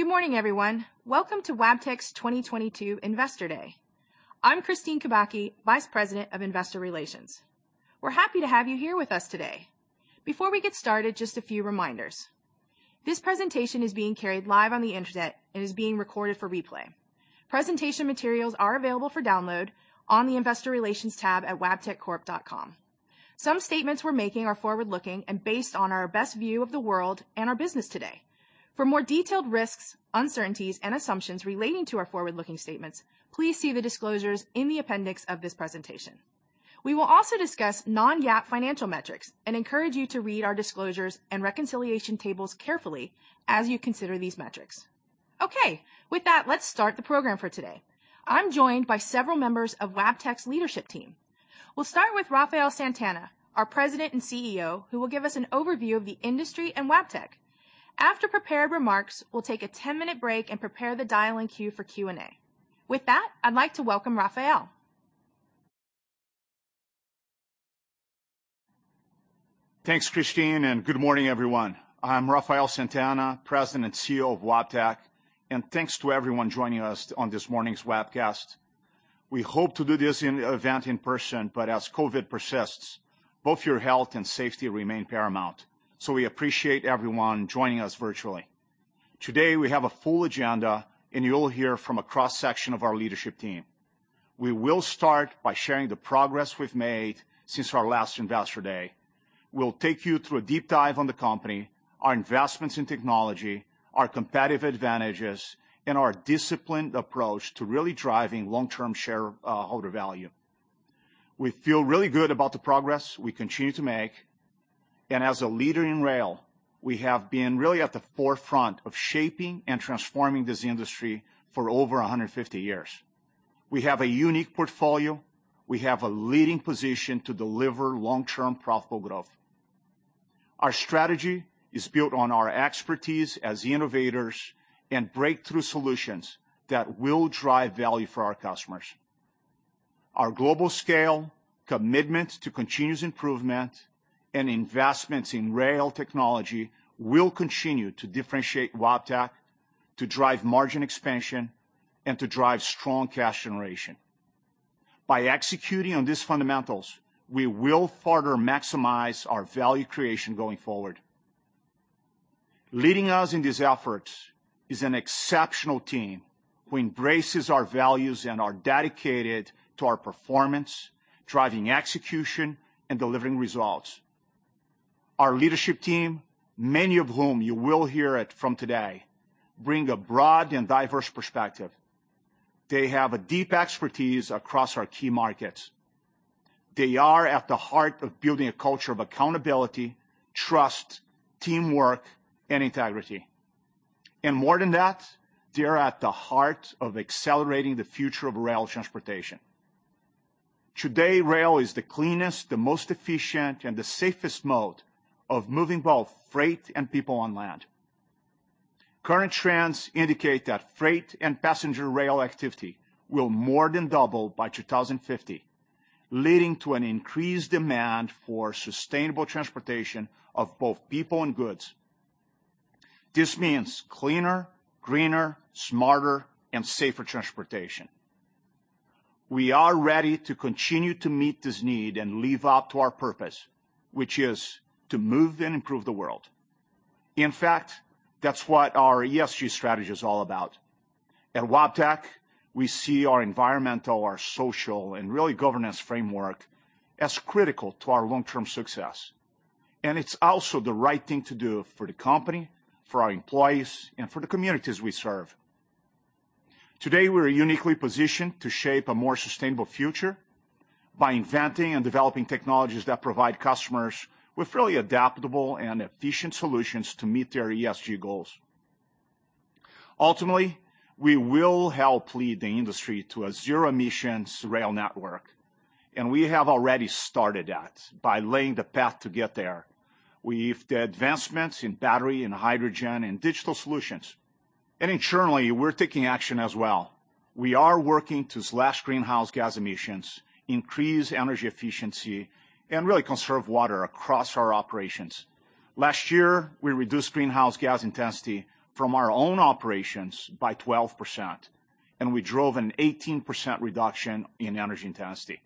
Good morning, everyone. Welcome to Wabtec's 2022 Investor Day. I'm Kristine Kubacki, Vice President of Investor Relations. We're happy to have you here with us today. Before we get started, just a few reminders. This presentation is being carried live on the Internet and is being recorded for replay. Presentation materials are available for download on the Investor Relations tab at wabteccorp.com. Some statements we're making are forward-looking and based on our best view of the world and our business today. For more detailed risks, uncertainties, and assumptions relating to our forward-looking statements, please see the disclosures in the appendix of this presentation. We will also discuss non-GAAP financial metrics and encourage you to read our disclosures and reconciliation tables carefully as you consider these metrics. Okay, with that, let's start the program for today. I'm joined by several members of Wabtec's leadership team. We'll start with Rafael Santana, our President and CEO, who will give us an overview of the industry and Wabtec. After prepared remarks, we'll take a 10-minute break and prepare the dial-in queue for Q&A. With that, I'd like to welcome Rafael. Thanks, Kristine, and good morning, everyone. I'm Rafael Santana, President and CEO of Wabtec, and thanks to everyone joining us on this morning's webcast. We hope to do this event in person, but as COVID persists, both your health and safety remain paramount. We appreciate everyone joining us virtually. Today, we have a full agenda and you'll hear from a cross-section of our leadership team. We will start by sharing the progress we've made since our last Investor Day. We'll take you through a deep dive on the company, our investments in technology, our competitive advantages, and our disciplined approach to really driving long-term shareholder value. We feel really good about the progress we continue to make. As a leader in rail, we have been really at the forefront of shaping and transforming this industry for over 150 years. We have a unique portfolio. We have a leading position to deliver long-term profitable growth. Our strategy is built on our expertise as innovators and breakthrough solutions that will drive value for our customers. Our global scale, commitment to continuous improvement, and investments in rail technology will continue to differentiate Wabtec, to drive margin expansion and to drive strong cash generation. By executing on these fundamentals, we will further maximize our value creation going forward. Leading us in these efforts is an exceptional team who embraces our values and are dedicated to our performance, driving execution and delivering results. Our leadership team, many of whom you will hear from today, bring a broad and diverse perspective. They have a deep expertise across our key markets. They are at the heart of building a culture of accountability, trust, teamwork, and integrity. More than that, they are at the heart of accelerating the future of rail transportation. Today, rail is the cleanest, the most efficient, and the safest mode of moving both freight and people on land. Current trends indicate that freight and passenger rail activity will more than double by 2050, leading to an increased demand for sustainable transportation of both people and goods. This means cleaner, greener, smarter, and safer transportation. We are ready to continue to meet this need and live up to our purpose, which is to move and improve the world. In fact, that's what our ESG strategy is all about. At Wabtec, we see our environmental, our social, and really governance framework as critical to our long-term success. It's also the right thing to do for the company, for our employees, and for the communities we serve. Today, we're uniquely positioned to shape a more sustainable future by inventing and developing technologies that provide customers with really adaptable and efficient solutions to meet their ESG goals. Ultimately, we will help lead the industry to a zero-emissions rail network, and we have already started that by laying the path to get there with the advancements in battery, in hydrogen, in digital solutions. And internally, we're taking action as well. We are working to slash greenhouse gas emissions, increase energy efficiency, and really conserve water across our operations. Last year, we reduced greenhouse gas intensity from our own operations by 12%, and we drove an 18% reduction in energy intensity.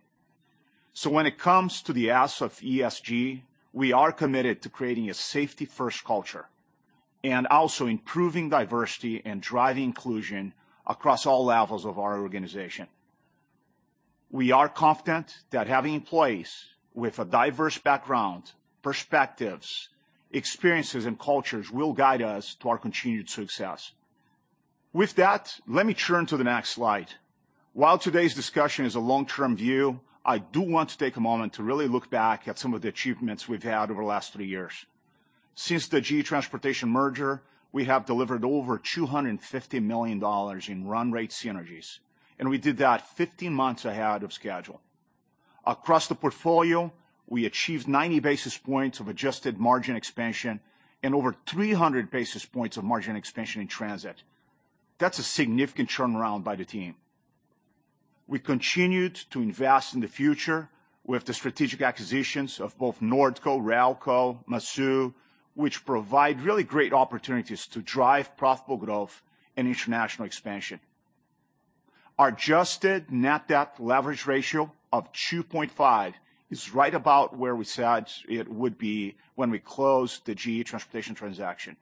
When it comes to the S of ESG, we are committed to creating a safety-first culture and also improving diversity and driving inclusion across all levels of our organization. We are confident that having employees with a diverse background, perspectives, experiences, and cultures will guide us to our continued success. With that, let me turn to the next slide. While today's discussion is a long-term view, I do want to take a moment to really look back at some of the achievements we've had over the last three years. Since the GE Transportation merger, we have delivered over $250 million in run rate synergies, and we did that 15 months ahead of schedule. Across the portfolio, we achieved 90 basis points of adjusted margin expansion and over 300 basis points of margin expansion in Transit. That's a significant turnaround by the team. We continued to invest in the future with the strategic acquisitions of both Nordco, RELCO, MASU, which provide really great opportunities to drive profitable growth and international expansion. Our adjusted net debt leverage ratio of 2.5x is right about where we said it would be when we closed the GE Transportation transaction.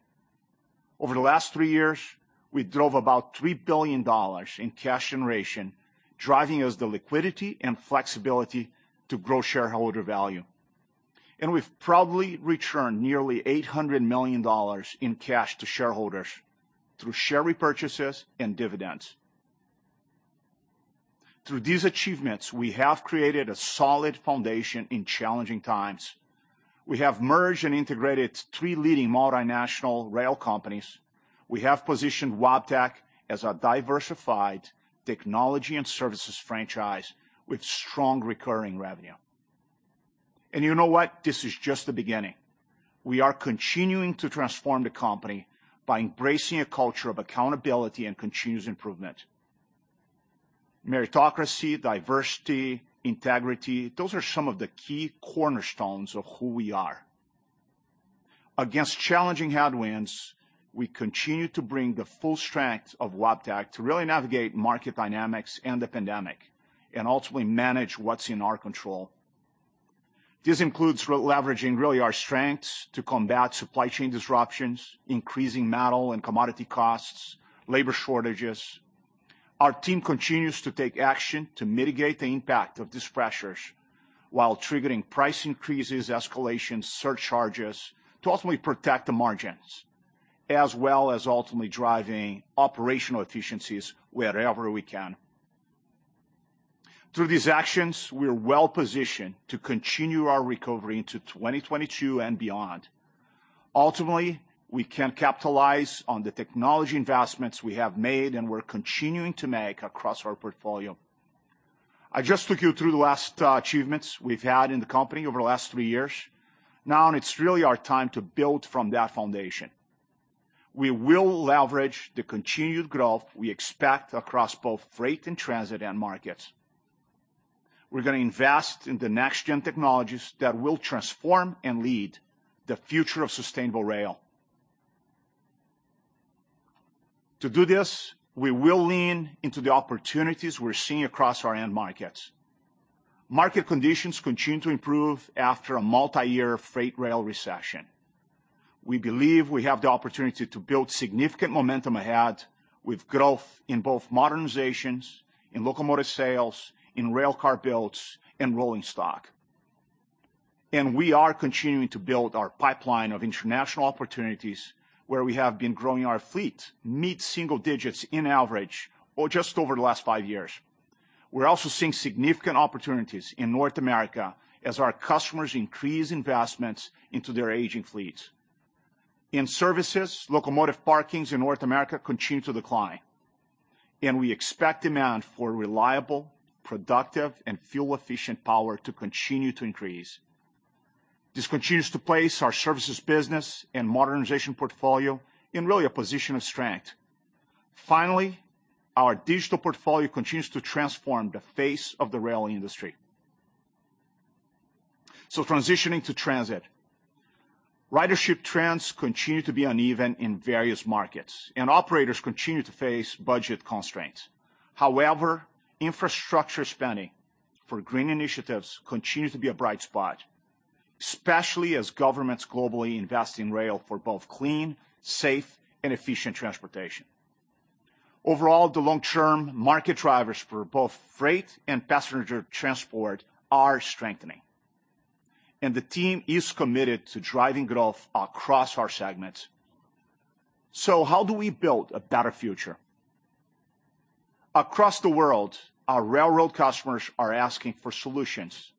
Over the last three years, we drove about $3 billion in cash generation, driving us the liquidity and flexibility to grow shareholder value. We've proudly returned nearly $800 million in cash to shareholders through share repurchases and dividends. Through these achievements, we have created a solid foundation in challenging times. We have merged and integrated three leading multinational rail companies. We have positioned Wabtec as a diversified technology and services franchise with strong recurring revenue. You know what? This is just the beginning. We are continuing to transform the company by embracing a culture of accountability and continuous improvement. Meritocracy, diversity, integrity, those are some of the key cornerstones of who we are. Against challenging headwinds, we continue to bring the full strength of Wabtec to really navigate market dynamics and the pandemic and ultimately manage what's in our control. This includes re-leveraging really our strengths to combat supply chain disruptions, increasing metal and commodity costs, labor shortages. Our team continues to take action to mitigate the impact of these pressures while triggering price increases, escalations, surcharges to ultimately protect the margins, as well as ultimately driving operational efficiencies wherever we can. Through these actions, we are well-positioned to continue our recovery into 2022 and beyond. Ultimately, we can capitalize on the technology investments we have made and we're continuing to make across our portfolio. I just took you through the latest achievements we've had in the company over the last three years. Now it's really our time to build from that foundation. We will leverage the continued growth we expect across both Freight and Transit end markets. We're gonna invest in the next-gen technologies that will transform and lead the future of sustainable rail. To do this, we will lean into the opportunities we're seeing across our end markets. Market conditions continue to improve after a multi-year freight rail recession. We believe we have the opportunity to build significant momentum ahead with growth in both modernizations, in locomotive sales, in railcar builds, and rolling stock. We are continuing to build our pipeline of international opportunities where we have been growing our fleet mid-single digits on average or just over the last five years. We're also seeing significant opportunities in North America as our customers increase investments into their aging fleets. In services, locomotive parkings in North America continue to decline, and we expect demand for reliable, productive, and fuel-efficient power to continue to increase. This continues to place our services business and modernization portfolio in really a position of strength. Finally, our digital portfolio continues to transform the face of the rail industry. Transitioning to Transit. Ridership trends continue to be uneven in various markets, and operators continue to face budget constraints. However, infrastructure spending for green initiatives continues to be a bright spot, especially as governments globally invest in rail for both clean, safe, and efficient transportation. Overall, the long-term market drivers for both freight and passenger transport are strengthening, and the team is committed to driving growth across our segments. How do we build a better future? Across the world, our railroad customers are asking for solutions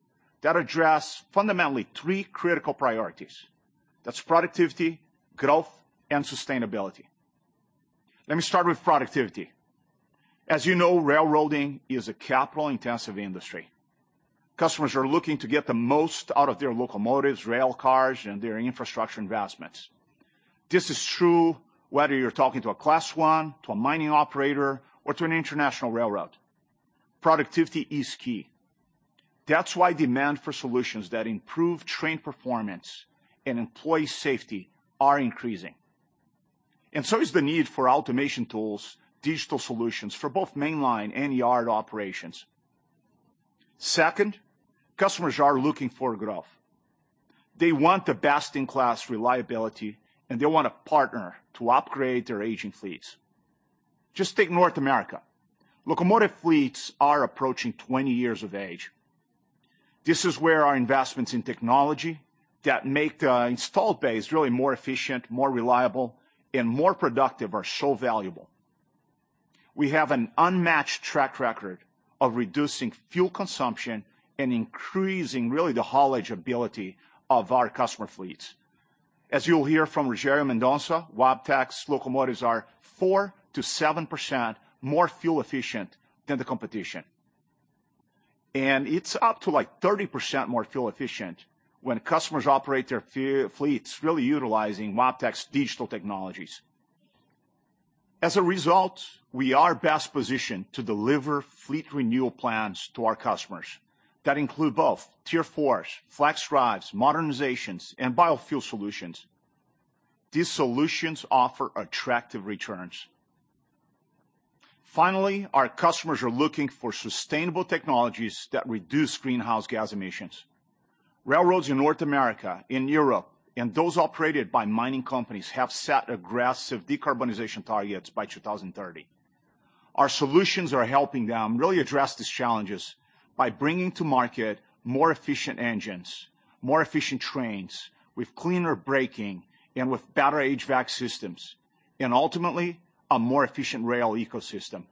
that address fundamentally three critical priorities. That's productivity, growth, and sustainability. Let me start with productivity. As you know, railroading is a capital-intensive industry. Customers are looking to get the most out of their locomotives, railcars, and their infrastructure investments. This is true whether you're talking to a Class I, to a mining operator, or to an international railroad. Productivity is key. That's why demand for solutions that improve train performance and employee safety are increasing, and so is the need for automation tools, digital solutions for both mainline and yard operations. Second, customers are looking for growth. They want the best-in-class reliability, and they want a partner to upgrade their aging fleets. Just take North America. Locomotive fleets are approaching 20 years of age. This is where our investments in technology that make the installed base really more efficient, more reliable, and more productive are so valuable. We have an unmatched track record of reducing fuel consumption and increasing really the haulage ability of our customer fleets. As you'll hear from Rogério Mendonça, Wabtec's locomotives are 4%-7% more fuel efficient than the competition. It's up to like 30% more fuel efficient when customers operate their fleets really utilizing Wabtec's digital technologies. As a result, we are best positioned to deliver fleet renewal plans to our customers that include both Tier 4s, FLXdrives, modernizations, and biofuel solutions. These solutions offer attractive returns. Finally, our customers are looking for sustainable technologies that reduce greenhouse gas emissions. Railroads in North America, in Europe, and those operated by mining companies have set aggressive decarbonization targets by 2030. Our solutions are helping them really address these challenges by bringing to market more efficient engines, more efficient trains with cleaner braking and with better HVAC systems, and ultimately, a more efficient rail ecosystem.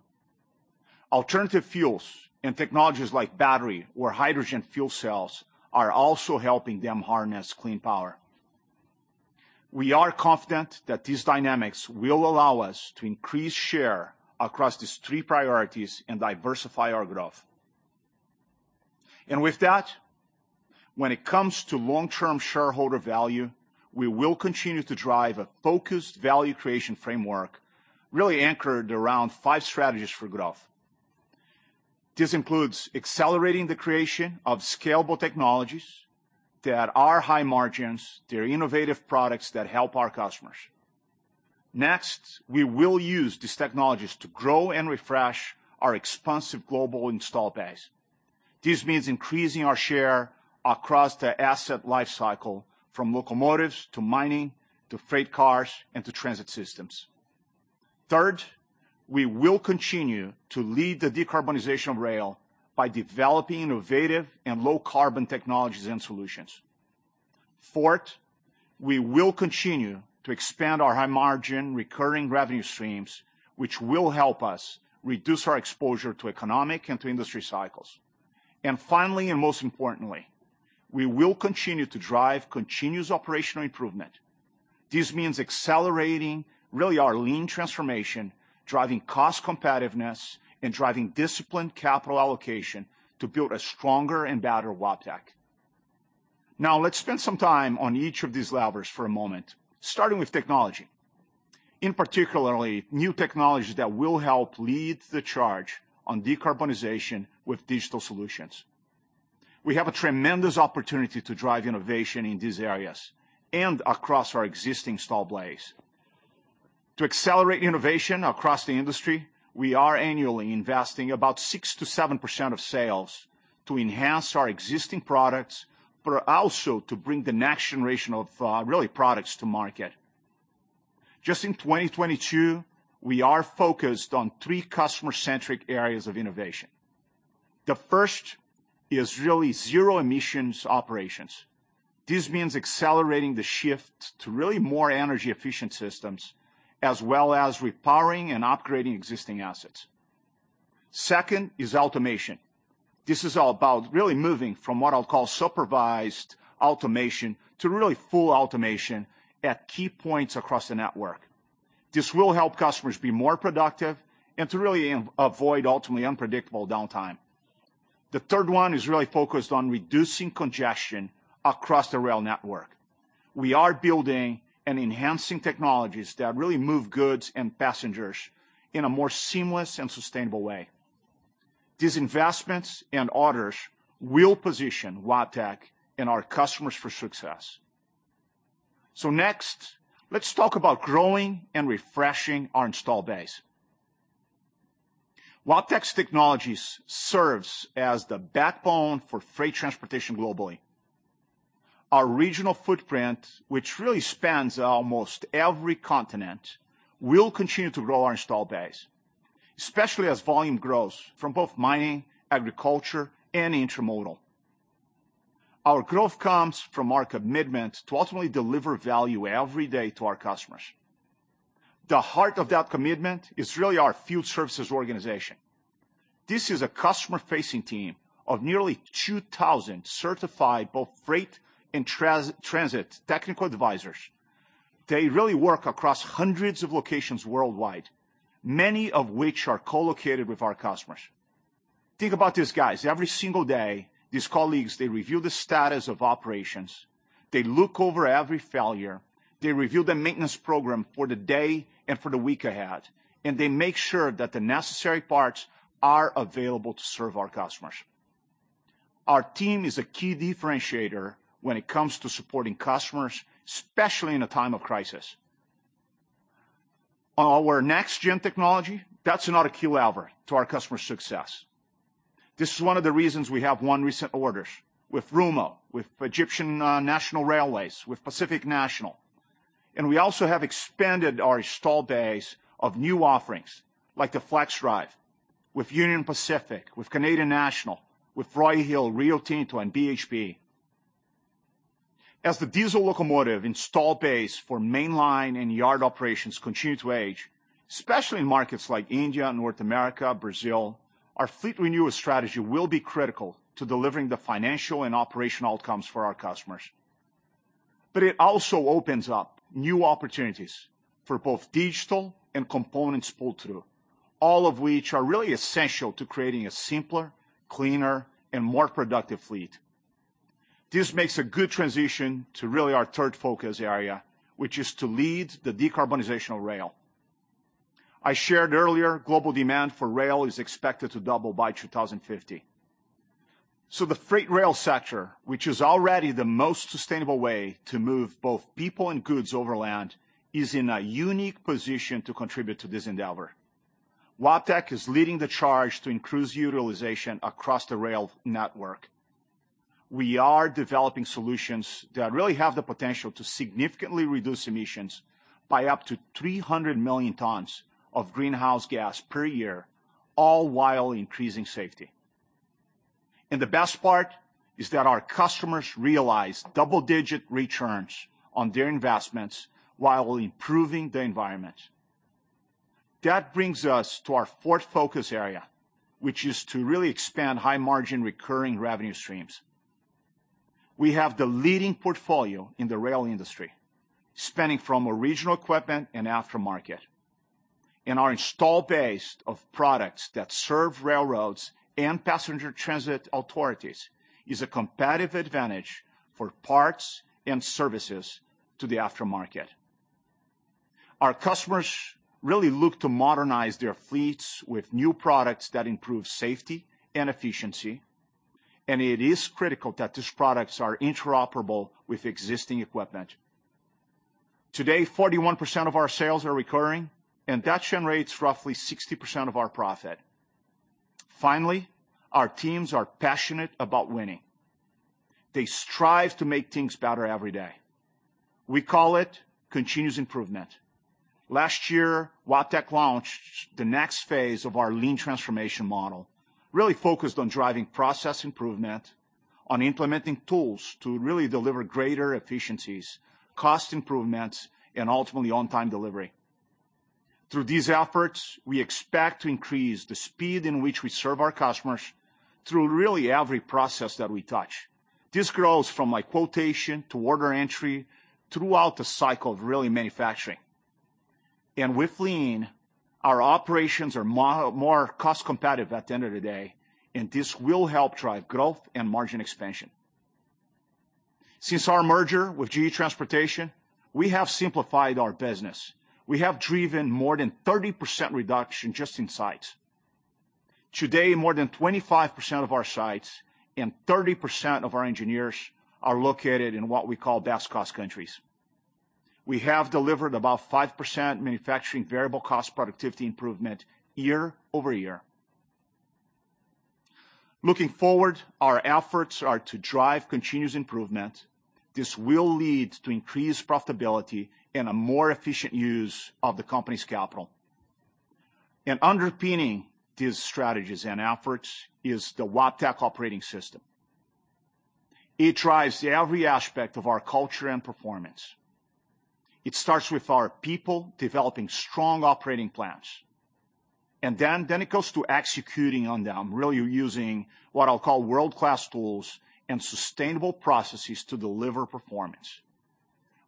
Alternative fuels and technologies like battery or hydrogen fuel cells are also helping them harness clean power. We are confident that these dynamics will allow us to increase share across these three priorities and diversify our growth. With that, when it comes to long-term shareholder value, we will continue to drive a focused value creation framework really anchored around five strategies for growth. This includes accelerating the creation of scalable technologies that are high margins. They're innovative products that help our customers. Next, we will use these technologies to grow and refresh our expansive global install base. This means increasing our share across the asset life cycle from locomotives to mining to freight cars and to transit systems. Third, we will continue to lead the decarbonization of rail by developing innovative and low-carbon technologies and solutions. Fourth, we will continue to expand our high-margin recurring revenue streams, which will help us reduce our exposure to economic and to industry cycles. Finally, and most importantly, we will continue to drive continuous operational improvement. This means accelerating really our lean transformation, driving cost competitiveness, and driving disciplined capital allocation to build a stronger and better Wabtec. Now let's spend some time on each of these levers for a moment, starting with technology. In particular, new technology that will help lead the charge on decarbonization with digital solutions. We have a tremendous opportunity to drive innovation in these areas and across our existing install base. To accelerate innovation across the industry, we are annually investing about 6%-7% of sales to enhance our existing products, but also to bring the next generation of really products to market. Just in 2022, we are focused on three customer-centric areas of innovation. The first is really zero-emissions operations. This means accelerating the shift to really more energy-efficient systems, as well as repowering and upgrading existing assets. Second is automation. This is all about really moving from what I'll call supervised automation to really full automation at key points across the network. This will help customers be more productive and to really avoid ultimately unpredictable downtime. The third one is really focused on reducing congestion across the rail network. We are building and enhancing technologies that really move goods and passengers in a more seamless and sustainable way. These investments and orders will position Wabtec and our customers for success. Next, let's talk about growing and refreshing our install base. Wabtec's technologies serves as the backbone for freight transportation globally. Our regional footprint, which really spans almost every continent, will continue to grow our install base, especially as volume grows from both mining, agriculture, and intermodal. Our growth comes from our commitment to ultimately deliver value every day to our customers. The heart of that commitment is really our field services organization. This is a customer-facing team of nearly 2,000 certified, both freight and transit technical advisors. They really work across hundreds of locations worldwide, many of which are co-located with our customers. Think about these guys. Every single day, these colleagues, they review the status of operations, they look over every failure, they review the maintenance program for the day and for the week ahead, and they make sure that the necessary parts are available to serve our customers. Our team is a key differentiator when it comes to supporting customers, especially in a time of crisis. On our next-gen technology, that's another key lever to our customer success. This is one of the reasons we have won recent orders with Rumo, with Egyptian National Railways, with Pacific National. We also have expanded our install base of new offerings like the FLXdrive with Union Pacific, with Canadian National, with Roy Hill, Rio Tinto, and BHP. As the diesel locomotive install base for mainline and yard operations continue to age, especially in markets like India, North America, Brazil, our fleet renewal strategy will be critical to delivering the financial and operational outcomes for our customers. It also opens up new opportunities for both digital and components pull-through, all of which are really essential to creating a simpler, cleaner, and more productive fleet. This makes a good transition to really our third focus area, which is to lead the decarbonization of rail. I shared earlier, global demand for rail is expected to double by 2050. The freight rail sector, which is already the most sustainable way to move both people and goods over land, is in a unique position to contribute to this endeavor. Wabtec is leading the charge to increase utilization across the rail network. We are developing solutions that really have the potential to significantly reduce emissions by up to 300 million tons of greenhouse gas per year, all while increasing safety. The best part is that our customers realize double-digit returns on their investments while improving the environment. That brings us to our fourth focus area, which is to really expand high-margin recurring revenue streams. We have the leading portfolio in the rail industry, spanning from original equipment and aftermarket. Our install base of products that serve railroads and passenger transit authorities is a competitive advantage for parts and services to the aftermarket. Our customers really look to modernize their fleets with new products that improve safety and efficiency, and it is critical that these products are interoperable with existing equipment. Today, 41% of our sales are recurring, and that generates roughly 60% of our profit. Finally, our teams are passionate about winning. They strive to make things better every day. We call it continuous improvement. Last year, Wabtec launched the next phase of our lean transformation model, really focused on driving process improvement, on implementing tools to really deliver greater efficiencies, cost improvements, and ultimately on-time delivery. Through these efforts, we expect to increase the speed in which we serve our customers through really every process that we touch. This grows from a quotation to order entry throughout the cycle of really manufacturing. With lean, our operations are more cost competitive at the end of the day, and this will help drive growth and margin expansion. Since our merger with GE Transportation, we have simplified our business. We have driven more than 30% reduction just in sites. Today, more than 25% of our sites and 30% of our engineers are located in what we call best cost countries. We have delivered about 5% manufacturing variable cost productivity improvement year-over-year. Looking forward, our efforts are to drive continuous improvement. This will lead to increased profitability and a more efficient use of the company's capital. Underpinning these strategies and efforts is the Wabtec operating system. It drives every aspect of our culture and performance. It starts with our people developing strong operating plans, and then it goes to executing on them, really using what I'll call world-class tools and sustainable processes to deliver performance.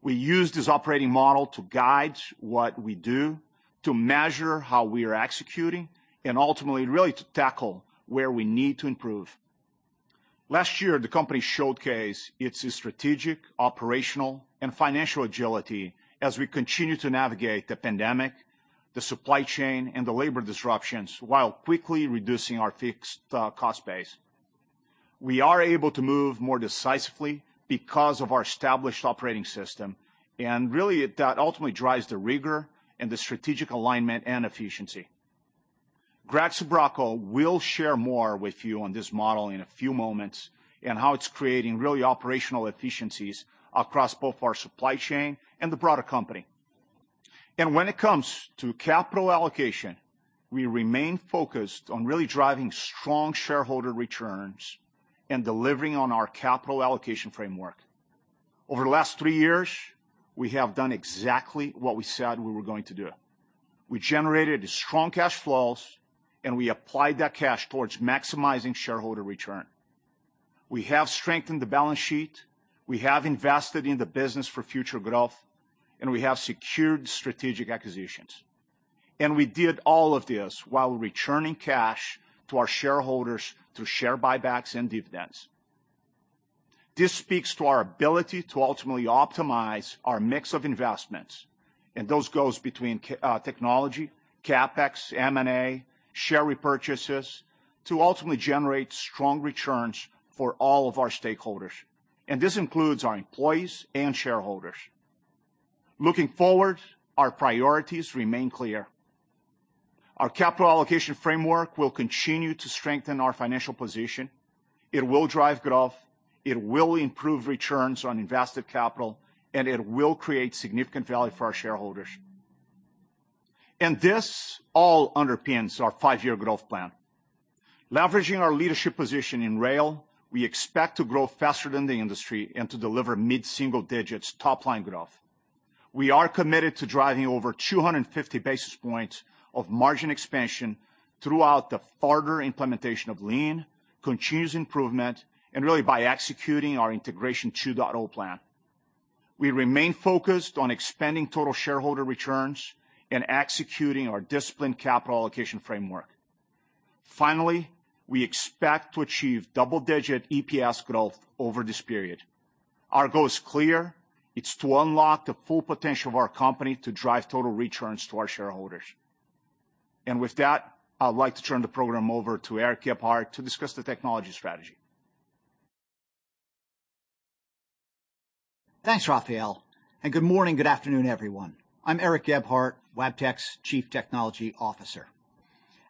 We use this operating model to guide what we do, to measure how we are executing, and ultimately, really to tackle where we need to improve. Last year, the company showcased its strategic, operational, and financial agility as we continue to navigate the pandemic, the supply chain, and the labor disruptions while quickly reducing our fixed cost base. We are able to move more decisively because of our established operating system, and really that ultimately drives the rigor and the strategic alignment and efficiency. Greg Sbrocco will share more with you on this model in a few moments and how it's creating really operational efficiencies across both our supply chain and the broader company. When it comes to capital allocation, we remain focused on really driving strong shareholder returns and delivering on our capital allocation framework. Over the last three years, we have done exactly what we said we were going to do. We generated strong cash flows, and we applied that cash towards maximizing shareholder return. We have strengthened the balance sheet, we have invested in the business for future growth, and we have secured strategic acquisitions. We did all of this while returning cash to our shareholders through share buybacks and dividends. This speaks to our ability to ultimately optimize our mix of investments. Those goes between technology, CapEx, M&A, share repurchases to ultimately generate strong returns for all of our stakeholders. This includes our employees and shareholders. Looking forward, our priorities remain clear. Our capital allocation framework will continue to strengthen our financial position. It will drive growth, it will improve returns on invested capital, and it will create significant value for our shareholders. This all underpins our five-year growth plan. Leveraging our leadership position in rail, we expect to grow faster than the industry and to deliver mid-single digits top-line growth. We are committed to driving over 250 basis points of margin expansion throughout the further implementation of lean, continuous improvement, and really by executing our Integration 2.0 plan. We remain focused on expanding total shareholder returns and executing our disciplined capital allocation framework. Finally, we expect to achieve double-digit EPS growth over this period. Our goal is clear. It's to unlock the full potential of our company to drive total returns to our shareholders. With that, I'd like to turn the program over to Eric Gebhardt to discuss the technology strategy. Thanks, Rafael, and good morning, good afternoon, everyone. I'm Eric Gebhardt, Wabtec's Chief Technology Officer.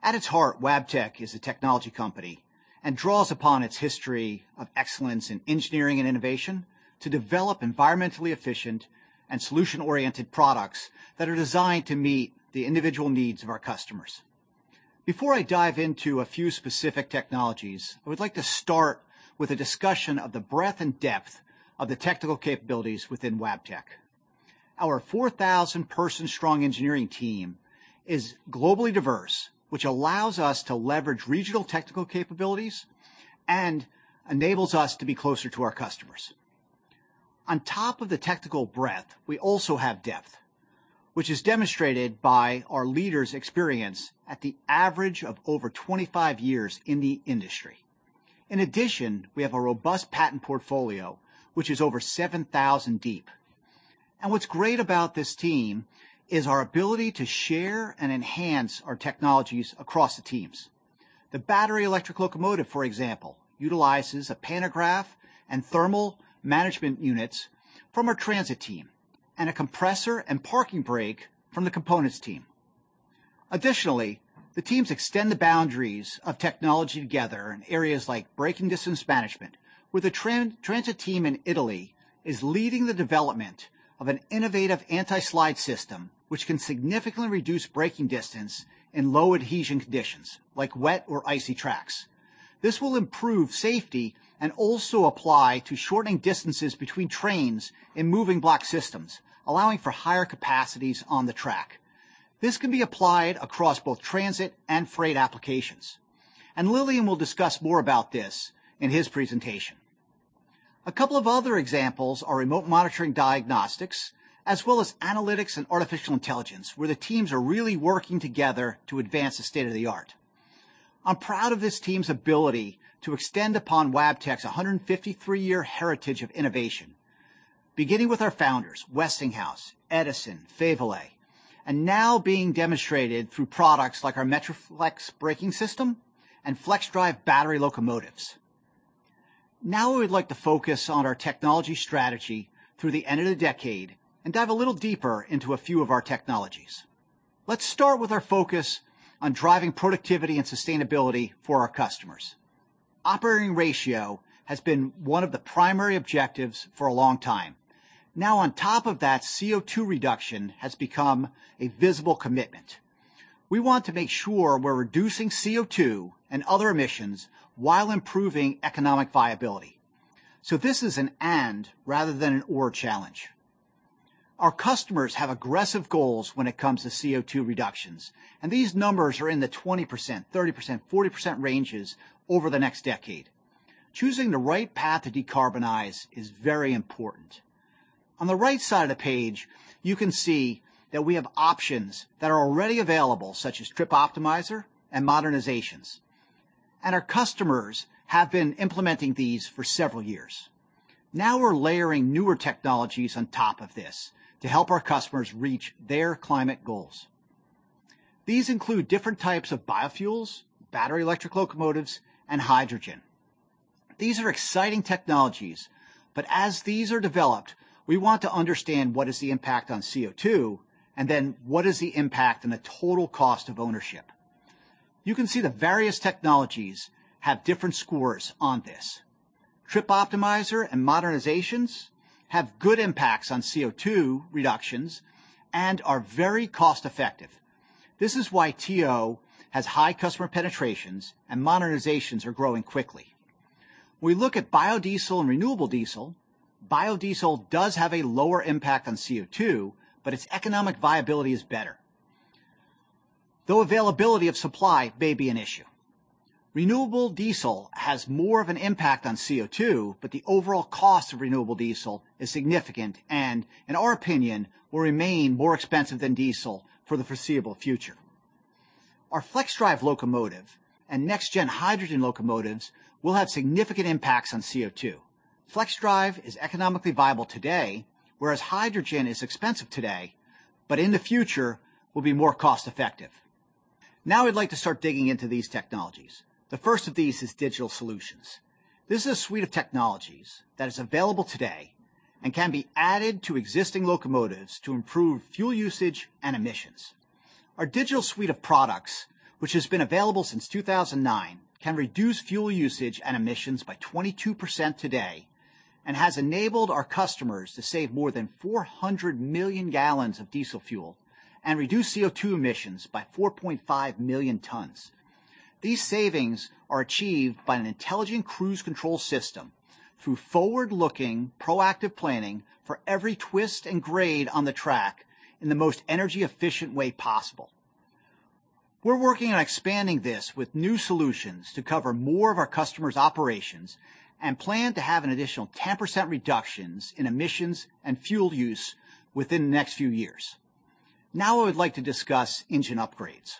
At its heart, Wabtec is a technology company and draws upon its history of excellence in engineering and innovation to develop environmentally efficient and solution-oriented products that are designed to meet the individual needs of our customers. Before I dive into a few specific technologies, I would like to start with a discussion of the breadth and depth of the technical capabilities within Wabtec. Our 4,000-person strong engineering team is globally diverse, which allows us to leverage regional technical capabilities and enables us to be closer to our customers. On top of the technical breadth, we also have depth, which is demonstrated by our leaders' experience at the average of over 25 years in the industry. In addition, we have a robust patent portfolio, which is over 7,000 deep. What's great about this team is our ability to share and enhance our technologies across the teams. The battery electric locomotive, for example, utilizes a pantograph and thermal management units from our Transit team and a compressor and parking brake from the Components team. Additionally, the teams extend the boundaries of technology together in areas like braking distance management, where the transit team in Italy is leading the development of an innovative anti-slide system which can significantly reduce braking distance in low-adhesion conditions like wet or icy tracks. This will improve safety and also apply to shortening distances between trains in moving block systems, allowing for higher capacities on the track. This can be applied across both transit and freight applications. Lilian will discuss more about this in his presentation. A couple of other examples are remote monitoring diagnostics, as well as analytics and artificial intelligence, where the teams are really working together to advance the state-of-the-art. I'm proud of this team's ability to extend upon Wabtec's 153-year heritage of innovation, beginning with our founders, Westinghouse, Edison, Faiveley, and now being demonstrated through products like our Metroflexx braking system and FLXdrive battery locomotives. Now we would like to focus on our technology strategy through the end of the decade and dive a little deeper into a few of our technologies. Let's start with our focus on driving productivity and sustainability for our customers. Operating ratio has been one of the primary objectives for a long time. Now, on top of that, CO₂ reduction has become a visible commitment. We want to make sure we're reducing CO₂ and other emissions while improving economic viability. This is an and rather than an or challenge. Our customers have aggressive goals when it comes to CO₂ reductions, and these numbers are in the 20%, 30%, 40% ranges over the next decade. Choosing the right path to decarbonize is very important. On the right side of the page, you can see that we have options that are already available, such as Trip Optimizer and modernizations. Our customers have been implementing these for several years. Now we're layering newer technologies on top of this to help our customers reach their climate goals. These include different types of biofuels, battery electric locomotives, and hydrogen. These are exciting technologies, but as these are developed, we want to understand what is the impact on CO₂, and then what is the impact on the total cost of ownership. You can see the various technologies have different scores on this. Trip Optimizer and modernizations have good impacts on CO₂ reductions and are very cost-effective. This is why TO has high customer penetrations and modernizations are growing quickly. We look at biodiesel and renewable diesel. Biodiesel does have a lower impact on CO₂, but its economic viability is better. Though availability of supply may be an issue. Renewable diesel has more of an impact on CO₂, but the overall cost of renewable diesel is significant and, in our opinion, will remain more expensive than diesel for the foreseeable future. Our FLXdrive locomotive and next-gen hydrogen locomotives will have significant impacts on CO₂. FLXdrive is economically viable today, whereas hydrogen is expensive today, but in the future will be more cost-effective. Now I'd like to start digging into these technologies. The first of these is digital solutions. This is a suite of technologies that is available today and can be added to existing locomotives to improve fuel usage and emissions. Our digital suite of products, which has been available since 2009, can reduce fuel usage and emissions by 22% today and has enabled our customers to save more than 400 million gallons of diesel fuel and reduce CO₂ emissions by 4.5 million tons. These savings are achieved by an intelligent cruise control system through forward-looking, proactive planning for every twist and grade on the track in the most energy-efficient way possible. We're working on expanding this with new solutions to cover more of our customers' operations and plan to have an additional 10% reductions in emissions and fuel use within the next few years. Now I would like to discuss engine upgrades.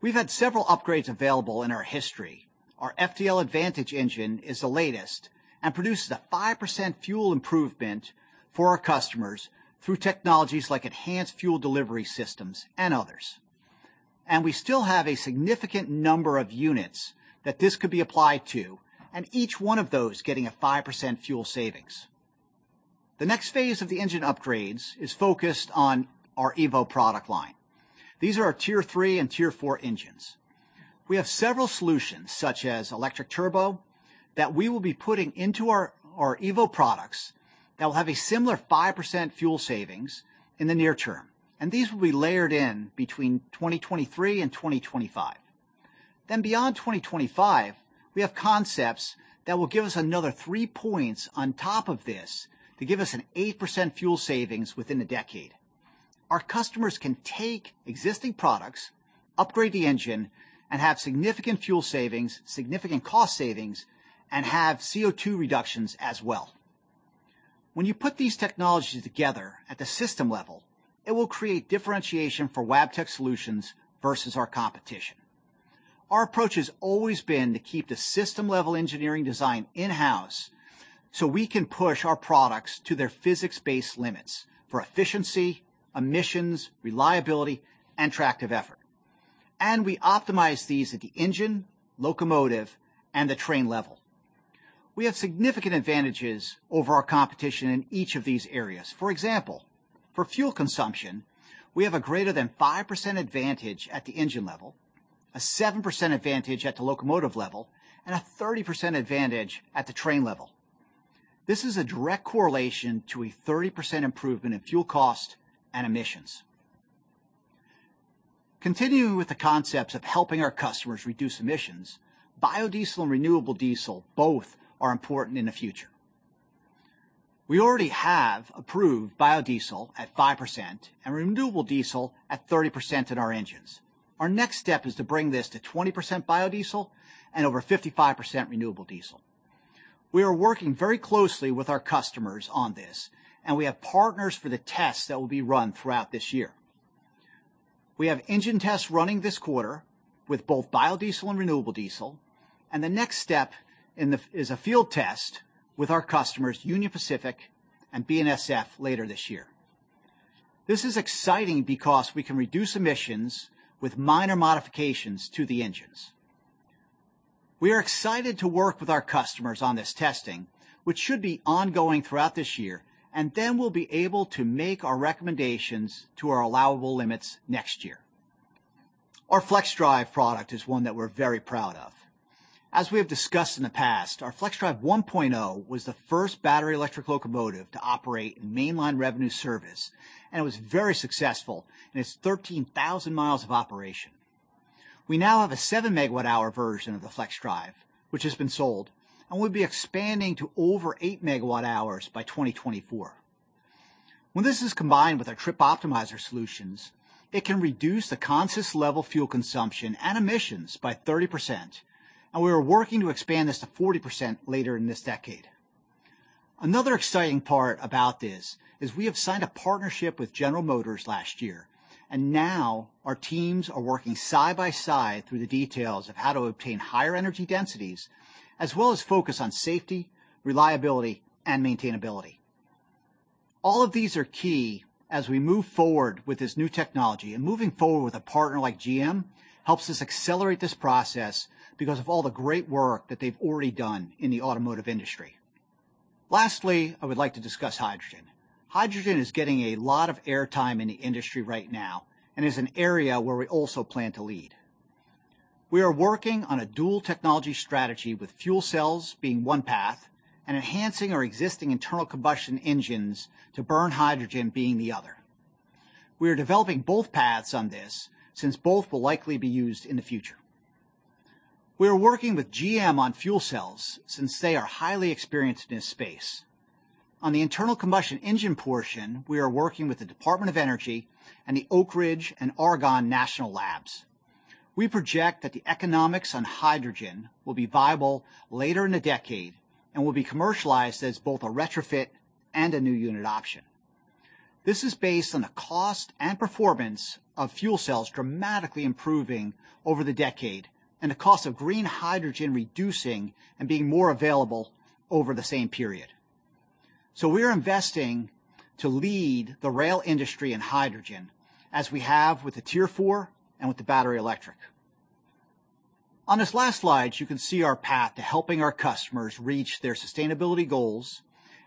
We've had several upgrades available in our history. Our FDL Advantage engine is the latest and produces a 5% fuel improvement for our customers through technologies like enhanced fuel delivery systems and others. We still have a significant number of units that this could be applied to, and each one of those getting a 5% fuel savings. The next phase of the engine upgrades is focused on our EVO product line. These are our Tier 3 and Tier 4 engines. We have several solutions such as eTurbo that we will be putting into our EVO products that will have a similar 5% fuel savings in the near term. These will be layered in between 2023 and 2025. Beyond 2025, we have concepts that will give us another three points on top of this to give us an 8% fuel savings within a decade. Our customers can take existing products, upgrade the engine, and have significant fuel savings, significant cost savings, and have CO₂ reductions as well. When you put these technologies together at the system level, it will create differentiation for Wabtec Solutions versus our competition. Our approach has always been to keep the system-level engineering design in-house so we can push our products to their physics-based limits for efficiency, emissions, reliability, and tractive effort. We optimize these at the engine, locomotive, and the train level. We have significant advantages over our competition in each of these areas. For example, for fuel consumption, we have a greater than 5% advantage at the engine level, a 7% advantage at the locomotive level, and a 30% advantage at the train level. This is a direct correlation to a 30% improvement in fuel cost and emissions. Continuing with the concepts of helping our customers reduce emissions, biodiesel and renewable diesel both are important in the future. We already have approved biodiesel at 5% and renewable diesel at 30% in our engines. Our next step is to bring this to 20% biodiesel and over 55% renewable diesel. We are working very closely with our customers on this, and we have partners for the tests that will be run throughout this year. We have engine tests running this quarter with both biodiesel and renewable diesel, and the next step is a field test with our customers, Union Pacific and BNSF, later this year. This is exciting because we can reduce emissions with minor modifications to the engines. We are excited to work with our customers on this testing, which should be ongoing throughout this year. We'll be able to make our recommendations to our allowable limits next year. Our FLXdrive product is one that we're very proud of. As we have discussed in the past, our FLXdrive 1.0 was the first battery electric locomotive to operate in mainline revenue service, and it was very successful in its 13,000 mi of operation. We now have a 7-MWh version of the FLXdrive, which has been sold, and we'll be expanding to over 8 MWh by 2024. When this is combined with our Trip Optimizer solutions, it can reduce the consist level fuel consumption and emissions by 30%, and we are working to expand this to 40% later in this decade. Another exciting part about this is we have signed a partnership with General Motors last year, and now our teams are working side by side through the details of how to obtain higher energy densities as well as focus on safety, reliability, and maintainability. All of these are key as we move forward with this new technology. Moving forward with a partner like GM helps us accelerate this process because of all the great work that they've already done in the automotive industry. Lastly, I would like to discuss hydrogen. Hydrogen is getting a lot of air time in the industry right now and is an area where we also plan to lead. We are working on a dual technology strategy with fuel cells being one path and enhancing our existing internal combustion engines to burn hydrogen being the other. We are developing both paths on this since both will likely be used in the future. We are working with GM on fuel cells since they are highly experienced in this space. On the internal combustion engine portion, we are working with the Department of Energy and the Oak Ridge and Argonne National Labs. We project that the economics on hydrogen will be viable later in the decade and will be commercialized as both a retrofit and a new unit option. This is based on the cost and performance of fuel cells dramatically improving over the decade and the cost of green hydrogen reducing and being more available over the same period. We are investing to lead the rail industry in hydrogen, as we have with the Tier 4 and with the battery electric. On this last slide, you can see our path to helping our customers reach their sustainability goals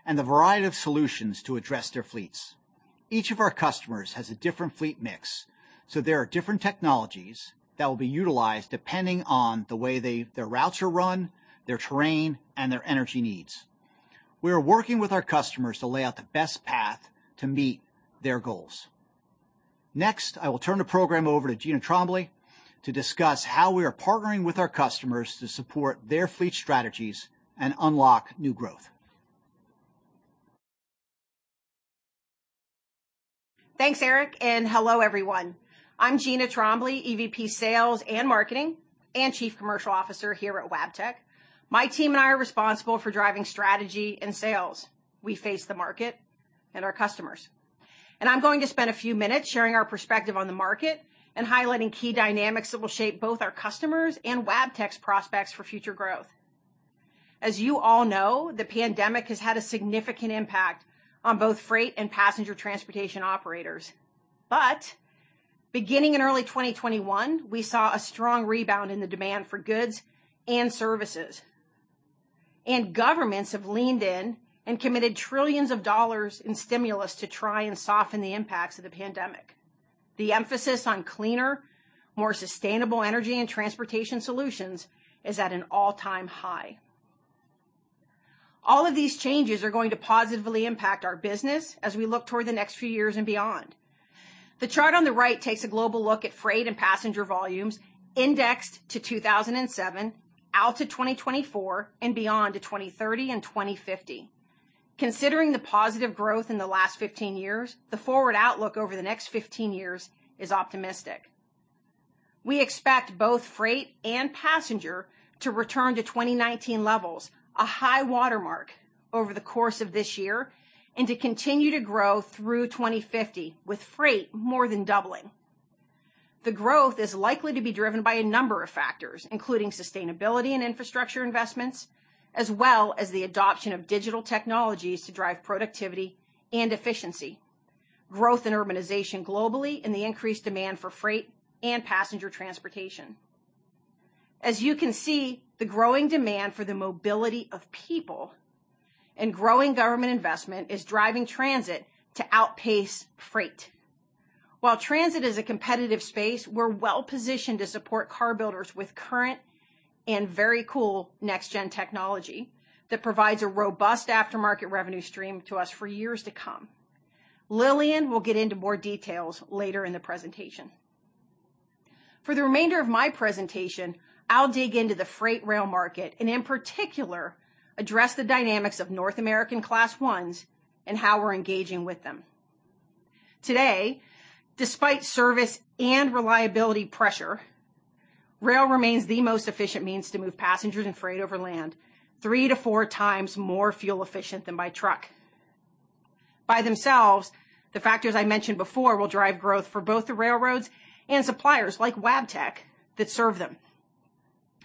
and the variety of solutions to address their fleets. Each of our customers has a different fleet mix, so there are different technologies that will be utilized depending on the way their routes are run, their terrain, and their energy needs. We are working with our customers to lay out the best path to meet their goals. Next, I will turn the program over to Gina Trombley to discuss how we are partnering with our customers to support their fleet strategies and unlock new growth. Thanks, Eric, and hello, everyone. I'm Gina Trombley, EVP Sales and Marketing and Chief Commercial Officer here at Wabtec. My team and I are responsible for driving strategy and sales. We face the market and our customers. I'm going to spend a few minutes sharing our perspective on the market and highlighting key dynamics that will shape both our customers and Wabtec's prospects for future growth. As you all know, the pandemic has had a significant impact on both freight and passenger transportation operators. Beginning in early 2021, we saw a strong rebound in the demand for goods and services. Governments have leaned in and committed trillions of dollars in stimulus to try and soften the impacts of the pandemic. The emphasis on cleaner, more sustainable energy and transportation solutions is at an all-time high. All of these changes are going to positively impact our business as we look toward the next few years and beyond. The chart on the right takes a global look at freight and passenger volumes indexed to 2007 out to 2024 and beyond to 2030 and 2050. Considering the positive growth in the last 15 years, the forward outlook over the next 15 years is optimistic. We expect both freight and passenger to return to 2019 levels, a high watermark over the course of this year and to continue to grow through 2050 with freight more than doubling. The growth is likely to be driven by a number of factors, including sustainability and infrastructure investments, as well as the adoption of digital technologies to drive productivity and efficiency, growth in urbanization globally, and the increased demand for freight and passenger transportation. As you can see, the growing demand for the mobility of people and growing government investment is driving transit to outpace freight. While transit is a competitive space, we're well-positioned to support car builders with current and very cool next gen technology that provides a robust aftermarket revenue stream to us for years to come. Lilian will get into more details later in the presentation. For the remainder of my presentation, I'll dig into the freight rail market and in particular address the dynamics of North American Class 1s and how we're engaging with them. Today, despite service and reliability pressure, rail remains the most efficient means to move passengers and freight over land, three to four times more fuel efficient than by truck. By themselves, the factors I mentioned before will drive growth for both the railroads and suppliers like Wabtec that serve them.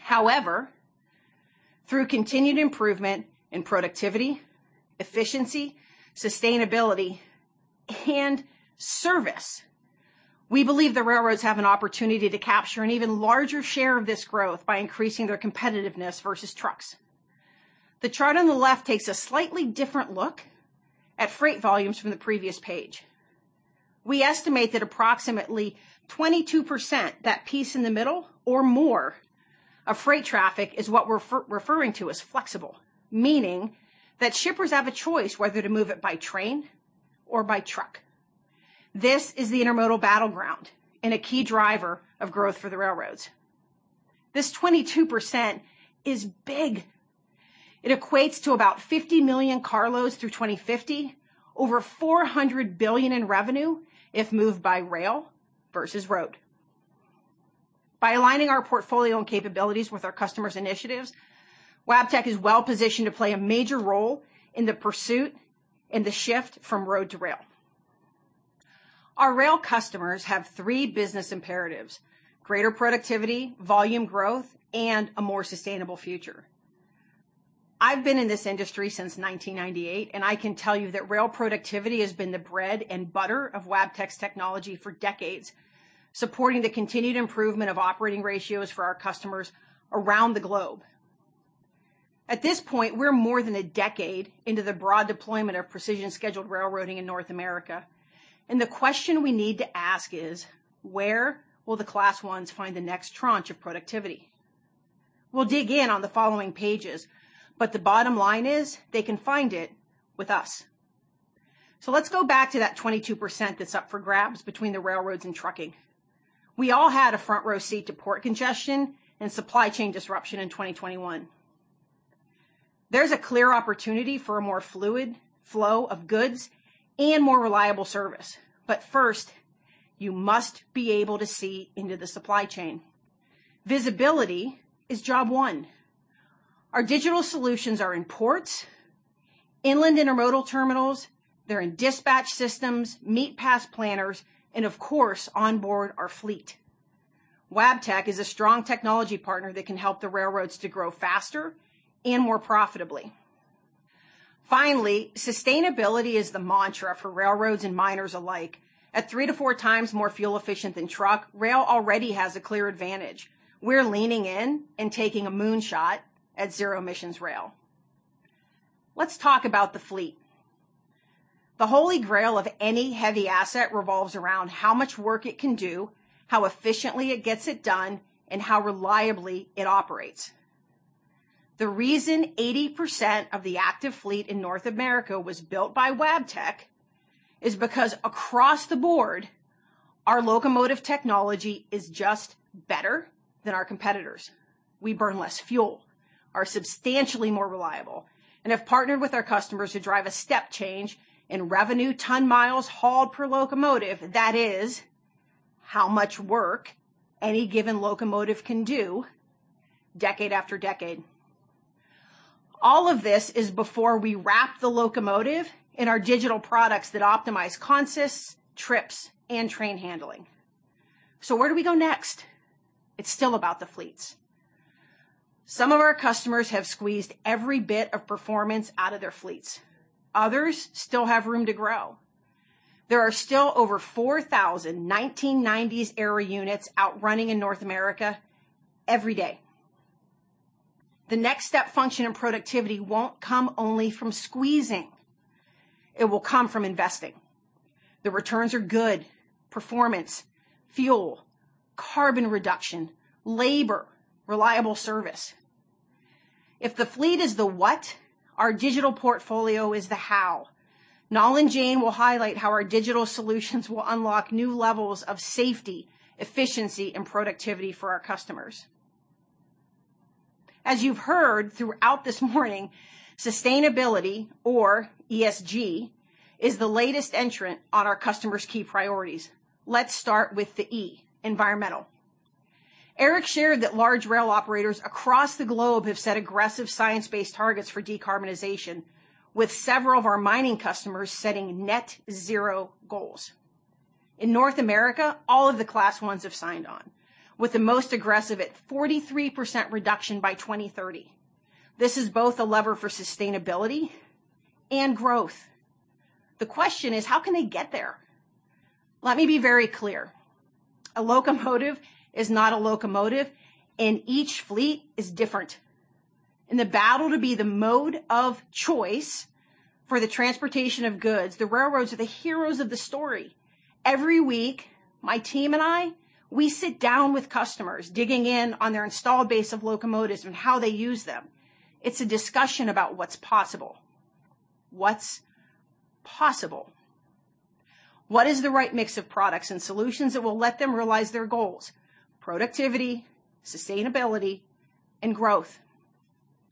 However, through continued improvement in productivity, efficiency, sustainability, and service, we believe the railroads have an opportunity to capture an even larger share of this growth by increasing their competitiveness versus trucks. The chart on the left takes a slightly different look at freight volumes from the previous page. We estimate that approximately 22%, that piece in the middle or more of freight traffic is what we're referring to as flexible, meaning that shippers have a choice whether to move it by train or by truck. This is the intermodal battleground and a key driver of growth for the railroads. This 22% is big. It equates to about 50 million carloads through 2050 over $400 billion in revenue if moved by rail versus road. By aligning our portfolio and capabilities with our customers initiatives, Wabtec is well-positioned to play a major role in the pursuit and the shift from road to rail. Our rail customers have three business imperatives: greater productivity, volume growth, and a more sustainable future. I've been in this industry since 1998, and I can tell you that rail productivity has been the bread and butter of Wabtec technology for decades, supporting the continued improvement of operating ratios for our customers around the globe. At this point, we're more than a decade into the broad deployment of precision scheduled railroading in North America. The question we need to ask is, where will the Class 1s find the next tranche of productivity? We'll dig in on the following pages, but the bottom line is they can find it with us. Let's go back to that 22% that's up for grabs between the railroads and trucking. We all had a front-row seat to port congestion and supply chain disruption in 2021. There's a clear opportunity for a more fluid flow of goods and more reliable service. First, you must be able to see into the supply chain. Visibility is job one. Our digital solutions are in ports, inland intermodal terminals, they're in dispatch systems, meet past planners, and of course, onboard our fleet. Wabtec is a strong technology partner that can help the railroads to grow faster and more profitably. Finally, sustainability is the mantra for railroads and miners alike. At three to four times more fuel efficient than truck, rail already has a clear advantage. We're leaning in and taking a moonshot at zero-emissions rail. Let's talk about the fleet. The holy grail of any heavy asset revolves around how much work it can do, how efficiently it gets it done, and how reliably it operates. The reason 80% of the active fleet in North America was built by Wabtec is because across the board. Our locomotive technology is just better than our competitors. We burn less fuel, are substantially more reliable, and have partnered with our customers to drive a step change in revenue ton miles hauled per locomotive. That is how much work any given locomotive can do decade after decade. All of this is before we wrap the locomotive in our digital products that optimize consists, trips, and train handling. Where do we go next? It's still about the fleets. Some of our customers have squeezed every bit of performance out of their fleets. Others still have room to grow. There are still over 4,000 1990s era units out running in North America every day. The next step function in productivity won't come only from squeezing. It will come from investing. The returns are good. Performance, fuel, carbon reduction, labor, reliable service. If the fleet is the what, our digital portfolio is the how. Nalin Jain will highlight how our digital solutions will unlock new levels of safety, efficiency, and productivity for our customers. As you've heard throughout this morning, sustainability or ESG is the latest entrant on our customers' key priorities. Let's start with the E, environmental. Eric shared that large rail operators across the globe have set aggressive science-based targets for decarbonization with several of our mining customers setting net zero goals. In North America, all of the Class I's have signed on with the most aggressive at 43% reduction by 2030. This is both a lever for sustainability and growth. The question is: how can they get there? Let me be very clear. A locomotive is not a locomotive, and each fleet is different. In the battle to be the mode of choice for the transportation of goods, the railroads are the heroes of the story. Every week, my team and I, we sit down with customers digging in on their installed base of locomotives and how they use them. It's a discussion about what's possible. What's possible? What is the right mix of products and solutions that will let them realize their goals, productivity, sustainability, and growth?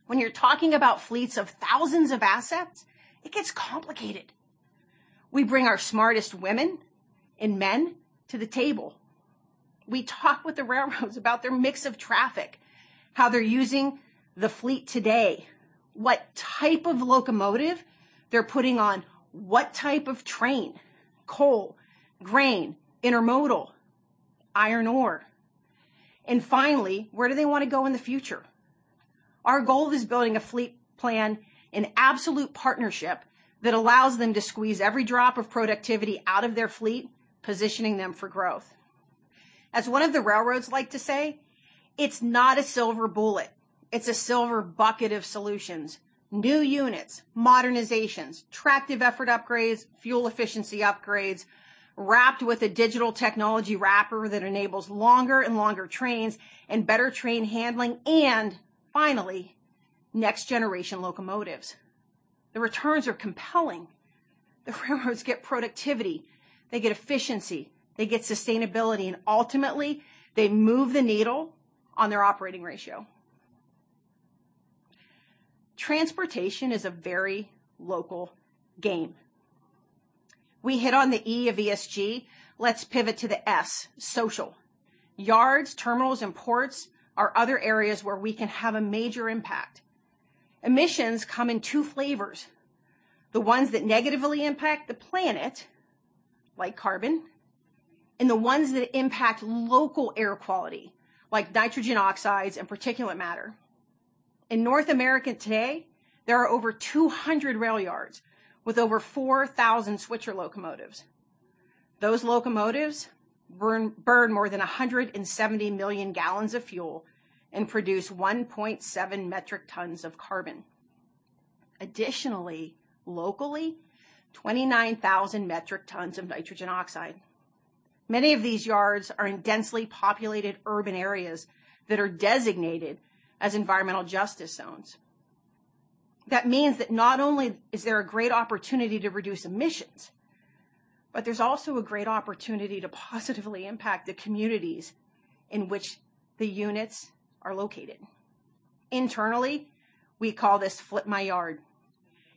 When you're talking about fleets of thousands of assets, it gets complicated. We bring our smartest women and men to the table. We talk with the railroads about their mix of traffic, how they're using the fleet today, what type of locomotive they're putting on what type of train, coal, grain, intermodal, iron ore. Finally, where do they want to go in the future? Our goal is building a fleet plan, an absolute partnership that allows them to squeeze every drop of productivity out of their fleet, positioning them for growth. As one of the railroads like to say, it's not a silver bullet, it's a silver bucket of solutions. New units, modernizations, tractive effort upgrades, fuel efficiency upgrades, wrapped with a digital technology wrapper that enables longer and longer trains and better train handling, and finally, next generation locomotives. The returns are compelling. The railroads get productivity, they get efficiency, they get sustainability, and ultimately they move the needle on their operating ratio. Transportation is a very local game. We hit on the E of ESG. Let's pivot to the S, social. Yards, terminals, and ports are other areas where we can have a major impact. Emissions come in two flavors, the ones that negatively impact the planet, like carbon, and the ones that impact local air quality, like nitrogen oxides and particulate matter. In North America today, there are over 200 rail yards with over 4,000 switcher locomotives. Those locomotives burn more than 170 million gallons of fuel and produce 1.7 metric tons of carbon. Additionally, locally, 29,000 metric tons of nitrogen oxide. Many of these yards are in densely populated urban areas that are designated as environmental justice zones. That means that not only is there a great opportunity to reduce emissions, but there's also a great opportunity to positively impact the communities in which the units are located. Internally, we call this Flip My Yard.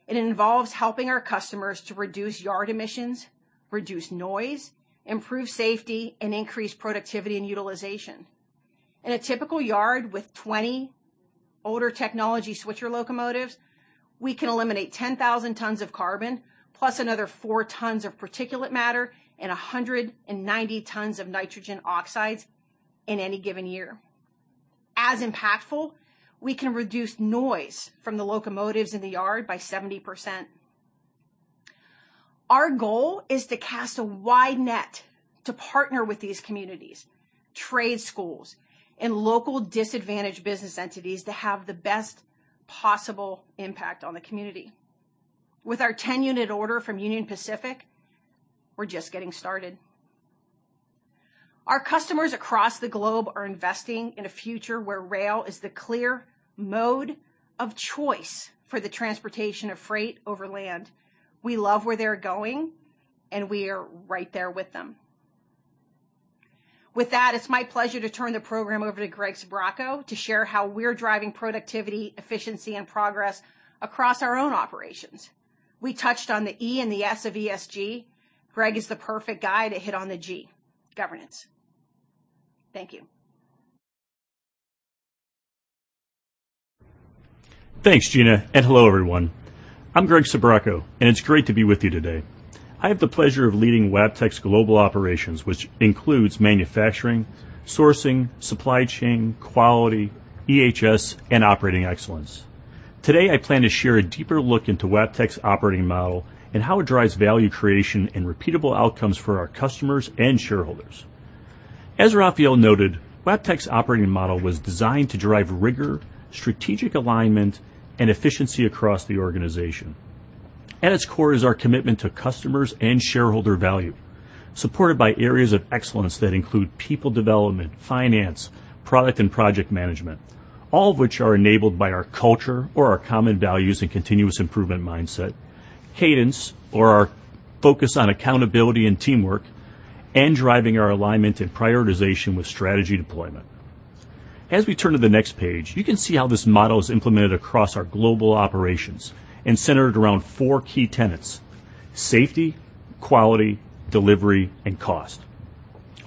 It involves helping our customers to reduce yard emissions, reduce noise, improve safety, and increase productivity and utilization. In a typical yard with 20 older technology switcher locomotives, we can eliminate 10,000 tons of carbon, plus another 4 tons of particulate matter and 190 tons of nitrogen oxides in any given year. As impactful, we can reduce noise from the locomotives in the yard by 70%. Our goal is to cast a wide net to partner with these communities, trade schools, and local disadvantaged business entities to have the best possible impact on the community. With our 10-unit order from Union Pacific, we're just getting started. Our customers across the globe are investing in a future where rail is the clear mode of choice for the transportation of freight over land. We love where they're going, and we are right there with them. With that, it's my pleasure to turn the program over to Greg Sbrocco to share how we're driving productivity, efficiency, and progress across our own operations. We touched on the E and the S of ESG. Greg is the perfect guy to hit on the G, governance. Thank you. Thanks, Gina, and hello, everyone. I'm Greg Sbrocco, and it's great to be with you today. I have the pleasure of leading Wabtec's Global Operations, which includes manufacturing, sourcing, supply chain, quality, EHS, and operating excellence. Today, I plan to share a deeper look into Wabtec's operating model and how it drives value creation and repeatable outcomes for our customers and shareholders. As Rafael noted, Wabtec's operating model was designed to drive rigor, strategic alignment, and efficiency across the organization. At its core is our commitment to customers and shareholder value, supported by areas of excellence that include people development, finance, product and project management. All of which are enabled by our culture of our common values and continuous improvement mindset, cadence of our focus on accountability and teamwork, and driving our alignment and prioritization with strategy deployment. As we turn to the next page, you can see how this model is implemented across our global operations and centered around four key tenets: safety, quality, delivery, and cost.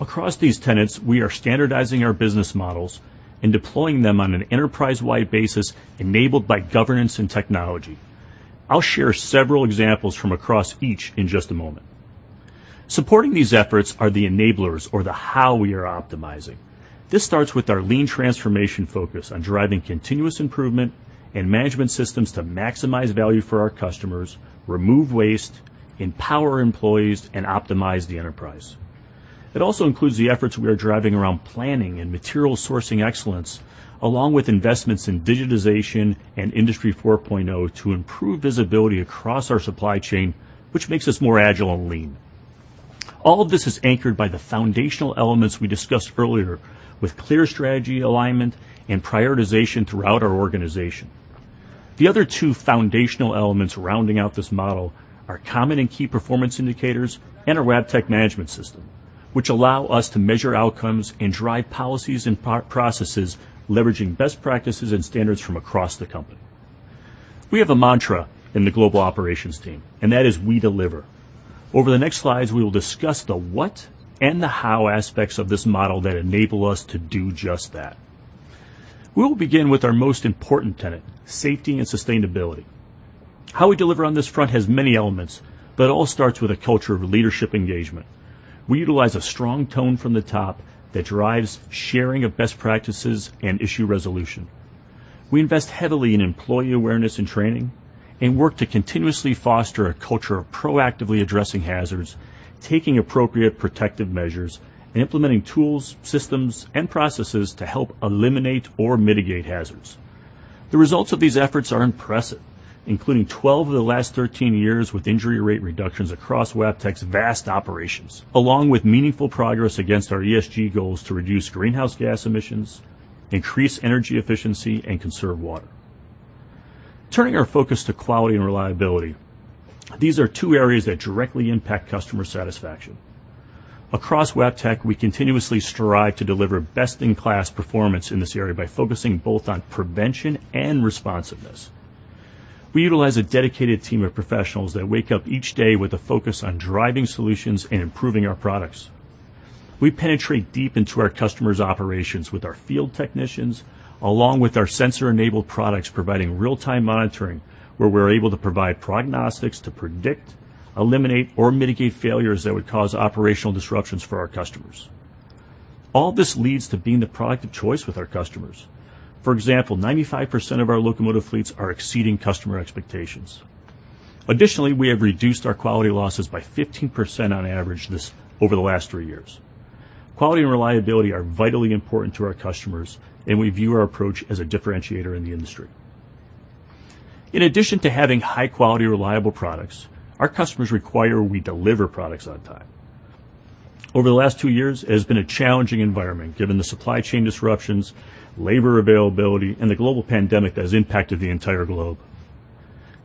Across these tenets, we are standardizing our business models and deploying them on an enterprise-wide basis enabled by governance and technology. I'll share several examples from across each in just a moment. Supporting these efforts are the enablers or the how we are optimizing. This starts with our lean transformation focus on driving continuous improvement and management systems to maximize value for our customers, remove waste, empower employees, and optimize the enterprise. It also includes the efforts we are driving around planning and material sourcing excellence, along with investments in digitization and Industry 4.0 to improve visibility across our supply chain, which makes us more agile and lean. All of this is anchored by the foundational elements we discussed earlier with clear strategy alignment and prioritization throughout our organization. The other two foundational elements rounding out this model are common and key performance indicators and our Wabtec management system, which allow us to measure outcomes and drive policies and processes, leveraging best practices and standards from across the company. We have a mantra in the global operations team, and that is we deliver. Over the next slides, we will discuss the what and the how aspects of this model that enable us to do just that. We will begin with our most important tenet, safety and sustainability. How we deliver on this front has many elements, but it all starts with a culture of leadership engagement. We utilize a strong tone from the top that drives sharing of best practices and issue resolution. We invest heavily in employee awareness and training, and work to continuously foster a culture of proactively addressing hazards, taking appropriate protective measures, and implementing tools, systems, and processes to help eliminate or mitigate hazards. The results of these efforts are impressive, including 12 of the last 13 years with injury rate reductions across Wabtec's vast operations, along with meaningful progress against our ESG goals to reduce greenhouse gas emissions, increase energy efficiency, and conserve water. Turning our focus to quality and reliability, these are two areas that directly impact customer satisfaction. Across Wabtec, we continuously strive to deliver best-in-class performance in this area by focusing both on prevention and responsiveness. We utilize a dedicated team of professionals that wake up each day with a focus on driving solutions and improving our products. We penetrate deep into our customers' operations with our field technicians, along with our sensor-enabled products providing real-time monitoring, where we're able to provide prognostics to predict, eliminate, or mitigate failures that would cause operational disruptions for our customers. All this leads to being the product of choice with our customers. For example, 95% of our locomotive fleets are exceeding customer expectations. Additionally, we have reduced our quality losses by 15% on average over the last three years. Quality and reliability are vitally important to our customers, and we view our approach as a differentiator in the industry. In addition to having high-quality, reliable products, our customers require we deliver products on time. Over the last two years, it has been a challenging environment given the supply chain disruptions, labor availability, and the global pandemic that has impacted the entire globe.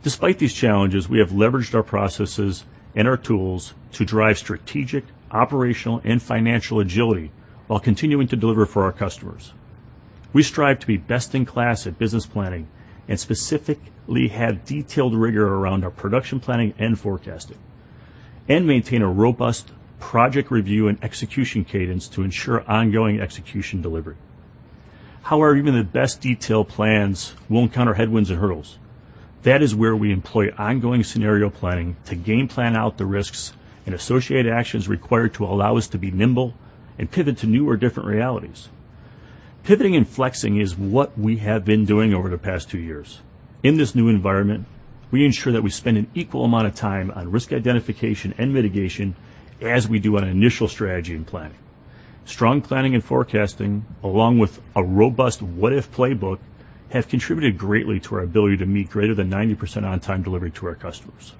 Despite these challenges, we have leveraged our processes and our tools to drive strategic, operational, and financial agility while continuing to deliver for our customers. We strive to be best in class at business planning and specifically have detailed rigor around our production planning and forecasting, and maintain a robust project review and execution cadence to ensure ongoing execution delivery. However, even the best detailed plans will encounter headwinds and hurdles. That is where we employ ongoing scenario planning to game plan out the risks and associated actions required to allow us to be nimble and pivot to new or different realities. Pivoting and flexing is what we have been doing over the past two years. In this new environment, we ensure that we spend an equal amount of time on risk identification and mitigation as we do on initial strategy and planning. Strong planning and forecasting, along with a robust what if playbook, have contributed greatly to our ability to meet greater than 90% on-time delivery to our customers.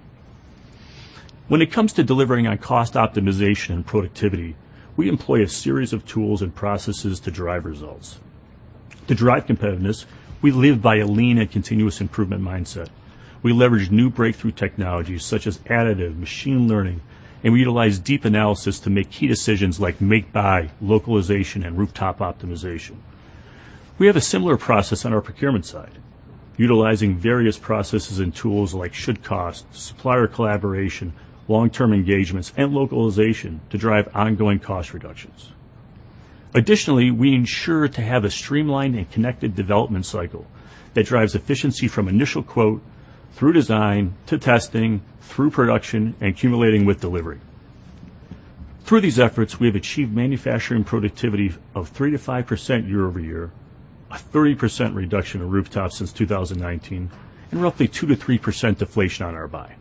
When it comes to delivering on cost optimization and productivity, we employ a series of tools and processes to drive results. To drive competitiveness, we live by a lean and continuous improvement mindset. We leverage new breakthrough technologies such as additive, machine learning, and we utilize deep analysis to make key decisions like make/buy, localization, and rooftop optimization. We have a similar process on our procurement side, utilizing various processes and tools like should-cost, supplier collaboration, long-term engagements, and localization to drive ongoing cost reductions. Additionally, we ensure to have a streamlined and connected development cycle that drives efficiency from initial quote through design to testing through production, and culminating with delivery. Through these efforts, we have achieved manufacturing productivity of 3%-5% year-over-year, a 30% reduction in rooftops since 2019, and roughly 2%-3% deflation on our buy.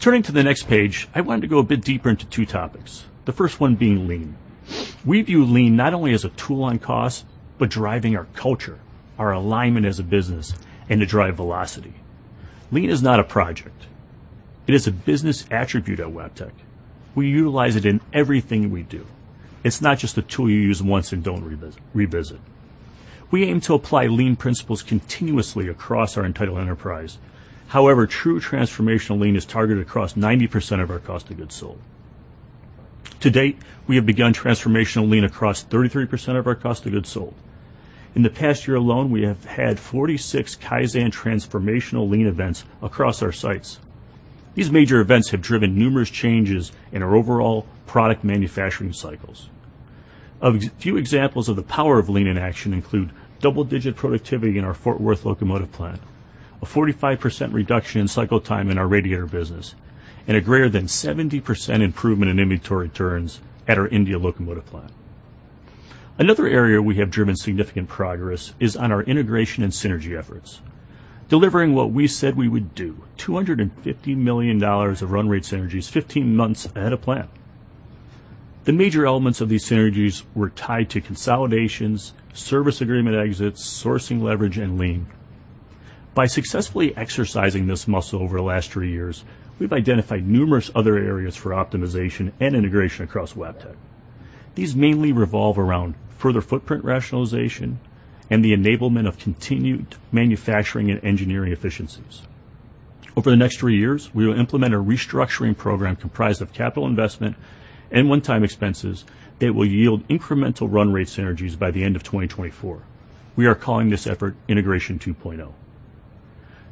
Turning to the next page, I wanted to go a bit deeper into two topics, the first one being Lean. We view Lean not only as a tool on cost, but driving our culture, our alignment as a business, and to drive velocity. Lean is not a project, it is a business attribute at Wabtec. We utilize it in everything we do. It's not just a tool you use once and don't revisit. We aim to apply Lean principles continuously across our entire enterprise. However, true transformational Lean is targeted across 90% of our cost of goods sold. To date, we have begun transformational Lean across 33% of our cost of goods sold. In the past year alone, we have had 46 Kaizen transformational Lean events across our sites. These major events have driven numerous changes in our overall product manufacturing cycles. A few examples of the power of Lean in action include double-digit productivity in our Fort Worth locomotive plant, a 45% reduction in cycle time in our radiator business, and a greater than 70% improvement in inventory turns at our India locomotive plant. Another area we have driven significant progress is on our integration and synergy efforts, delivering what we said we would do, $250 million of run rate synergies 15 months ahead of plan. The major elements of these synergies were tied to consolidations, service agreement exits, sourcing leverage, and Lean. By successfully exercising this muscle over the last three years, we've identified numerous other areas for optimization and integration across Wabtec. These mainly revolve around further footprint rationalization and the enablement of continued manufacturing and engineering efficiencies. Over the next three years, we will implement a restructuring program comprised of capital investment and one-time expenses that will yield incremental run rate synergies by the end of 2024. We are calling this effort Integration 2.0.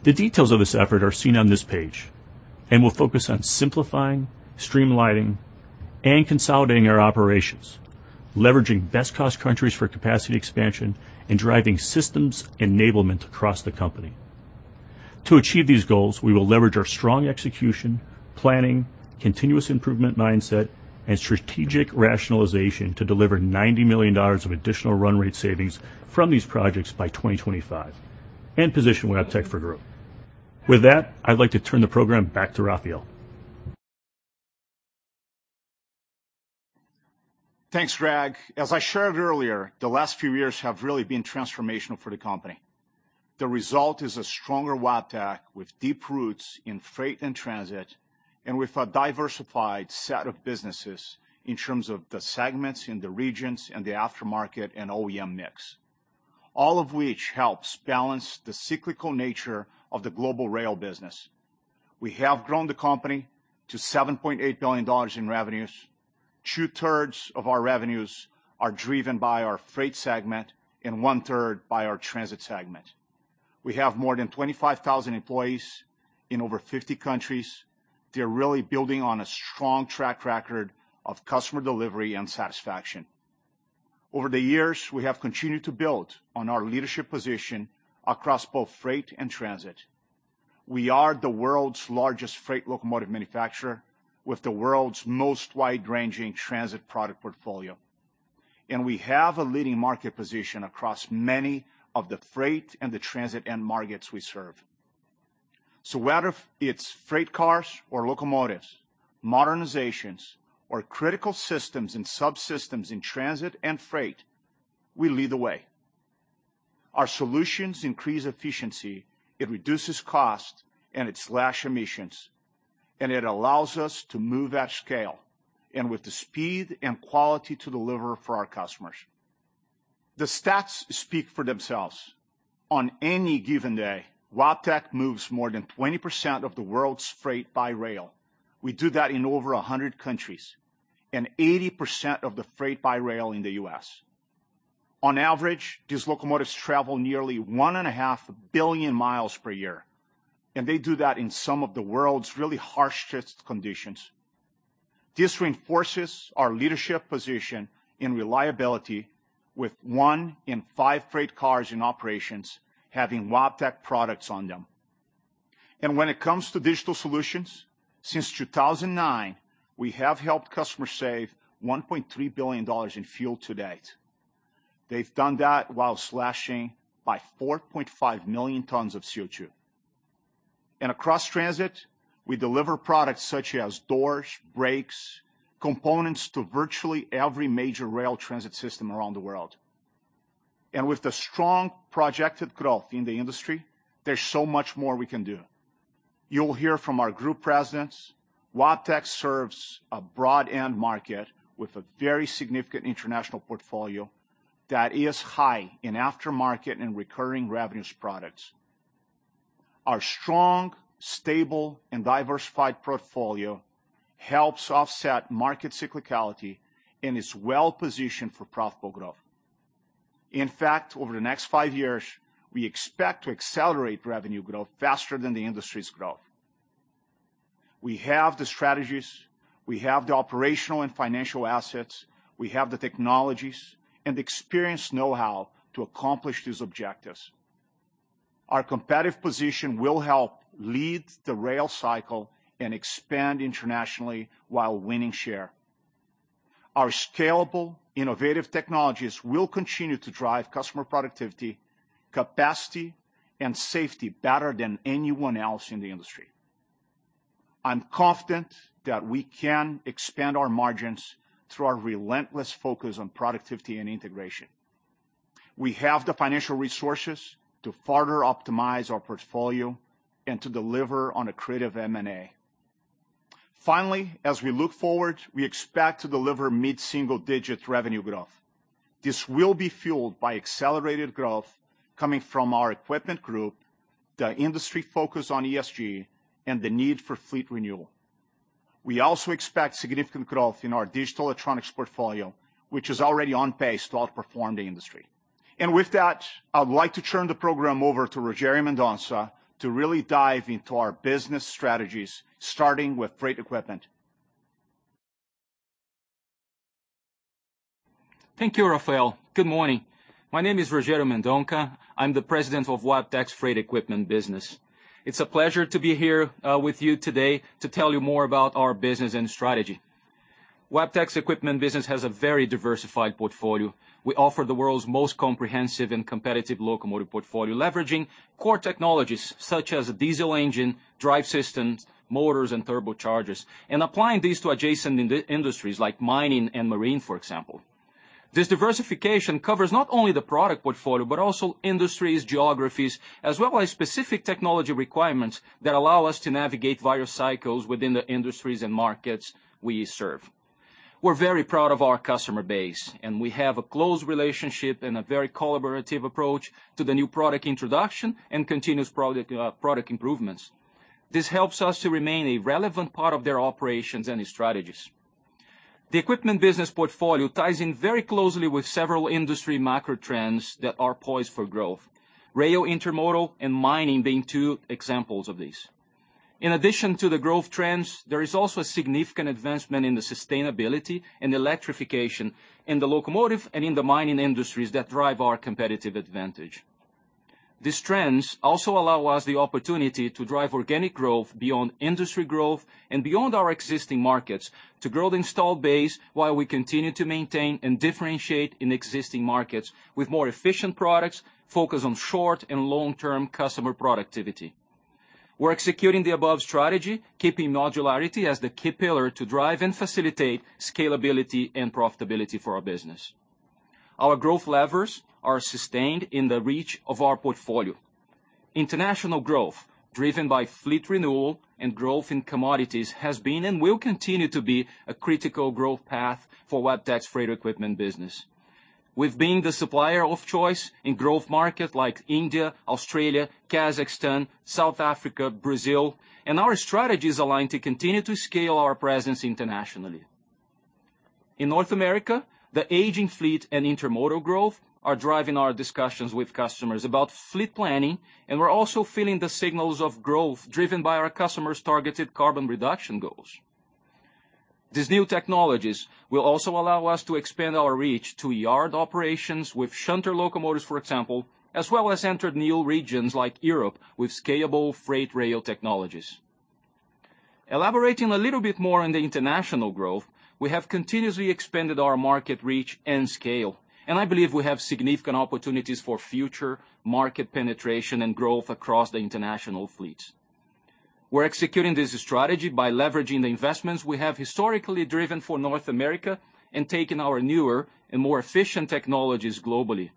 The details of this effort are seen on this page, and we'll focus on simplifying, streamlining, and consolidating our operations, leveraging best cost countries for capacity expansion, and driving systems enablement across the company. To achieve these goals, we will leverage our strong execution, planning, continuous improvement mindset, and strategic rationalization to deliver $90 million of additional run rate savings from these projects by 2025 and position Wabtec for growth. With that, I'd like to turn the program back to Rafael. Thanks, Greg. As I shared earlier, the last few years have really been transformational for the company. The result is a stronger Wabtec with deep roots in freight and transit, and with a diversified set of businesses in terms of the segments in the regions and the aftermarket and OEM mix, all of which helps balance the cyclical nature of the global rail business. We have grown the company to $7.8 billion in revenues. 2/3 of our revenues are driven by our Freight segment and 1/3 by our Transit segment. We have more than 25,000 employees in over 50 countries. They're really building on a strong track record of customer delivery and satisfaction. Over the years, we have continued to build on our leadership position across both Freight and Transit. We are the world's largest freight locomotive manufacturer with the world's most wide-ranging Transit product portfolio. We have a leading market position across many of the Freight and the Transit end markets we serve. Whether it's freight cars or locomotives, modernizations or critical systems and subsystems in Transit and Freight, we lead the way. Our solutions increase efficiency, it reduces cost, and it slash emissions, and it allows us to move at scale, and with the speed and quality to deliver for our customers. The stats speak for themselves. On any given day, Wabtec moves more than 20% of the world's freight by rail. We do that in over 100 countries and 80% of the freight by rail in the U.S. On average, these locomotives travel nearly 1.5 billion miles per year, and they do that in some of the world's really harshest conditions. This reinforces our leadership position in reliability with one in five freight cars in operations having Wabtec products on them. When it comes to digital solutions, since 2009, we have helped customers save $1.3 billion in fuel to date. They've done that while slashing by 4.5 million tons of CO₂. Across Transit, we deliver products such as doors, brakes, components to virtually every major rail transit system around the world. With the strong projected growth in the industry, there's so much more we can do. You'll hear from our Group Presidents, Wabtec serves a broad end market with a very significant international portfolio that is high in aftermarket and recurring revenues products. Our strong, stable, and diversified portfolio helps offset market cyclicality and is well-positioned for profitable growth. In fact, over the next five years, we expect to accelerate revenue growth faster than the industry's growth. We have the strategies, we have the operational and financial assets, we have the technologies and experience know-how to accomplish these objectives. Our competitive position will help lead the rail cycle and expand internationally while winning share. Our scalable, innovative technologies will continue to drive customer productivity, capacity, and safety better than anyone else in the industry. I'm confident that we can expand our margins through our relentless focus on productivity and integration. We have the financial resources to further optimize our portfolio and to deliver on accretive M&A. Finally, as we look forward, we expect to deliver mid-single-digit revenue growth. This will be fueled by accelerated growth coming from our equipment group, the industry focus on ESG, and the need for fleet renewal. We also expect significant growth in our digital electronics portfolio, which is already on pace to outperform the industry. With that, I would like to turn the program over to Rogério Mendonça to really dive into our business strategies, starting with Freight Equipment. Thank you, Rafael. Good morning. My name is Rogério Mendonça. I'm the President of Wabtec's Freight Equipment business. It's a pleasure to be here with you today to tell you more about our business and strategy. Wabtec's equipment business has a very diversified portfolio. We offer the world's most comprehensive and competitive locomotive portfolio, leveraging core technologies such as diesel engine, drive systems, motors, and turbochargers, and applying these to adjacent industries like mining and marine, for example. This diversification covers not only the product portfolio, but also industries, geographies, as well as specific technology requirements that allow us to navigate various cycles within the industries and markets we serve. We're very proud of our customer base, and we have a close relationship and a very collaborative approach to the new product introduction and continuous product improvements. This helps us to remain a relevant part of their operations and strategies. The equipment business portfolio ties in very closely with several industry macro trends that are poised for growth, rail, intermodal, and mining being two examples of these. In addition to the growth trends, there is also a significant advancement in the sustainability and electrification in the locomotive and in the mining industries that drive our competitive advantage. These trends also allow us the opportunity to drive organic growth beyond industry growth and beyond our existing markets to grow the install base while we continue to maintain and differentiate in existing markets with more efficient products, focus on short and long-term customer productivity. We're executing the above strategy, keeping modularity as the key pillar to drive and facilitate scalability and profitability for our business. Our growth levers are sustained in the reach of our portfolio. International growth, driven by fleet renewal and growth in commodities, has been and will continue to be a critical growth path for Wabtec's freight equipment business. We've been the supplier of choice in growth markets like India, Australia, Kazakhstan, South Africa, Brazil, and our strategy is aligned to continue to scale our presence internationally. In North America, the aging fleet and intermodal growth are driving our discussions with customers about fleet planning, and we're also feeling the signals of growth driven by our customers' targeted carbon reduction goals. These new technologies will also allow us to expand our reach to yard operations with shunter locomotives, for example, as well as enter new regions like Europe with scalable freight rail technologies. Elaborating a little bit more on the international growth, we have continuously expanded our market reach and scale, and I believe we have significant opportunities for future market penetration and growth across the international fleets. We're executing this strategy by leveraging the investments we have historically driven for North America and taking our newer and more efficient technologies globally.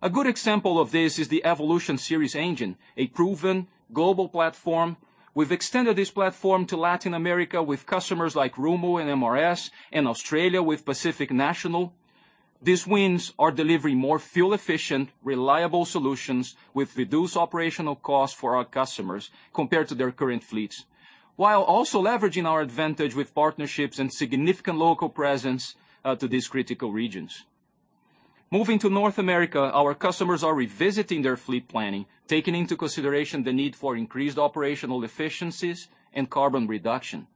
A good example of this is the Evolution Series engine, a proven global platform. We've extended this platform to Latin America with customers like Rumo and MRS, and Australia with Pacific National. These wins are delivering more fuel-efficient, reliable solutions with reduced operational costs for our customers compared to their current fleets, while also leveraging our advantage with partnerships and significant local presence to these critical regions. Moving to North America, our customers are revisiting their fleet planning, taking into consideration the need for increased operational efficiencies and carbon reduction.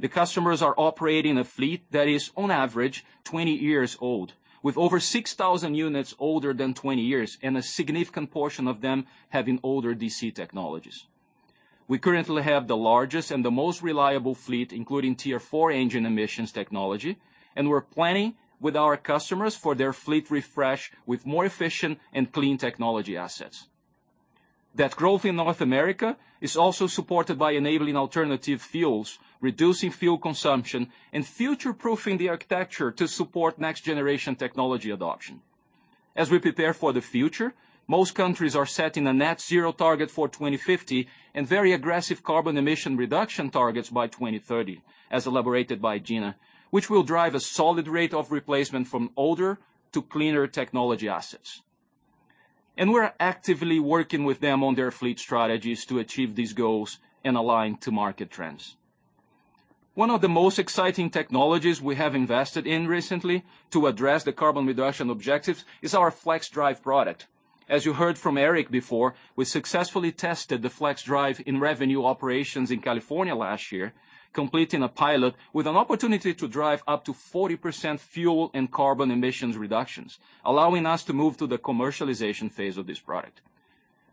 The customers are operating a fleet that is on average 20 years old, with over 6,000 units older than 20 years and a significant portion of them having older DC technologies. We currently have the largest and the most reliable fleet, including Tier 4 engine emissions technology, and we're planning with our customers for their fleet refresh with more efficient and clean technology assets. That growth in North America is also supported by enabling alternative fuels, reducing fuel consumption, and future-proofing the architecture to support next-generation technology adoption. As we prepare for the future, most countries are setting a net zero target for 2050 and very aggressive carbon emission reduction targets by 2030, as elaborated by Gina, which will drive a solid rate of replacement from older to cleaner technology assets. We're actively working with them on their fleet strategies to achieve these goals and align to market trends. One of the most exciting technologies we have invested in recently to address the carbon reduction objectives is our FLXdrive product. As you heard from Eric before, we successfully tested the FLXdrive in revenue operations in California last year, completing a pilot with an opportunity to drive up to 40% fuel and carbon emissions reductions, allowing us to move to the commercialization phase of this product.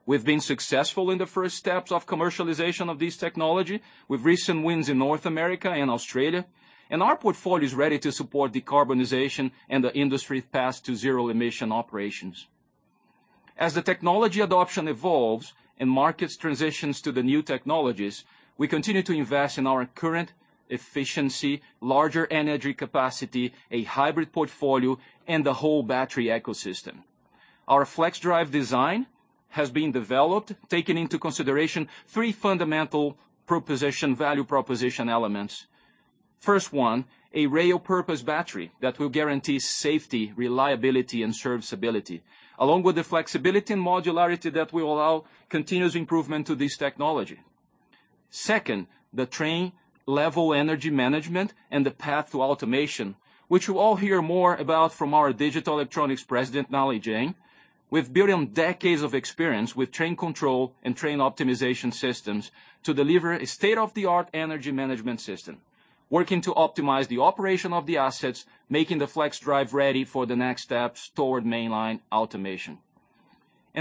We've been successful in the first steps of commercialization of this technology with recent wins in North America and Australia, and our portfolio is ready to support decarbonization and the industry's path to zero-emission operations. As the technology adoption evolves and markets transition to the new technologies, we continue to invest in our current efficiency, larger energy capacity, a hybrid portfolio, and the whole battery ecosystem. Our FLXdrive design has been developed, taking into consideration three fundamental value proposition elements. First one, a rail-purpose battery that will guarantee safety, reliability, and serviceability, along with the flexibility and modularity that will allow continuous improvement to this technology. Second, the train-level energy management and the path to automation, which you will all hear more about from our Digital Electronics President, Nalin Jain. We've built on decades of experience with train control and train optimization systems to deliver a state-of-the-art energy management system, working to optimize the operation of the assets, making the FLXdrive ready for the next steps toward main line automation.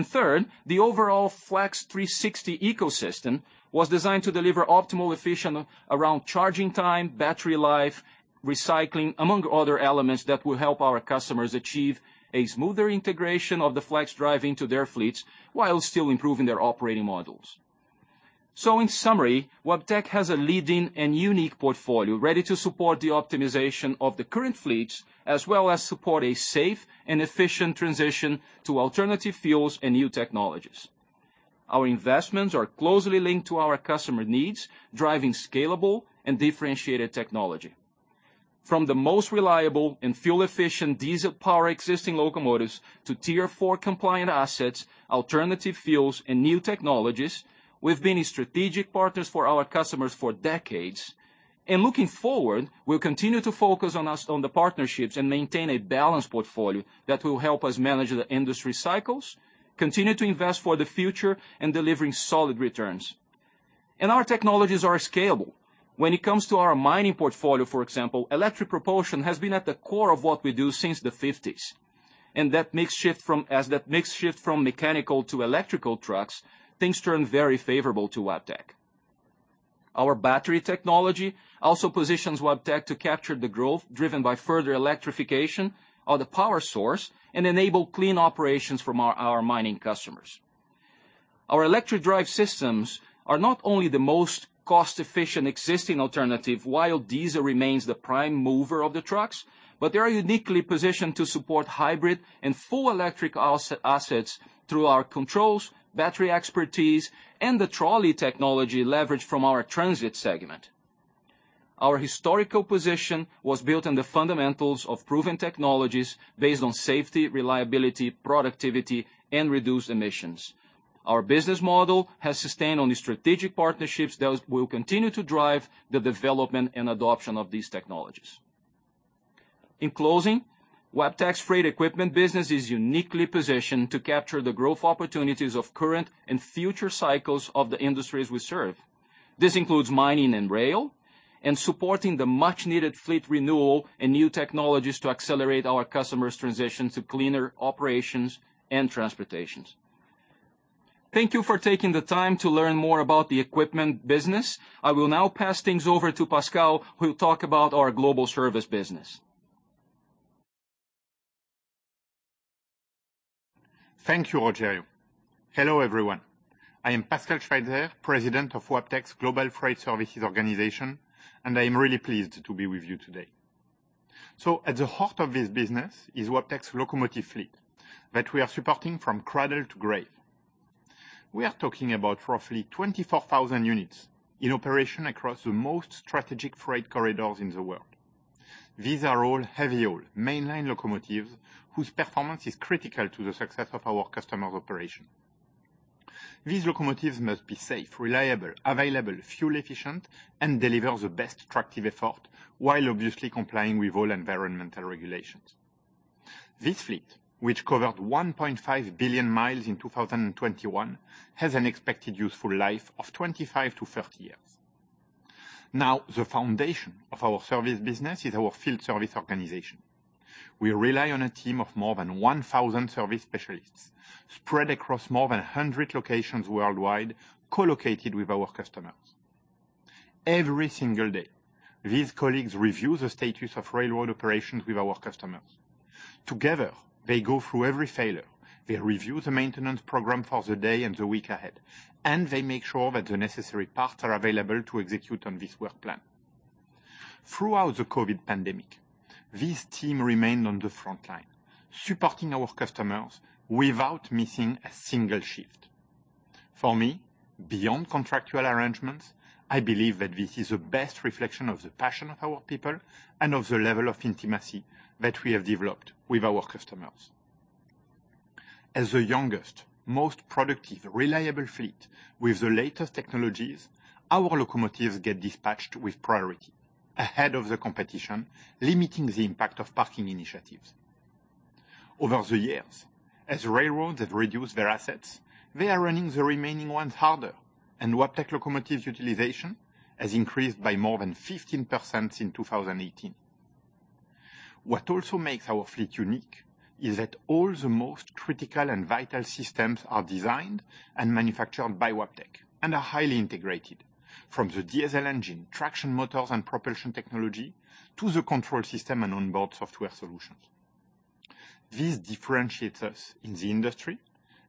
Third, the overall Flex360 ecosystem was designed to deliver optimal efficiency around charging time, battery life, recycling, among other elements that will help our customers achieve a smoother integration of the FLXdrive into their fleets while still improving their operating models. In summary, Wabtec has a leading and unique portfolio ready to support the optimization of the current fleets, as well as support a safe and efficient transition to alternative fuels and new technologies. Our investments are closely linked to our customer needs, driving scalable and differentiated technology. From the most reliable and fuel-efficient diesel-powered existing locomotives to Tier 4-compliant assets, alternative fuels, and new technologies, we've been strategic partners for our customers for decades. Looking forward, we'll continue to focus on the partnerships and maintain a balanced portfolio that will help us manage the industry cycles, continue to invest for the future, and delivering solid returns. Our technologies are scalable. When it comes to our mining portfolio, for example, electric propulsion has been at the core of what we do since the 1950s. That mix shift from mechanical to electrical trucks, things turn very favorable to Wabtec. Our battery technology also positions Wabtec to capture the growth driven by further electrification of the power source and enable clean operations from our mining customers. Our electric drive systems are not only the most cost-efficient existing alternative while diesel remains the prime mover of the trucks, but they are uniquely positioned to support hybrid and full electric assets through our controls, battery expertise, and the trolley technology leveraged from our transit segment. Our historical position was built on the fundamentals of proven technologies based on safety, reliability, productivity, and reduced emissions. Our business model has sustained on the strategic partnerships that will continue to drive the development and adoption of these technologies. In closing, Wabtec's Freight Equipment business is uniquely positioned to capture the growth opportunities of current and future cycles of the industries we serve. This includes mining and rail and supporting the much-needed fleet renewal and new technologies to accelerate our customers' transition to cleaner operations and transportation. Thank you for taking the time to learn more about the equipment business. I will now pass things over to Pascal, who'll talk about our global service business. Thank you, Rogério. Hello, everyone. I am Pascal Schweitzer, President of Wabtec's Global Freight Services organization, and I am really pleased to be with you today. At the heart of this business is Wabtec's locomotive fleet that we are supporting from cradle to grave. We are talking about roughly 24,000 units in operation across the most strategic freight corridors in the world. These are all heavy haul, main line locomotives, whose performance is critical to the success of our customers' operation. These locomotives must be safe, reliable, available, fuel-efficient, and deliver the best tractive effort while obviously complying with all environmental regulations. This fleet, which covered 1.5 billion mi in 2021, has an expected useful life of 25-30 years. Now, the foundation of our service business is our field service organization. We rely on a team of more than 1,000 service specialists spread across more than 100 locations worldwide, co-located with our customers. Every single day, these colleagues review the status of railroad operations with our customers. Together, they go through every failure. They review the maintenance program for the day and the week ahead, and they make sure that the necessary parts are available to execute on this work plan. Throughout the COVID pandemic, this team remained on the front line, supporting our customers without missing a single shift. For me, beyond contractual arrangements, I believe that this is the best reflection of the passion of our people and of the level of intimacy that we have developed with our customers. As the youngest, most productive, reliable fleet with the latest technologies, our locomotives get dispatched with priority ahead of the competition, limiting the impact of parking initiatives. Over the years, as railroads have reduced their assets, they are running the remaining ones harder, and Wabtec locomotive utilization has increased by more than 15% in 2018. What also makes our fleet unique is that all the most critical and vital systems are designed and manufactured by Wabtec and are highly integrated from the diesel engine, traction motors and propulsion technology to the control system and onboard software solutions. This differentiates us in the industry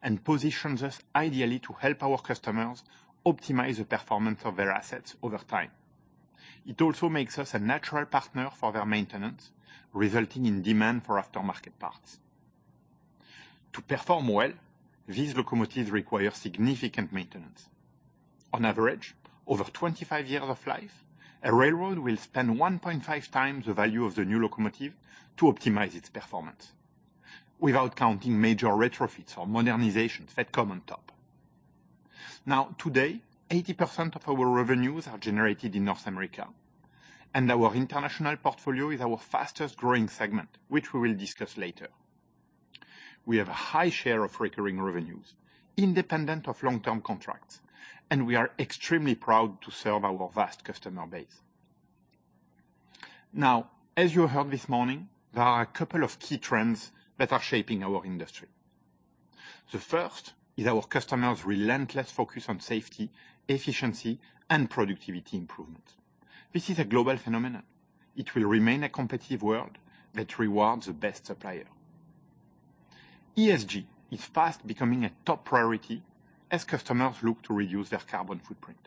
and positions us ideally to help our customers optimize the performance of their assets over time. It also makes us a natural partner for their maintenance, resulting in demand for aftermarket parts. To perform well, these locomotives require significant maintenance. On average, over 25 years of life, a railroad will spend 1.5 times the value of the new locomotive to optimize its performance. Without counting major retrofits or modernizations that come on top. Now today, 80% of our revenues are generated in North America, and our international portfolio is our fastest-growing segment, which we will discuss later. We have a high share of recurring revenues independent of long-term contracts, and we are extremely proud to serve our vast customer base. Now, as you heard this morning, there are a couple of key trends that are shaping our industry. The first is our customers' relentless focus on safety, efficiency, and productivity improvement. This is a global phenomenon. It will remain a competitive world that rewards the best supplier. ESG is fast becoming a top priority as customers look to reduce their carbon footprint.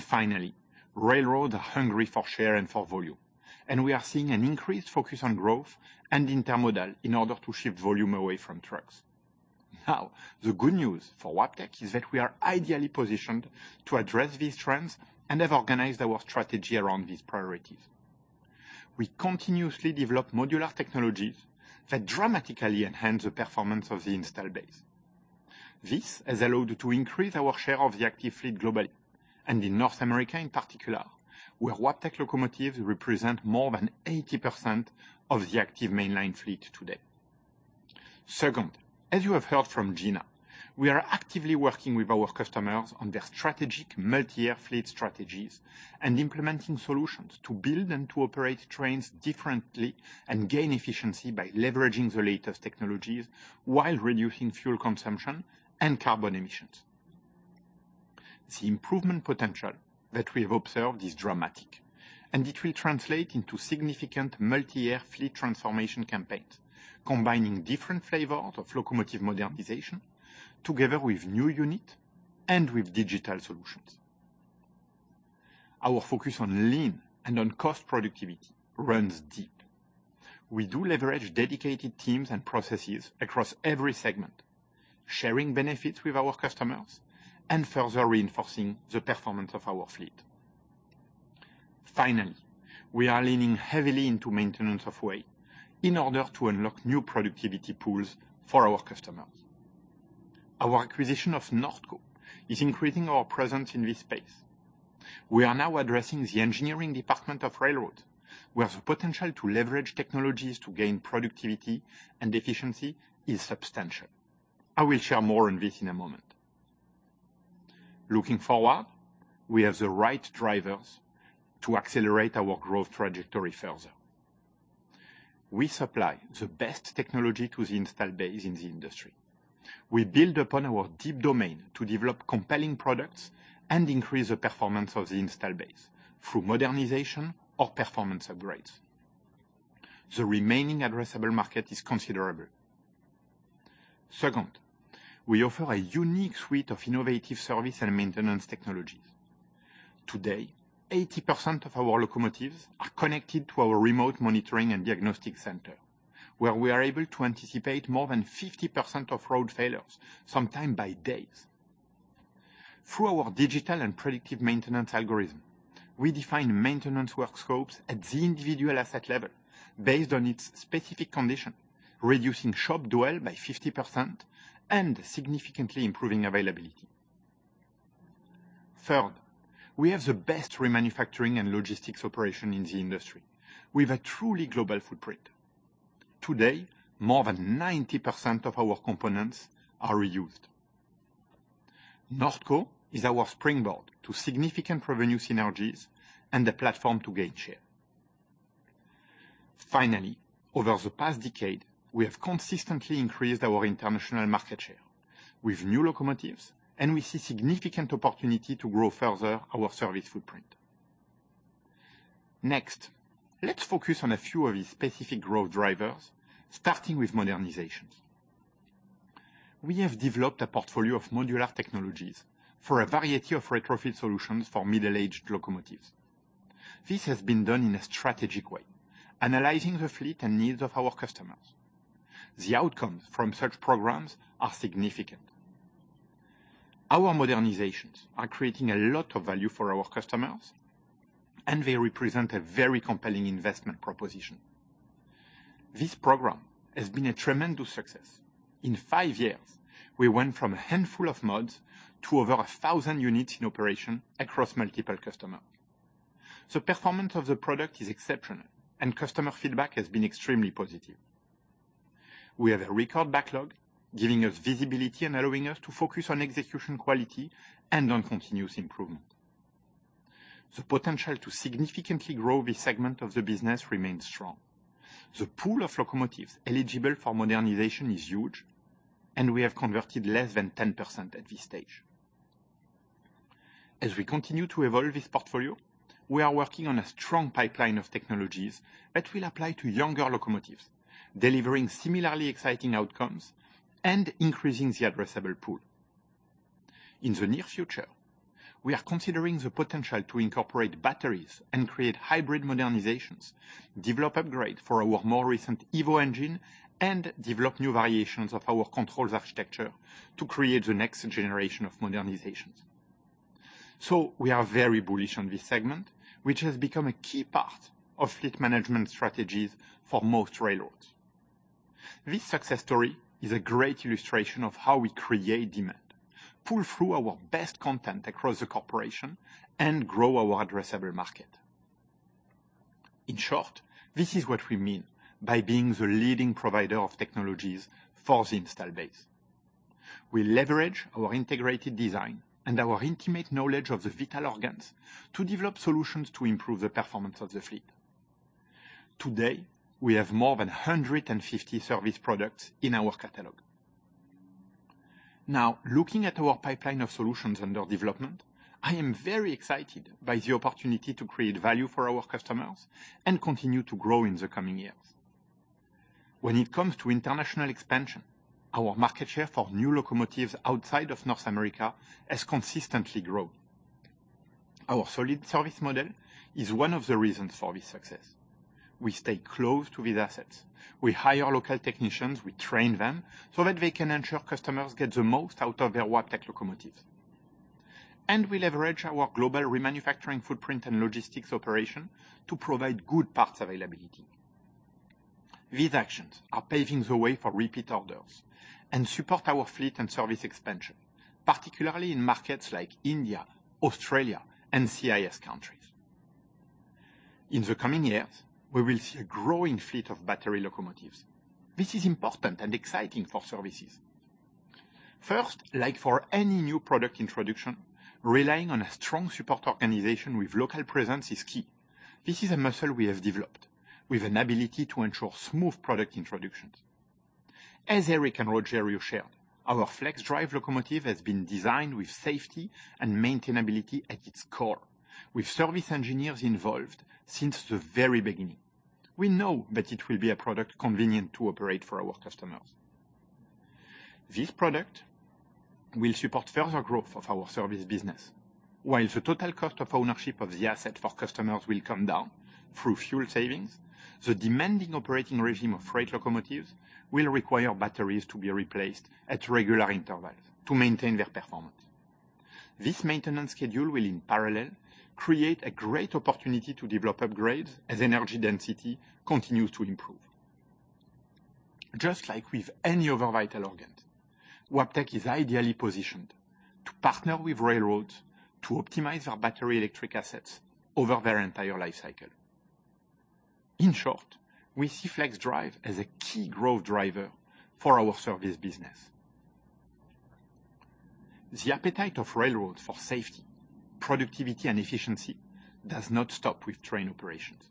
Finally, railroads are hungry for share and for volume, and we are seeing an increased focus on growth and intermodal in order to shift volume away from trucks. Now, the good news for Wabtec is that we are ideally positioned to address these trends and have organized our strategy around these priorities. We continuously develop modular technologies that dramatically enhance the performance of the installed base. This has allowed us to increase our share of the active fleet globally and in North America in particular, where Wabtec locomotives represent more than 80% of the active mainline fleet today. Second, as you have heard from Gina, we are actively working with our customers on their strategic multi-year fleet strategies and implementing solutions to build and to operate trains differently and gain efficiency by leveraging the latest technologies while reducing fuel consumption and carbon emissions. The improvement potential that we have observed is dramatic, and it will translate into significant multi-year fleet transformation campaigns, combining different flavors of locomotive modernization together with new units and with digital solutions. Our focus on Lean and on cost productivity runs deep. We do leverage dedicated teams and processes across every segment, sharing benefits with our customers and further reinforcing the performance of our fleet. Finally, we are leaning heavily into maintenance-of-way in order to unlock new productivity pools for our customers. Our acquisition of Nordco is increasing our presence in this space. We are now addressing the engineering department of railroad, where the potential to leverage technologies to gain productivity and efficiency is substantial. I will share more on this in a moment. Looking forward, we have the right drivers to accelerate our growth trajectory further. We supply the best technology to the installed base in the industry. We build upon our deep domain to develop compelling products and increase the performance of the installed base through modernization or performance upgrades. The remaining addressable market is considerable. Second, we offer a unique suite of innovative service and maintenance technologies. Today, 80% of our locomotives are connected to our remote monitoring and diagnostic center, where we are able to anticipate more than 50% of road failures, sometimes by days. Through our digital and predictive maintenance algorithm, we define maintenance work scopes at the individual asset level based on its specific condition, reducing shop dwell by 50% and significantly improving availability. Third, we have the best remanufacturing and logistics operation in the industry with a truly global footprint. Today, more than 90% of our components are reused. Nordco is our springboard to significant revenue synergies and the platform to gain share. Finally, over the past decade, we have consistently increased our international market share with new locomotives, and we see significant opportunity to grow further our service footprint. Next, let's focus on a few of these specific growth drivers, starting with modernizations. We have developed a portfolio of modular technologies for a variety of retrofit solutions for middle-aged locomotives. This has been done in a strategic way, analyzing the fleet and needs of our customers. The outcomes from such programs are significant. Our modernizations are creating a lot of value for our customers, and they represent a very compelling investment proposition. This program has been a tremendous success. In five years, we went from a handful of mods to over a thousand units in operation across multiple customers. Performance of the product is exceptional, and customer feedback has been extremely positive. We have a record backlog, giving us visibility and allowing us to focus on execution quality and on continuous improvement. The potential to significantly grow this segment of the business remains strong. The pool of locomotives eligible for modernization is huge, and we have converted less than 10% at this stage. As we continue to evolve this portfolio, we are working on a strong pipeline of technologies that will apply to younger locomotives, delivering similarly exciting outcomes and increasing the addressable pool. In the near future, we are considering the potential to incorporate batteries and create hybrid modernizations, develop upgrade for our more recent EVO engine and develop new variations of our controls architecture to create the next generation of modernizations. We are very bullish on this segment, which has become a key part of fleet management strategies for most railroads. This success story is a great illustration of how we create demand, pull through our best content across the corporation and grow our addressable market. In short, this is what we mean by being the leading provider of technologies for the installed base. We leverage our integrated design and our intimate knowledge of the vital organs to develop solutions to improve the performance of the fleet. Today, we have more than 150 service products in our catalog. Now, looking at our pipeline of solutions under development, I am very excited by the opportunity to create value for our customers and continue to grow in the coming years. When it comes to international expansion, our market share for new locomotives outside of North America has consistently grown. Our solid service model is one of the reasons for this success. We stay close to these assets. We hire local technicians, we train them so that they can ensure customers get the most out of their Wabtec locomotives. We leverage our global remanufacturing footprint and logistics operation to provide good parts availability. These actions are paving the way for repeat orders and support our fleet and service expansion, particularly in markets like India, Australia and CIS countries. In the coming years, we will see a growing fleet of battery locomotives. This is important and exciting for services. First, like for any new product introduction, relying on a strong support organization with local presence is key. This is a muscle we have developed with an ability to ensure smooth product introductions. As Eric and Rogério shared, our FLXdrive locomotive has been designed with safety and maintainability at its core. With service engineers involved since the very beginning, we know that it will be a product convenient to operate for our customers. This product will support further growth of our service business. While the total cost of ownership of the asset for customers will come down through fuel savings, the demanding operating regime of freight locomotives will require batteries to be replaced at regular intervals to maintain their performance. This maintenance schedule will in parallel, create a great opportunity to develop upgrades as energy density continues to improve. Just like with any other vital organ, Wabtec is ideally positioned to partner with railroads to optimize our battery electric assets over their entire life cycle. In short, we see FLXdrive as a key growth driver for our service business. The appetite of railroads for safety, productivity and efficiency does not stop with train operations.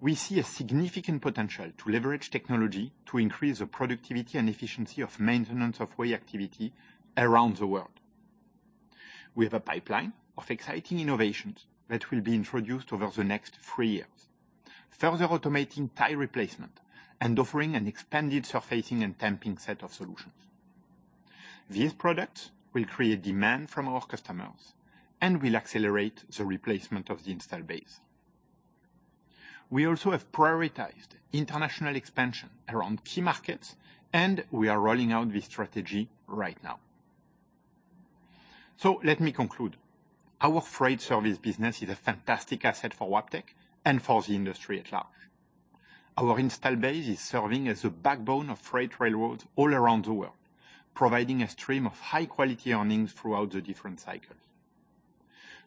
We see a significant potential to leverage technology to increase the productivity and efficiency of maintenance-of-way activity around the world. We have a pipeline of exciting innovations that will be introduced over the next three years, further automating tire replacement and offering an expanded surfacing and tamping set of solutions. These products will create demand from our customers and will accelerate the replacement of the installed base. We also have prioritized international expansion around key markets, and we are rolling out this strategy right now. Let me conclude. Our Freight Services business is a fantastic asset for Wabtec and for the industry at large. Our installed base is serving as the backbone of freight railroads all around the world, providing a stream of high quality earnings throughout the different cycles.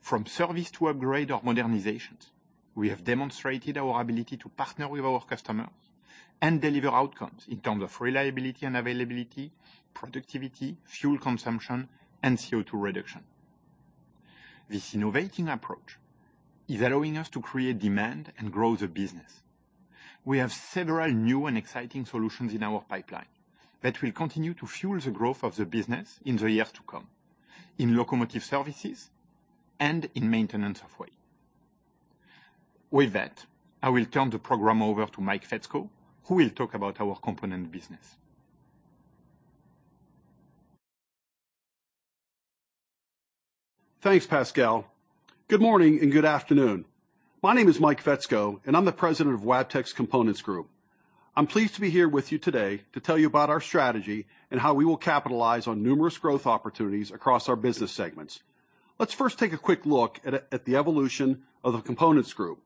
From service to upgrades or modernizations, we have demonstrated our ability to partner with our customers and deliver outcomes in terms of reliability and availability, productivity, fuel consumption and CO₂ reduction. This innovative approach is allowing us to create demand and grow the business. We have several new and exciting solutions in our pipeline that will continue to fuel the growth of the business in the years to come, in locomotive services and in maintenance of rail. With that, I will turn the program over to Mike Fetsko, who will talk about our Components business. Thanks, Pascal. Good morning and good afternoon. My name is Mike Fetsko, and I'm the President of Wabtec's Components Group. I'm pleased to be here with you today to tell you about our strategy and how we will capitalize on numerous growth opportunities across our business segments. Let's first take a quick look at the evolution of the Components Group.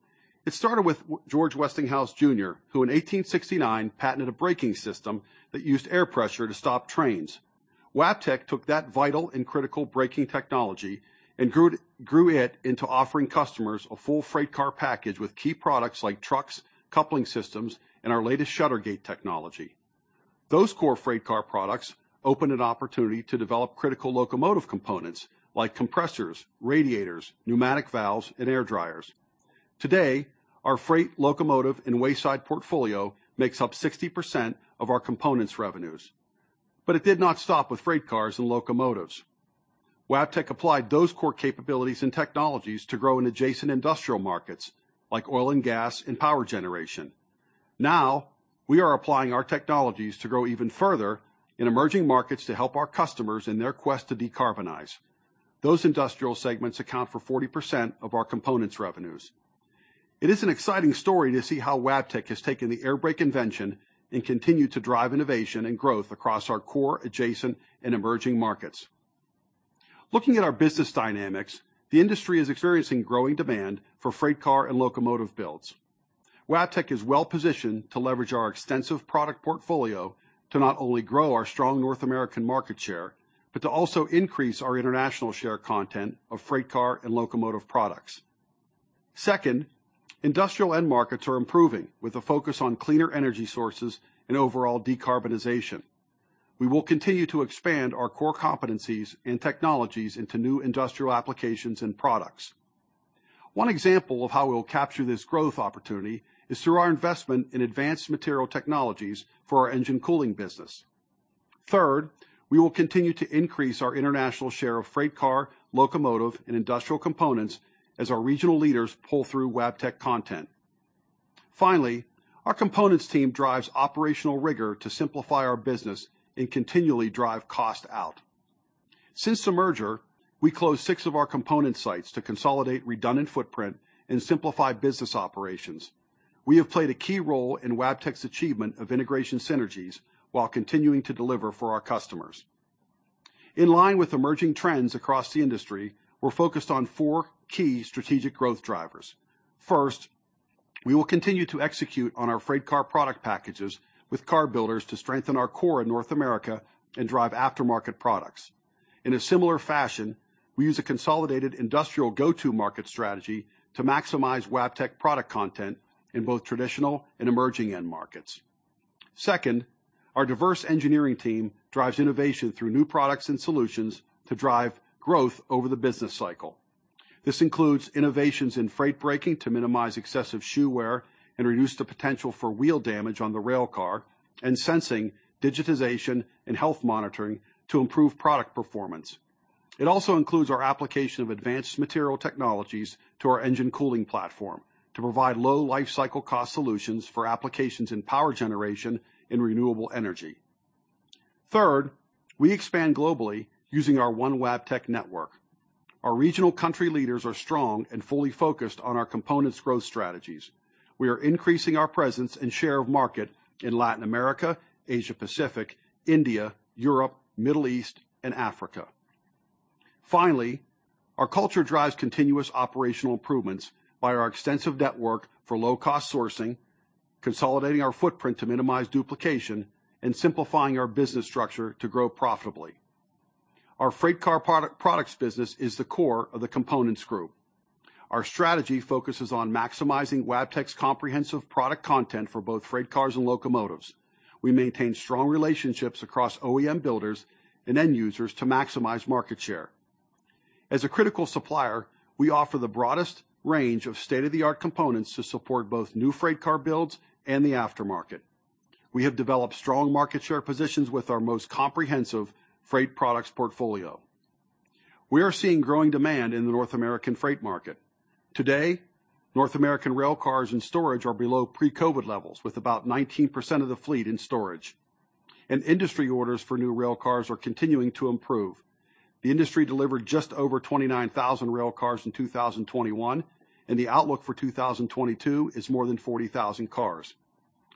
It started with George Westinghouse Jr., who in 1869 patented a braking system that used air pressure to stop trains. Wabtec took that vital and critical braking technology and grew it into offering customers a full freight car package with key products like trucks, coupling systems, and our latest shutter gate technology. Those core freight car products opened an opportunity to develop critical locomotive components like compressors, radiators, pneumatic valves, and air dryers. Today, our freight locomotive and wayside portfolio makes up 60% of our Components revenues. It did not stop with freight cars and locomotives. Wabtec applied those core capabilities and technologies to grow in adjacent industrial markets, like oil and gas and power generation. Now, we are applying our technologies to grow even further in emerging markets to help our customers in their quest to decarbonize. Those industrial segments account for 40% of our Components revenues. It is an exciting story to see how Wabtec has taken the air brake invention and continued to drive innovation and growth across our core, adjacent, and emerging markets. Looking at our business dynamics, the industry is experiencing growing demand for freight car and locomotive builds. Wabtec is well-positioned to leverage our extensive product portfolio to not only grow our strong North American market share, but to also increase our international share content of freight car and locomotive products. Second, industrial end markets are improving with a focus on cleaner energy sources and overall decarbonization. We will continue to expand our core competencies and technologies into new industrial applications and products. One example of how we'll capture this growth opportunity is through our investment in advanced material technologies for our engine cooling business. Third, we will continue to increase our international share of freight car, locomotive, and industrial components as our regional leaders pull through Wabtec content. Finally, our Components team drives operational rigor to simplify our business and continually drive cost out. Since the merger, we closed six of our component sites to consolidate redundant footprint and simplify business operations. We have played a key role in Wabtec's achievement of integration synergies while continuing to deliver for our customers. In line with emerging trends across the industry, we're focused on four key strategic growth drivers. First, we will continue to execute on our freight car product packages with car builders to strengthen our core in North America and drive aftermarket products. In a similar fashion, we use a consolidated industrial go-to-market strategy to maximize Wabtec product content in both traditional and emerging end markets. Second, our diverse engineering team drives innovation through new products and solutions to drive growth over the business cycle. This includes innovations in freight braking to minimize excessive shoe wear and reduce the potential for wheel damage on the rail car and sensing, digitization, and health monitoring to improve product performance. It also includes our application of advanced material technologies to our engine cooling platform to provide low lifecycle cost solutions for applications in power generation and renewable energy. Third, we expand globally using our One Wabtec network. Our regional country leaders are strong and fully focused on our components growth strategies. We are increasing our presence and share of market in Latin America, Asia-Pacific, India, Europe, Middle East, and Africa. Finally, our culture drives continuous operational improvements by our extensive network for low-cost sourcing, consolidating our footprint to minimize duplication, and simplifying our business structure to grow profitably. Our freight car products business is the core of the Components Group. Our strategy focuses on maximizing Wabtec's comprehensive product content for both freight cars and locomotives. We maintain strong relationships across OEM builders and end users to maximize market share. As a critical supplier, we offer the broadest range of state-of-the-art components to support both new freight car builds and the aftermarket. We have developed strong market share positions with our most comprehensive freight products portfolio. We are seeing growing demand in the North American freight market. Today, North American rail cars and storage are below pre-COVID levels with about 19% of the fleet in storage. Industry orders for new rail cars are continuing to improve. The industry delivered just over 29,000 rail cars in 2021, and the outlook for 2022 is more than 40,000 cars.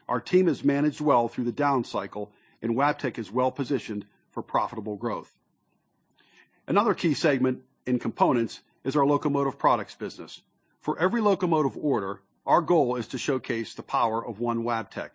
Our team has managed well through the down cycle, and Wabtec is well-positioned for profitable growth. Another key segment in components is our locomotive products business. For every locomotive order, our goal is to showcase the power of One Wabtec.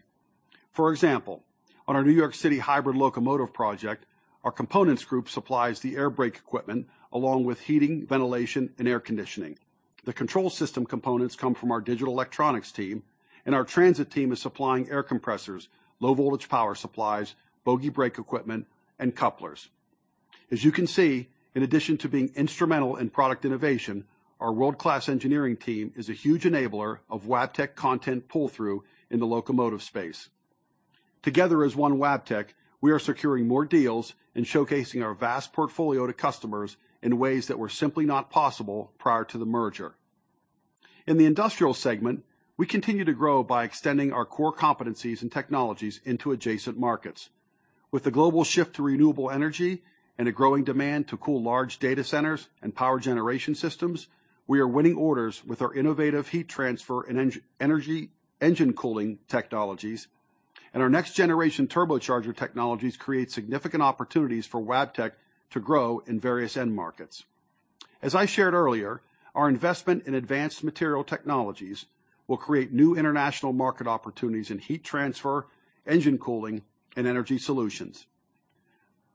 For example, on our New York City hybrid locomotive project, our Components Group supplies the air brake equipment along with heating, ventilation, and air conditioning. The control system components come from our Digital Electronics team, and our Transit team is supplying air compressors, low voltage power supplies, bogey brake equipment, and couplers. As you can see, in addition to being instrumental in product innovation, our world-class engineering team is a huge enabler of Wabtec content pull-through in the locomotive space. Together as One Wabtec, we are securing more deals and showcasing our vast portfolio to customers in ways that were simply not possible prior to the merger. In the industrial segment, we continue to grow by extending our core competencies and technologies into adjacent markets. With the global shift to renewable energy and a growing demand to cool large data centers and power generation systems, we are winning orders with our innovative heat transfer and energy, engine cooling technologies, and our next-generation turbocharger technologies create significant opportunities for Wabtec to grow in various end markets. As I shared earlier, our investment in advanced material technologies will create new international market opportunities in heat transfer, engine cooling and energy solutions.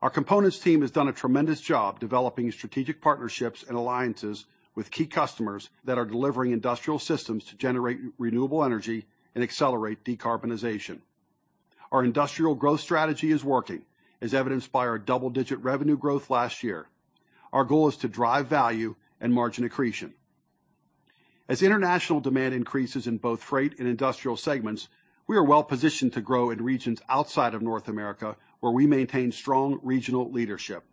Our Components team has done a tremendous job developing strategic partnerships and alliances with key customers that are delivering industrial systems to generate renewable energy and accelerate decarbonization. Our industrial growth strategy is working as evidenced by our double-digit revenue growth last year. Our goal is to drive value and margin accretion. As international demand increases in both freight and industrial segments, we are well-positioned to grow in regions outside of North America, where we maintain strong regional leadership.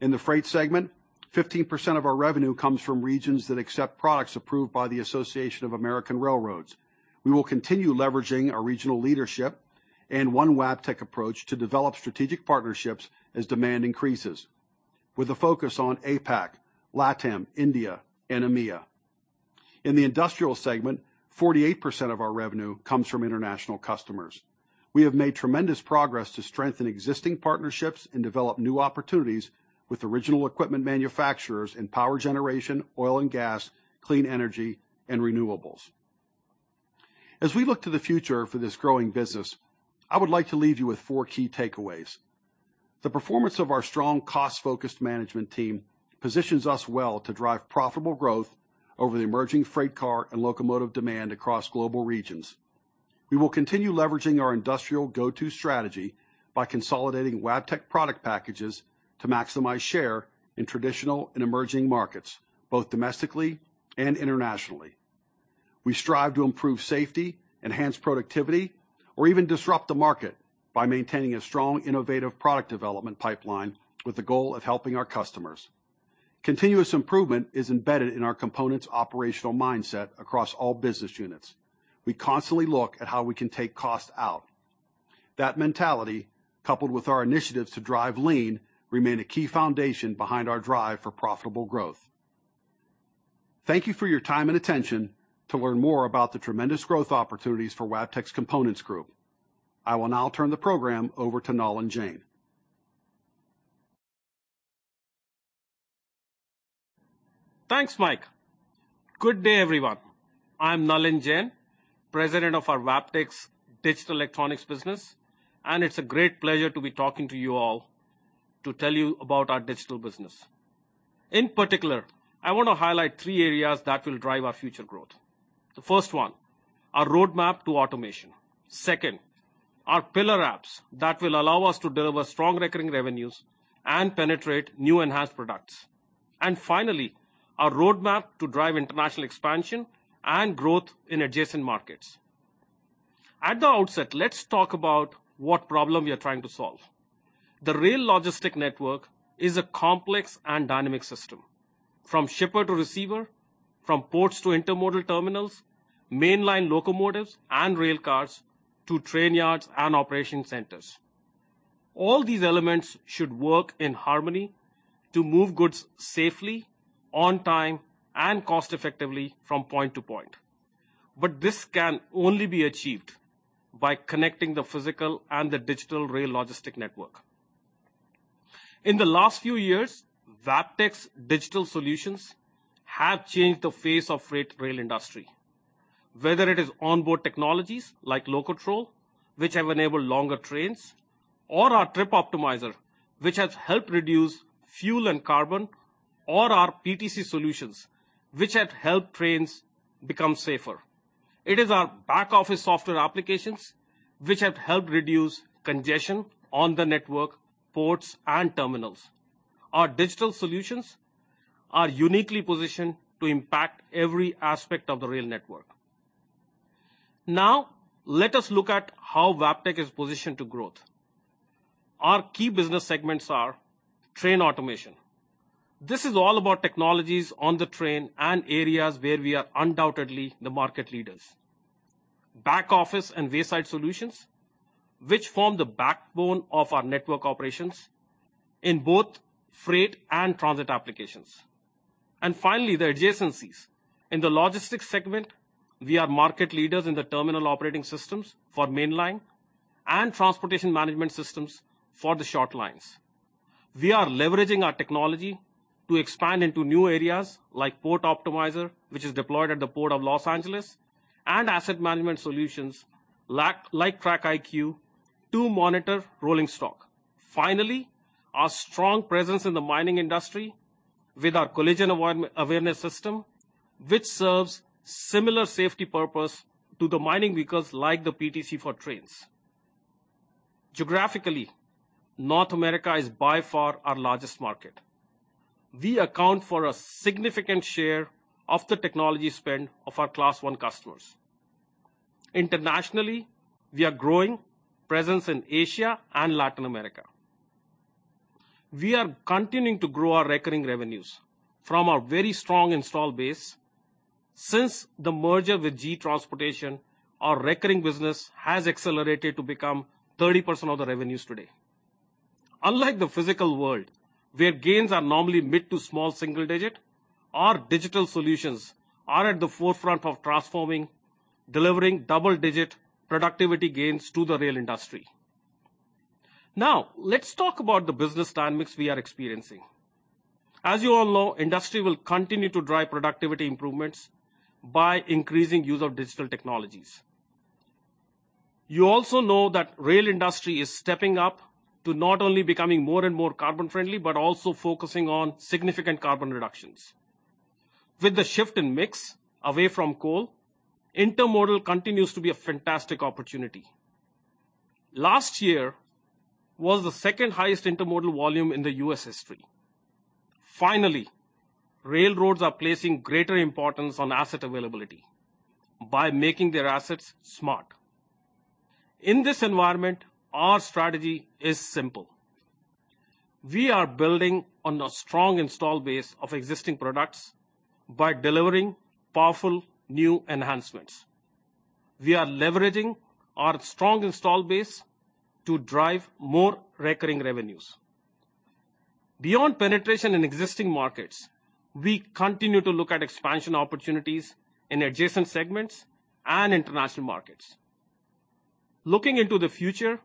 In the freight segment, 15% of our revenue comes from regions that accept products approved by the Association of American Railroads. We will continue leveraging our regional leadership and One Wabtec approach to develop strategic partnerships as demand increases, with a focus on APAC, LATAM, India and EMEA. In the industrial segment, 48% of our revenue comes from international customers. We have made tremendous progress to strengthen existing partnerships and develop new opportunities with original equipment manufacturers in power generation, oil and gas, clean energy and renewables. As we look to the future for this growing business, I would like to leave you with four key takeaways. The performance of our strong cost-focused management team positions us well to drive profitable growth over the emerging freight car and locomotive demand across global regions. We will continue leveraging our industrial go-to strategy by consolidating Wabtec product packages to maximize share in traditional and emerging markets, both domestically and internationally. We strive to improve safety, enhance productivity or even disrupt the market by maintaining a strong innovative product development pipeline with the goal of helping our customers. Continuous improvement is embedded in our components operational mindset across all business units. We constantly look at how we can take costs out. That mentality, coupled with our initiatives to drive Lean, remain a key foundation behind our drive for profitable growth. Thank you for your time and attention to learn more about the tremendous growth opportunities for Wabtec's Components Group. I will now turn the program over to Nalin Jain. Thanks, Mike. Good day, everyone. I'm Nalin Jain, President of our Wabtec's Digital Electronics business, and it's a great pleasure to be talking to you all to tell you about our digital business. In particular, I want to highlight three areas that will drive our future growth. The first one, our roadmap to automation. Second, our pillar apps that will allow us to deliver strong recurring revenues and penetrate new enhanced products. And finally, our roadmap to drive international expansion and growth in adjacent markets. At the outset, let's talk about what problem we are trying to solve. The rail logistics network is a complex and dynamic system. From shipper to receiver, from ports to intermodal terminals, mainline locomotives and rail cars to train yards and operation centers. All these elements should work in harmony to move goods safely, on time and cost effectively from point to point. This can only be achieved by connecting the physical and the digital rail logistics network. In the last few years, Wabtec's digital solutions have changed the face of the freight rail industry. Whether it is onboard technologies like LOCOTROL, which have enabled longer trains, or our Trip Optimizer, which has helped reduce fuel and carbon, or our PTC solutions, which have helped trains become safer. It is our back-office software applications which have helped reduce congestion on the network, ports and terminals. Our digital solutions are uniquely positioned to impact every aspect of the rail network. Now, let us look at how Wabtec is positioned for growth. Our key business segments are train automation. This is all about technologies on the train and areas where we are undoubtedly the market leaders. Back-office and wayside solutions, which form the backbone of our network operations in both freight and transit applications. Finally, the adjacencies. In the logistics segment, we are market leaders in the terminal operating systems for mainline and transportation management systems for the short lines. We are leveraging our technology to expand into new areas like Port Optimizer, which is deployed at the Port of L.A. Asset management solutions like Track IQ to monitor rolling stock. Finally, our strong presence in the mining industry with our Collision Avoidance System, which serves similar safety purpose to the mining vehicles like the PTC for trains. Geographically, North America is by far our largest market. We account for a significant share of the technology spend of our Class I customers. Internationally, we are growing our presence in Asia and Latin America. We are continuing to grow our recurring revenues from our very strong installed base. Since the merger with GE Transportation, our recurring business has accelerated to become 30% of the revenues today. Unlike the physical world, where gains are normally mid- to small single-digit, our digital solutions are at the forefront of transforming, delivering double-digit productivity gains to the rail industry. Now, let's talk about the business dynamics we are experiencing. As you all know, industry will continue to drive productivity improvements by increasing use of digital technologies. You also know that rail industry is stepping up to not only becoming more and more carbon friendly, but also focusing on significant carbon reductions. With the shift in mix away from coal, intermodal continues to be a fantastic opportunity. Last year was the second-highest intermodal volume in the U.S. history. Finally, railroads are placing greater importance on asset availability by making their assets smart. In this environment, our strategy is simple. We are building on a strong install base of existing products by delivering powerful new enhancements. We are leveraging our strong install base to drive more recurring revenues. Beyond penetration in existing markets, we continue to look at expansion opportunities in adjacent segments and international markets. Looking into the future,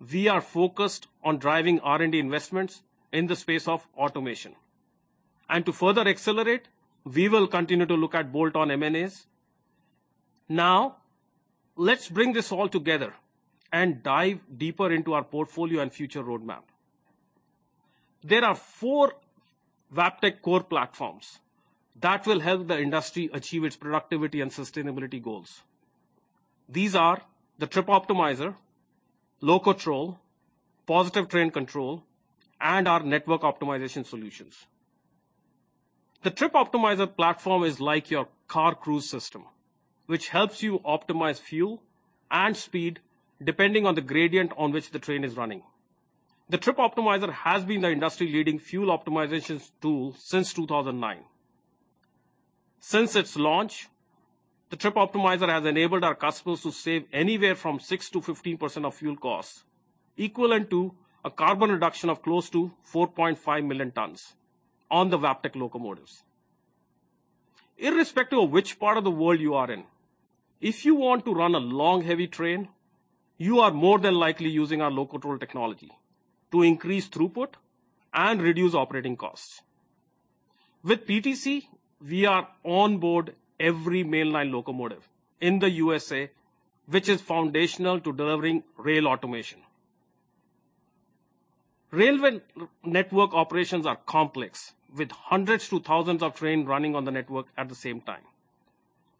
we are focused on driving R&D investments in the space of automation. To further accelerate, we will continue to look at bolt-on M&As. Now, let's bring this all together and dive deeper into our portfolio and future roadmap. There are four Wabtec core platforms that will help the industry achieve its productivity and sustainability goals. These are the Trip Optimizer, LOCOTROL, Positive Train Control, and our network optimization solutions. The Trip Optimizer platform is like your car cruise system, which helps you optimize fuel and speed depending on the gradient on which the train is running. The Trip Optimizer has been the industry-leading fuel optimization tool since 2009. Since its launch, the Trip Optimizer has enabled our customers to save anywhere from 6%-15% of fuel costs, equivalent to a carbon reduction of close to 4.5 million tons on the Wabtec locomotives. Irrespective of which part of the world you are in, if you want to run a long, heavy train, you are more than likely using our LOCOTROL technology to increase throughput and reduce operating costs. With PTC, we are on board every mainline locomotive in the U.S., which is foundational to delivering rail automation. Railway network operations are complex, with hundreds to thousands of trains running on the network at the same time.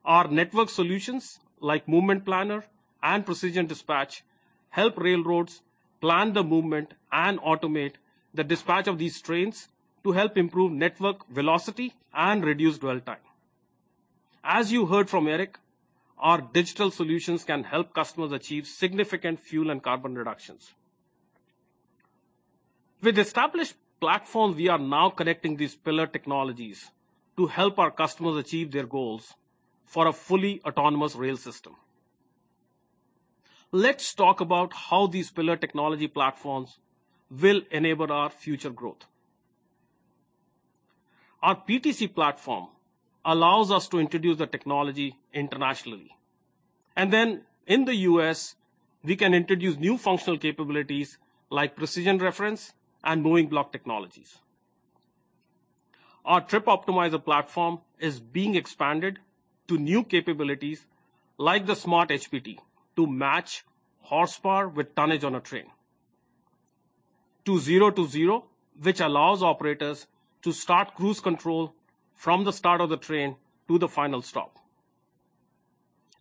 Our network solutions like Movement Planner and Precision Dispatch help railroads plan the movement and automate the dispatch of these trains to help improve network velocity and reduce dwell time. As you heard from Eric, our digital solutions can help customers achieve significant fuel and carbon reductions. With established platforms, we are now connecting these pillar technologies to help our customers achieve their goals for a fully autonomous rail system. Let's talk about how these pillar technology platforms will enable our future growth. Our PTC platform allows us to introduce the technology internationally, and then in the U.S., we can introduce new functional capabilities like precision reference and moving block technologies. Our Trip Optimizer platform is being expanded to new capabilities like the SmartHPT to match horsepower with tonnage on a train. To Zero-to-Zero, which allows operators to start cruise control from the start of the train to the final stop.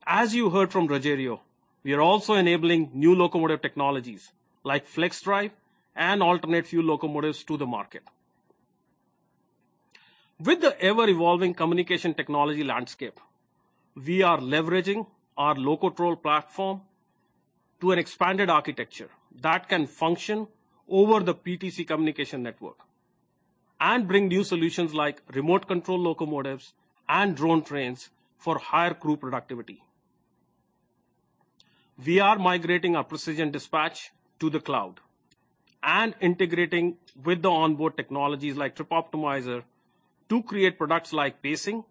As you heard from Rogério, we are also enabling new locomotive technologies like FLXdrive and alternate fuel locomotives to the market. With the ever-evolving communication technology landscape, we are leveraging our LOCOTROL platform to an expanded architecture that can function over the PTC communication network and bring new solutions like remote control locomotives and drone trains for higher crew productivity. We are migrating our Precision Dispatch to the cloud and integrating with the onboard technologies like Trip Optimizer to create products like Pacing,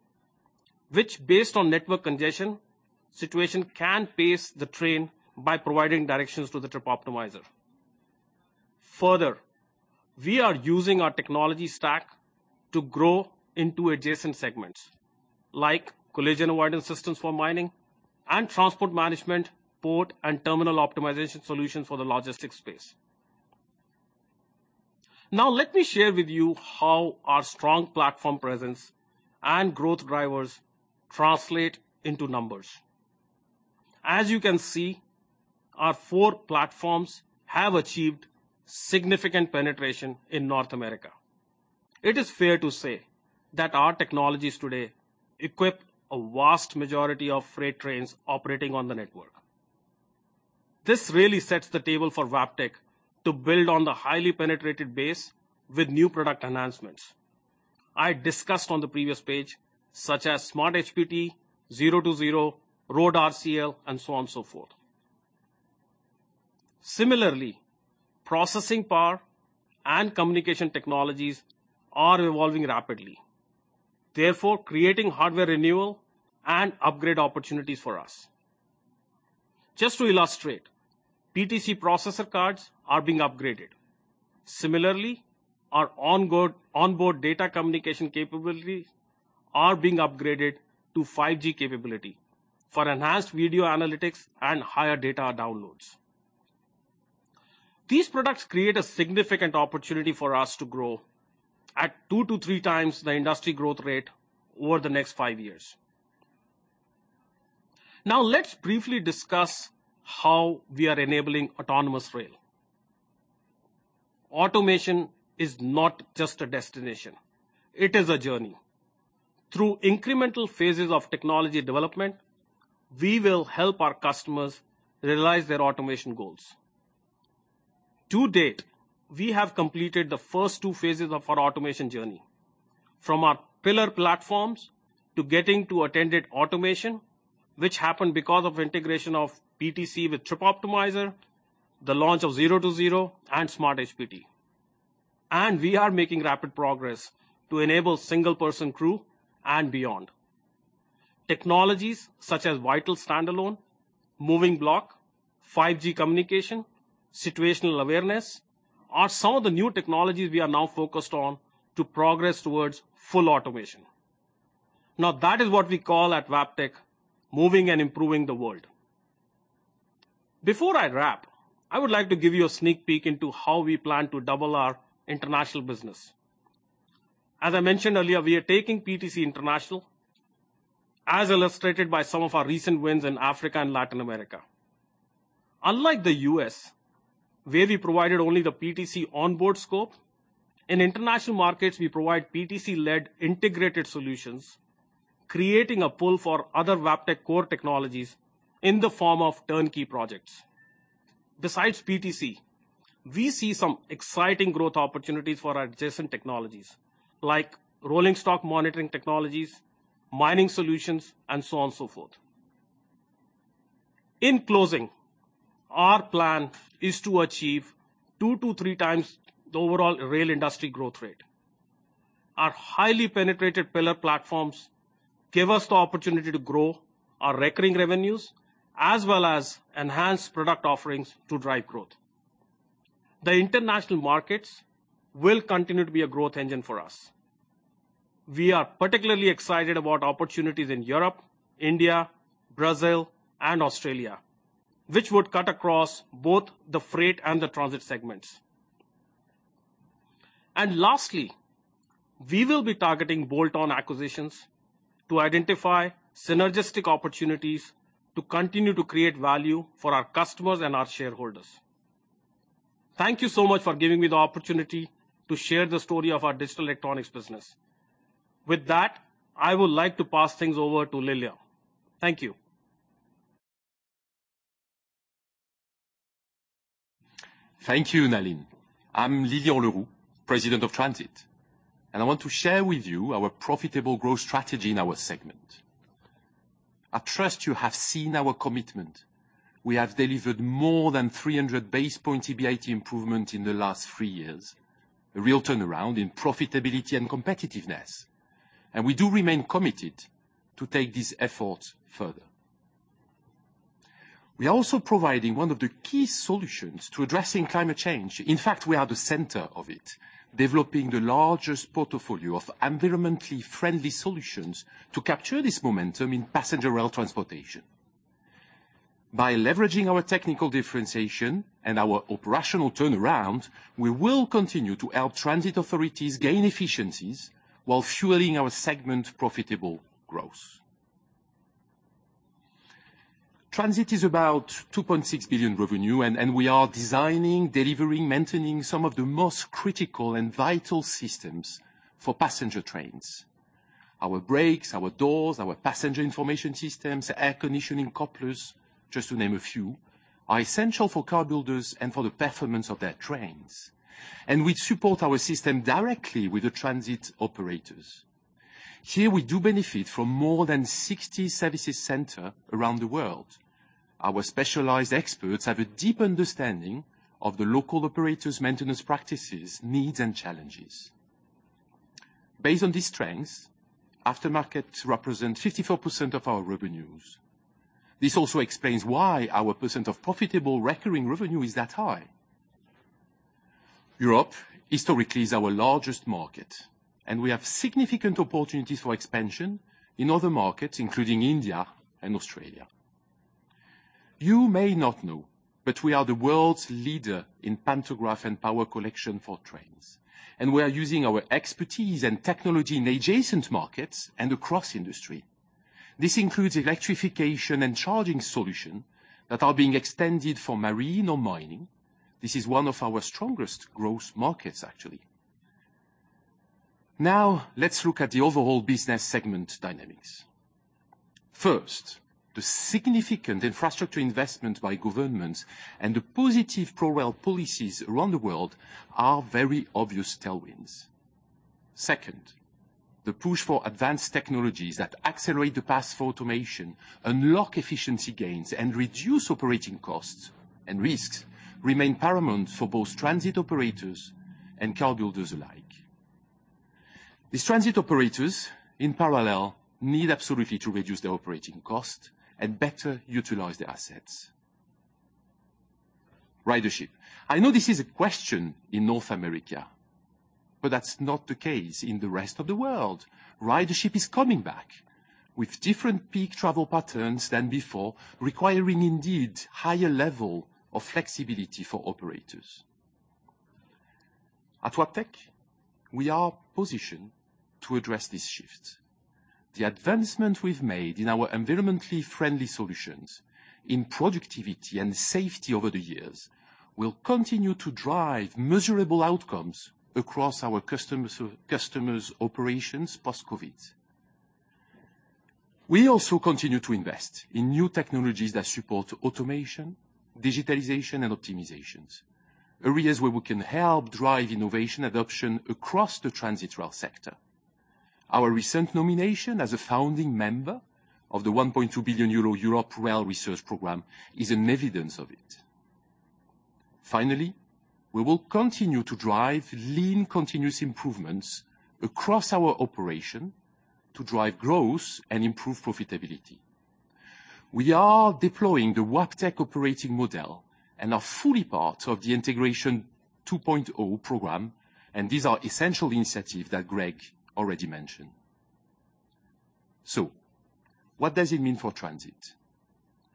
which, based on network congestion situation, can pace the train by providing directions to the Trip Optimizer. Further, we are using our technology stack to grow into adjacent segments like Collision Avoidance Systems for mining and transport management, port and terminal optimization solutions for the logistics space. Now let me share with you how our strong platform presence and growth drivers translate into numbers. As you can see, our four platforms have achieved significant penetration in North America. It is fair to say that our technologies today equip a vast majority of freight trains operating on the network. This really sets the table for Wabtec to build on the highly penetrated base with new product announcements as I discussed on the previous page, such as SmartHPT, Zero-to-Zero, Road RCL, and so on and so forth. Similarly, processing power and communication technologies are evolving rapidly, therefore creating hardware renewal and upgrade opportunities for us. Just to illustrate, PTC processor cards are being upgraded. Similarly, our onboard data communication capabilities are being upgraded to 5G capability for enhanced video analytics and higher data downloads. These products create a significant opportunity for us to grow at two to three times the industry growth rate over the next five years. Now let's briefly discuss how we are enabling autonomous rail. Automation is not just a destination, it is a journey. Through incremental phases of technology development, we will help our customers realize their automation goals. To date, we have completed the first two phases of our automation journey, from our pillar platforms to getting to attended automation, which happened because of integration of PTC with Trip Optimizer, the launch of Zero-to-Zero and SmartHPT. We are making rapid progress to enable single-person crew and beyond. Technologies such as vital standalone, moving block, 5G communication, situational awareness, are some of the new technologies we are now focused on to progress towards full automation. Now, that is what we call at Wabtec, moving and improving the world. Before I wrap, I would like to give you a sneak peek into how we plan to double our international business. As I mentioned earlier, we are taking PTC international, as illustrated by some of our recent wins in Africa and Latin America. Unlike the U.S., where we provided only the PTC onboard scope, in international markets, we provide PTC-led integrated solutions, creating a pull for other Wabtec core technologies in the form of turnkey projects. Besides PTC, we see some exciting growth opportunities for our adjacent technologies like rolling stock monitoring technologies, mining solutions, and so on and so forth. In closing, our plan is to achieve two to three times the overall rail industry growth rate. Our highly penetrated pillar platforms give us the opportunity to grow our recurring revenues as well as enhance product offerings to drive growth. The international markets will continue to be a growth engine for us. We are particularly excited about opportunities in Europe, India, Brazil and Australia, which would cut across both the freight and the transit segments. Lastly, we will be targeting bolt-on acquisitions to identify synergistic opportunities to continue to create value for our customers and our shareholders. Thank you so much for giving me the opportunity to share the story of our Digital Electronics business. With that, I would like to pass things over to Lilian. Thank you. Thank you, Nalin. I'm Lilian Leroux, President of Transit, and I want to share with you our profitable growth strategy in our segment. I trust you have seen our commitment. We have delivered more than 300-basis point EBIT improvement in the last three years, a real turnaround in profitability and competitiveness, and we do remain committed to take this effort further. We are also providing one of the key solutions to addressing climate change. In fact, we are the center of it, developing the largest portfolio of environmentally friendly solutions to capture this momentum in passenger rail transportation. By leveraging our technical differentiation and our operational turnaround, we will continue to help transit authorities gain efficiencies while fueling our segment profitable growth. Transit is about $2.6 billion revenue, and we are designing, delivering, maintaining some of the most critical and vital systems for passenger trains. Our brakes, our doors, our passenger information systems, air conditioning couplers, just to name a few, are essential for car builders and for the performance of their trains. We support our system directly with the transit operators. Here we do benefit from more than 60 service centers around the world. Our specialized experts have a deep understanding of the local operators' maintenance practices, needs and challenges. Based on these strengths, aftermarket represent 54% of our revenues. This also explains why our percent of profitable recurring revenue is that high. Europe historically is our largest market, and we have significant opportunities for expansion in other markets, including India and Australia. You may not know, but we are the world's leader in pantograph and power collection for trains, and we are using our expertise and technology in adjacent markets and across industry. This includes electrification and charging solution that are being extended for marine or mining. This is one of our strongest growth markets, actually. Now let's look at the overall business segment dynamics. First, the significant infrastructure investment by governments and the positive pro-rail policies around the world are very obvious tailwinds. Second, the push for advanced technologies that accelerate the path for automation, unlock efficiency gains, and reduce operating costs and risks remain paramount for both transit operators and car builders alike. These transit operators, in parallel, need absolutely to reduce their operating cost and better utilize their assets. Ridership, I know this is a question in North America, but that's not the case in the rest of the world. Ridership is coming back with different peak travel patterns than before, requiring indeed higher level of flexibility for operators. At Wabtec, we are positioned to address this shift. The advancement we've made in our environmentally friendly solutions in productivity and safety over the years will continue to drive measurable outcomes across our customers' operations post-COVID. We also continue to invest in new technologies that support automation, digitalization, and optimizations, areas where we can help drive innovation adoption across the transit rail sector. Our recent nomination as a founding member of the 1.2 billion euro Europe's Rail research program is an evidence of it. Finally, we will continue to drive lean continuous improvements across our operation to drive growth and improve profitability. We are deploying the Wabtec operating model and are fully part of the Integration 2.0 program, and these are essential initiatives that Greg already mentioned. What does it mean for Transit?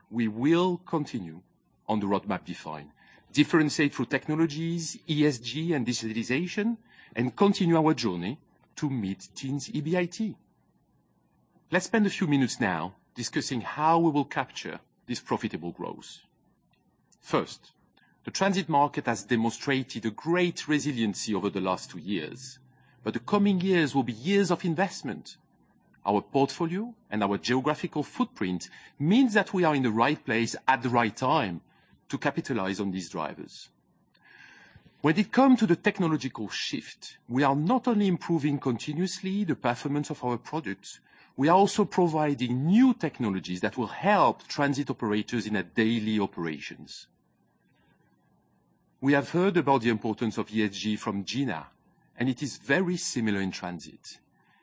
We will continue on the roadmap defined, differentiate through technologies, ESG and digitalization, and continue our journey to meet team's EBIT. Let's spend a few minutes now discussing how we will capture this profitable growth. First, the transit market has demonstrated a great resiliency over the last two years, but the coming years will be years of investment. Our portfolio and our geographical footprint means that we are in the right place at the right time to capitalize on these drivers. When it come to the technological shift, we are not only improving continuously the performance of our products, we are also providing new technologies that will help transit operators in their daily operations. We have heard about the importance of ESG from Gina, and it is very similar in Transit.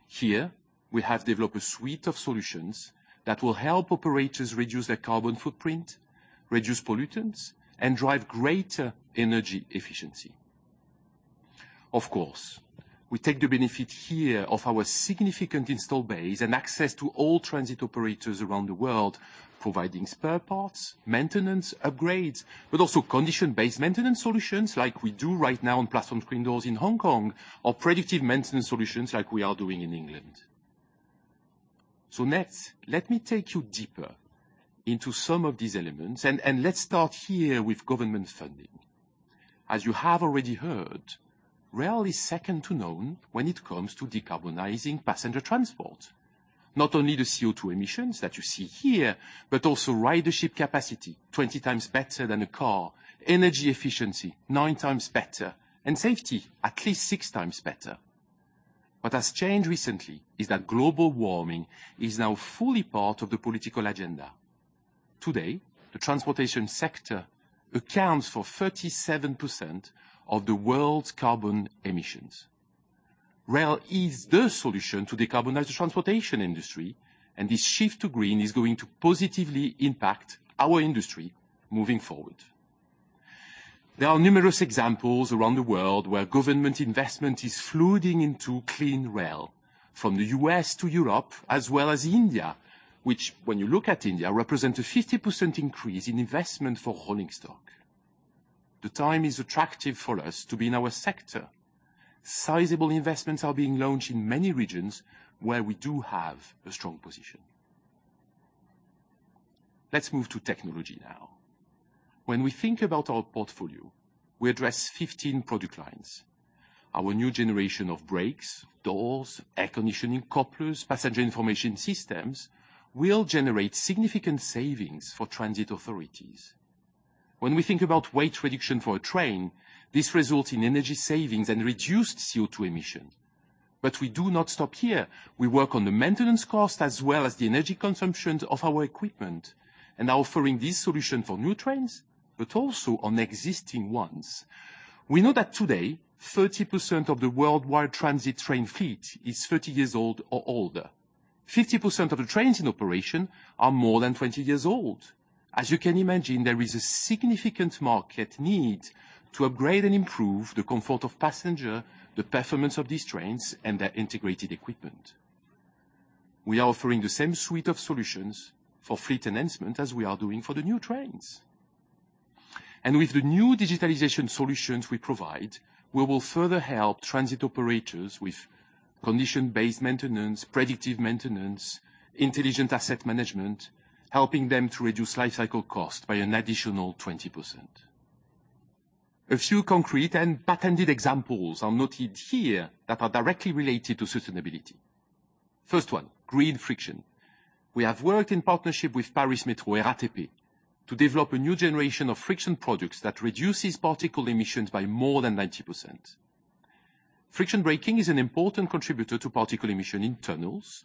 Here, we have developed a suite of solutions that will help operators reduce their carbon footprint, reduce pollutants, and drive greater energy efficiency. Of course, we take the benefit here of our significant installed base and access to all transit operators around the world, providing spare parts, maintenance, upgrades, but also condition-based maintenance solutions like we do right now on platform screen doors in Hong Kong or predictive maintenance solutions like we are doing in England. Next, let me take you deeper into some of these elements and let's start here with government funding. As you have already heard, rail is second to none when it comes to decarbonizing passenger transport. Not only the CO₂ emissions that you see here, but also ridership capacity, 20 times better than a car. Energy efficiency, nine times better. Safety, at least six times better. What has changed recently is that global warming is now fully part of the political agenda. Today, the transportation sector accounts for 37% of the world's carbon emissions. Rail is the solution to decarbonize the transportation industry, and this shift to green is going to positively impact our industry moving forward. There are numerous examples around the world where government investment is flooding into clean rail from the U.S. to Europe as well as India, which when you look at India, represent a 50% increase in investment for rolling stock. The time is attractive for us to be in our sector. Sizable investments are being launched in many regions where we do have a strong position. Let's move to technology now. When we think about our portfolio, we address 15 product lines. Our new generation of brakes, doors, air conditioning, couplers, passenger information systems will generate significant savings for transit authorities. When we think about weight reduction for a train, this results in energy savings and reduced CO₂ emission. We do not stop here. We work on the maintenance cost as well as the energy consumption of our equipment and are offering this solution for new trains, but also on existing ones. We know that today 30% of the worldwide transit train fleet is 30 years old or older. 50% of the trains in operation are more than 20 years old. As you can imagine, there is a significant market need to upgrade and improve the comfort of passenger, the performance of these trains, and their integrated equipment. We are offering the same suite of solutions for fleet enhancement as we are doing for the new trains. With the new digitalization solutions we provide, we will further help transit operators with condition-based maintenance, predictive maintenance, intelligent asset management, helping them to reduce lifecycle cost by an additional 20%. A few concrete and patented examples are noted here that are directly related to sustainability. First one, Green Friction. We have worked in partnership with Paris Métro RATP to develop a new generation of friction products that reduces particle emissions by more than 90%. Friction braking is an important contributor to particle emission in tunnels,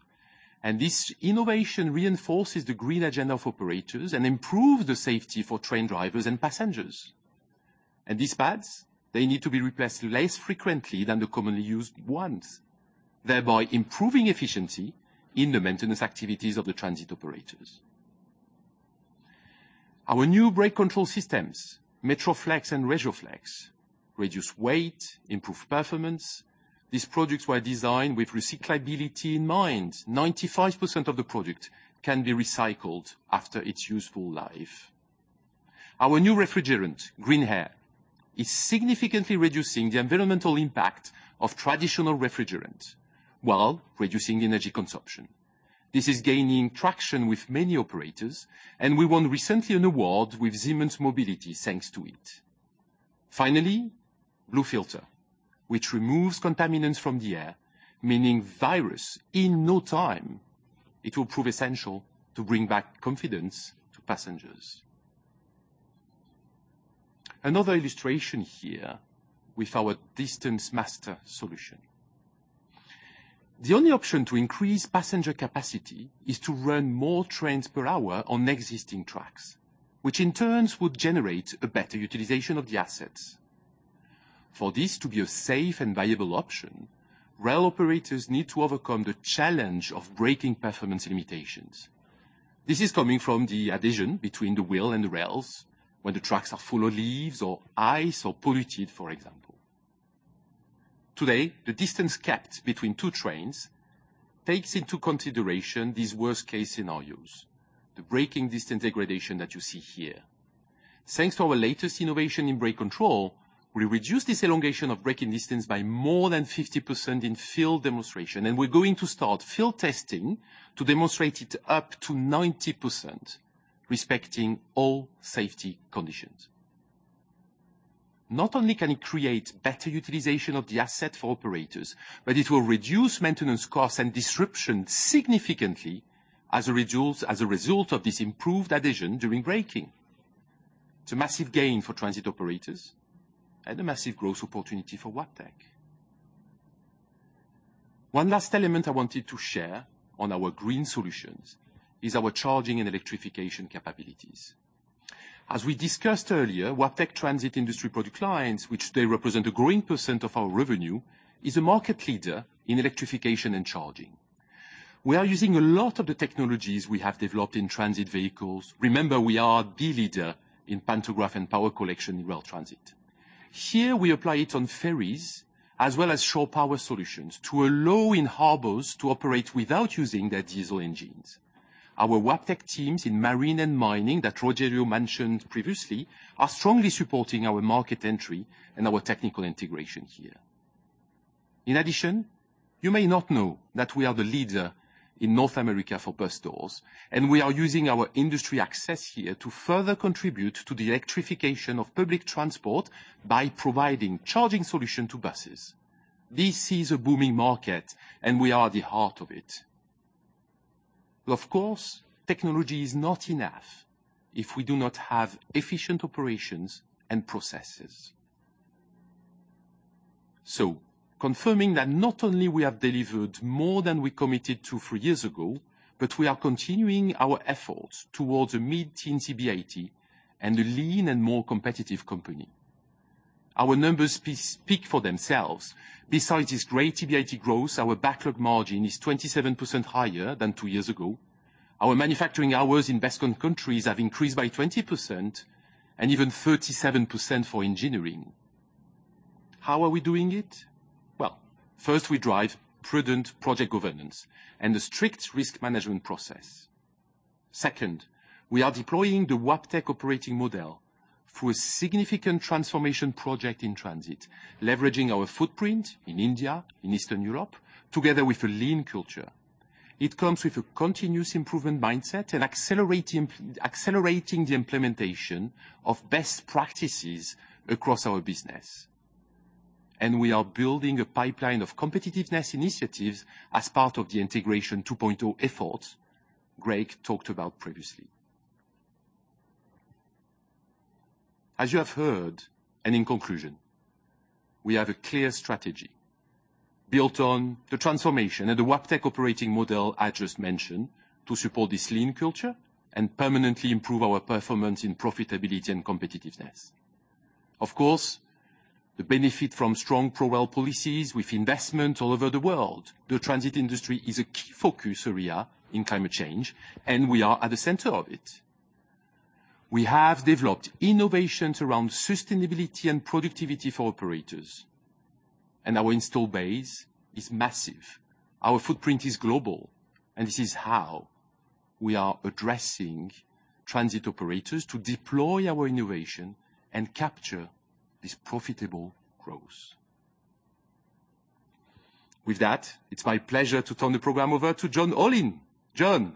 and this innovation reinforces the green agenda of operators and improve the safety for train drivers and passengers. These pads, they need to be replaced less frequently than the commonly used ones, thereby improving efficiency in the maintenance activities of the transit operators. Our new brake control systems, Metroflexx and Regioflexx, reduce weight, improve performance. These products were designed with recyclability in mind. 95% of the product can be recycled after its useful life. Our new refrigerant, Green Air, is significantly reducing the environmental impact of traditional refrigerant while reducing energy consumption. This is gaining traction with many operators, and we won recently an award with Siemens Mobility, thanks to it. Finally, BlueFilter, which removes contaminants from the air, meaning viruses in no time. It will prove essential to bring back confidence to passengers. Another illustration here with our Distance Master solution. The only option to increase passenger capacity is to run more trains per hour on existing tracks, which in turn would generate a better utilization of the assets. For this to be a safe and viable option, rail operators need to overcome the challenge of braking performance limitations. This is coming from the adhesion between the wheel and the rails when the tracks are full of leaves or ice or polluted, for example. Today, the distance kept between two trains takes into consideration these worst-case scenarios, the braking distance degradation that you see here. Thanks to our latest innovation in brake control, we reduce this elongation of braking distance by more than 50% in field demonstration, and we're going to start field testing to demonstrate it up to 90%, respecting all safety conditions. Not only can it create better utilization of the asset for operators, but it will reduce maintenance costs and disruption significantly as a result of this improved adhesion during braking. It's a massive gain for transit operators and a massive growth opportunity for Wabtec. One last element I wanted to share on our green solutions is our charging and electrification capabilities. As we discussed earlier, Wabtec transit industry product lines, which they represent a growing percent of our revenue, is a market leader in electrification and charging. We are using a lot of the technologies we have developed in transit vehicles. Remember, we are the leader in pantograph and power collection in rail transit. Here we apply it on ferries as well as shore power solutions to allow in harbors to operate without using their diesel engines. Our Wabtec teams in marine and mining, that Rogério mentioned previously, are strongly supporting our market entry and our technical integration here. In addition, you may not know that we are the leader in North America for bus doors, and we are using our industry access here to further contribute to the electrification of public transport by providing charging solution to buses. This is a booming market, and we are the heart of it. Of course, technology is not enough if we do not have efficient operations and processes. Confirming that not only we have delivered more than we committed to three years ago, but we are continuing our efforts towards a mid-teen EBIT and a lean and more competitive company. Our numbers speak for themselves. Besides this great EBIT growth, our backlog margin is 27% higher than two years ago. Our manufacturing hours in best cost countries have increased by 20% and even 37% for engineering. How are we doing it? Well, first, we drive prudent project governance and a strict risk management process. Second, we are deploying the Wabtec operating model through a significant transformation project in transit, leveraging our footprint in India, in Eastern Europe, together with a lean culture. It comes with a continuous improvement mindset and accelerating the implementation of best practices across our business. We are building a pipeline of competitiveness initiatives as part of the Integration 2.0 effort Greg talked about previously. As you have heard, in conclusion, we have a clear strategy built on the transformation and the Wabtec operating model I just mentioned to support this lean culture and permanently improve our performance in profitability and competitiveness. Of course, we benefit from strong pro-rail policies with investment all over the world. The transit industry is a key focus area in climate change, and we are at the center of it. We have developed innovations around sustainability and productivity for operators, and our install base is massive. Our footprint is global, and this is how we are addressing transit operators to deploy our innovation and capture this profitable growth. With that, it's my pleasure to turn the program over to John Olin. John.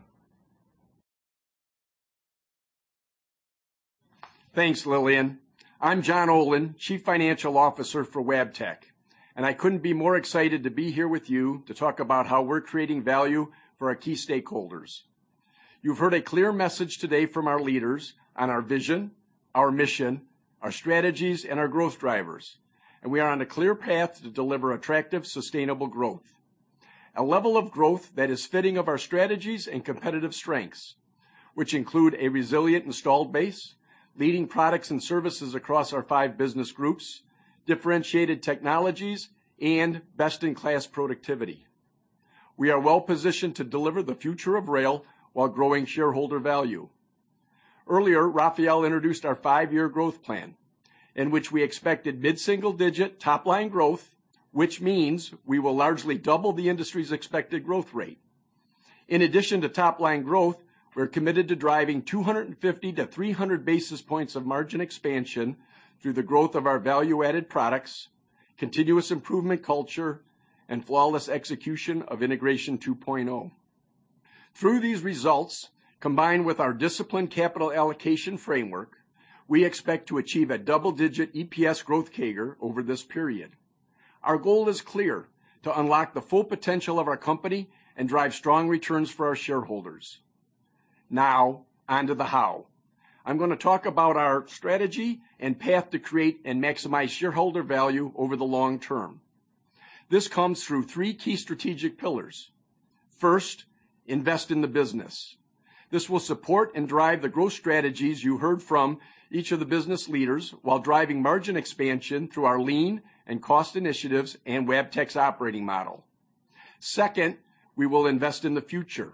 Thanks, Lilian. I'm John Olin, Chief Financial Officer for Wabtec, and I couldn't be more excited to be here with you to talk about how we're creating value for our key stakeholders. You've heard a clear message today from our leaders on our vision, our mission, our strategies, and our growth drivers, and we are on a clear path to deliver attractive, sustainable growth. A level of growth that is fitting of our strategies and competitive strengths, which include a resilient installed base, leading products and services across our five business groups, differentiated technologies, and best-in-class productivity. We are well-positioned to deliver the future of rail while growing shareholder value. Earlier, Rafael introduced our five-year growth plan in which we expected mid-single-digit top-line growth, which means we will largely double the industry's expected growth rate. In addition to top-line growth, we're committed to driving 250-300 basis points of margin expansion through the growth of our value-added products, continuous improvement culture, and flawless execution of Integration 2.0. Through these results, combined with our disciplined capital allocation framework, we expect to achieve a double-digit EPS growth CAGR over this period. Our goal is clear, to unlock the full potential of our company and drive strong returns for our shareholders. Now on to the how. I'm gonna talk about our strategy and path to create and maximize shareholder value over the long term. This comes through three key strategic pillars. First, invest in the business. This will support and drive the growth strategies you heard from each of the business leaders while driving margin expansion through our lean and cost initiatives and Wabtec's operating model. Second, we will invest in the future.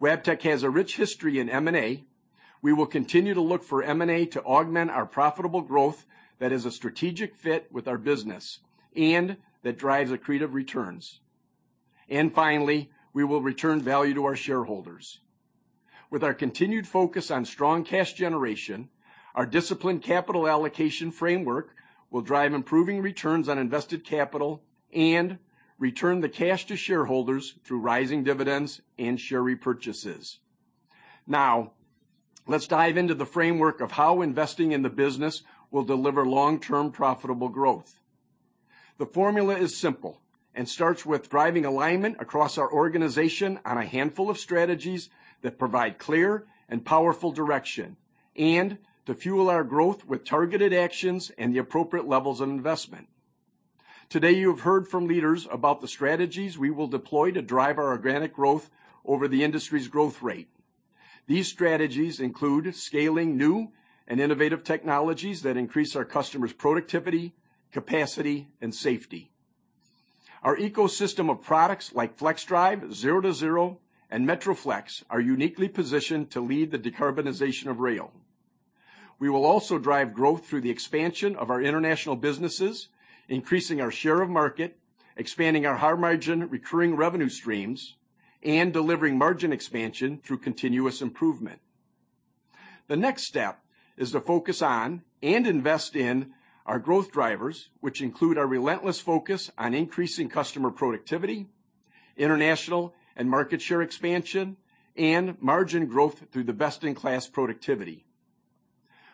Wabtec has a rich history in M&A. We will continue to look for M&A to augment our profitable growth that is a strategic fit with our business and that drives accretive returns. Finally, we will return value to our shareholders. With our continued focus on strong cash generation, our disciplined capital allocation framework will drive improving returns on invested capital and return the cash to shareholders through rising dividends and share repurchases. Now, let's dive into the framework of how investing in the business will deliver long-term profitable growth. The formula is simple and starts with driving alignment across our organization on a handful of strategies that provide clear and powerful direction and to fuel our growth with targeted actions and the appropriate levels of investment. Today, you have heard from leaders about the strategies we will deploy to drive our organic growth over the industry's growth rate. These strategies include scaling new and innovative technologies that increase our customers' productivity, capacity, and safety. Our ecosystem of products like FLXdrive, Zero-to-Zero, and Metroflexx are uniquely positioned to lead the decarbonization of rail. We will also drive growth through the expansion of our international businesses, increasing our share of market, expanding our high-margin recurring revenue streams, and delivering margin expansion through continuous improvement. The next step is to focus on and invest in our growth drivers, which include our relentless focus on increasing customer productivity, international and market share expansion, and margin growth through the best-in-class productivity.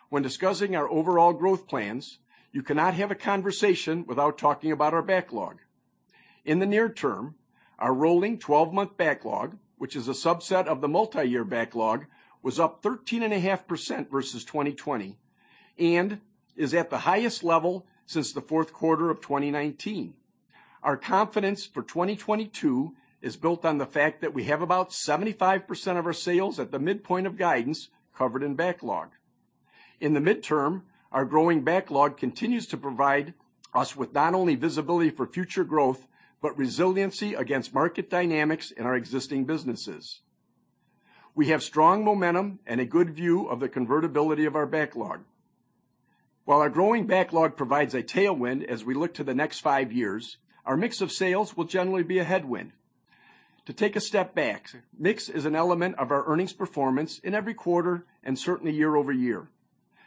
When discussing our overall growth plans, you cannot have a conversation without talking about our backlog. In the near term, our rolling 12-month backlog, which is a subset of the mult-iyear backlog, was up 13.5% versus 2020 and is at the highest level since the fourth quarter of 2019. Our confidence for 2022 is built on the fact that we have about 75% of our sales at the midpoint of guidance covered in backlog. In the midterm, our growing backlog continues to provide us with not only visibility for future growth but resiliency against market dynamics in our existing businesses. We have strong momentum and a good view of the convertibility of our backlog. While our growing backlog provides a tailwind as we look to the next five years, our mix of sales will generally be a headwind. To take a step back, mix is an element of our earnings performance in every quarter and certainly year-over-year.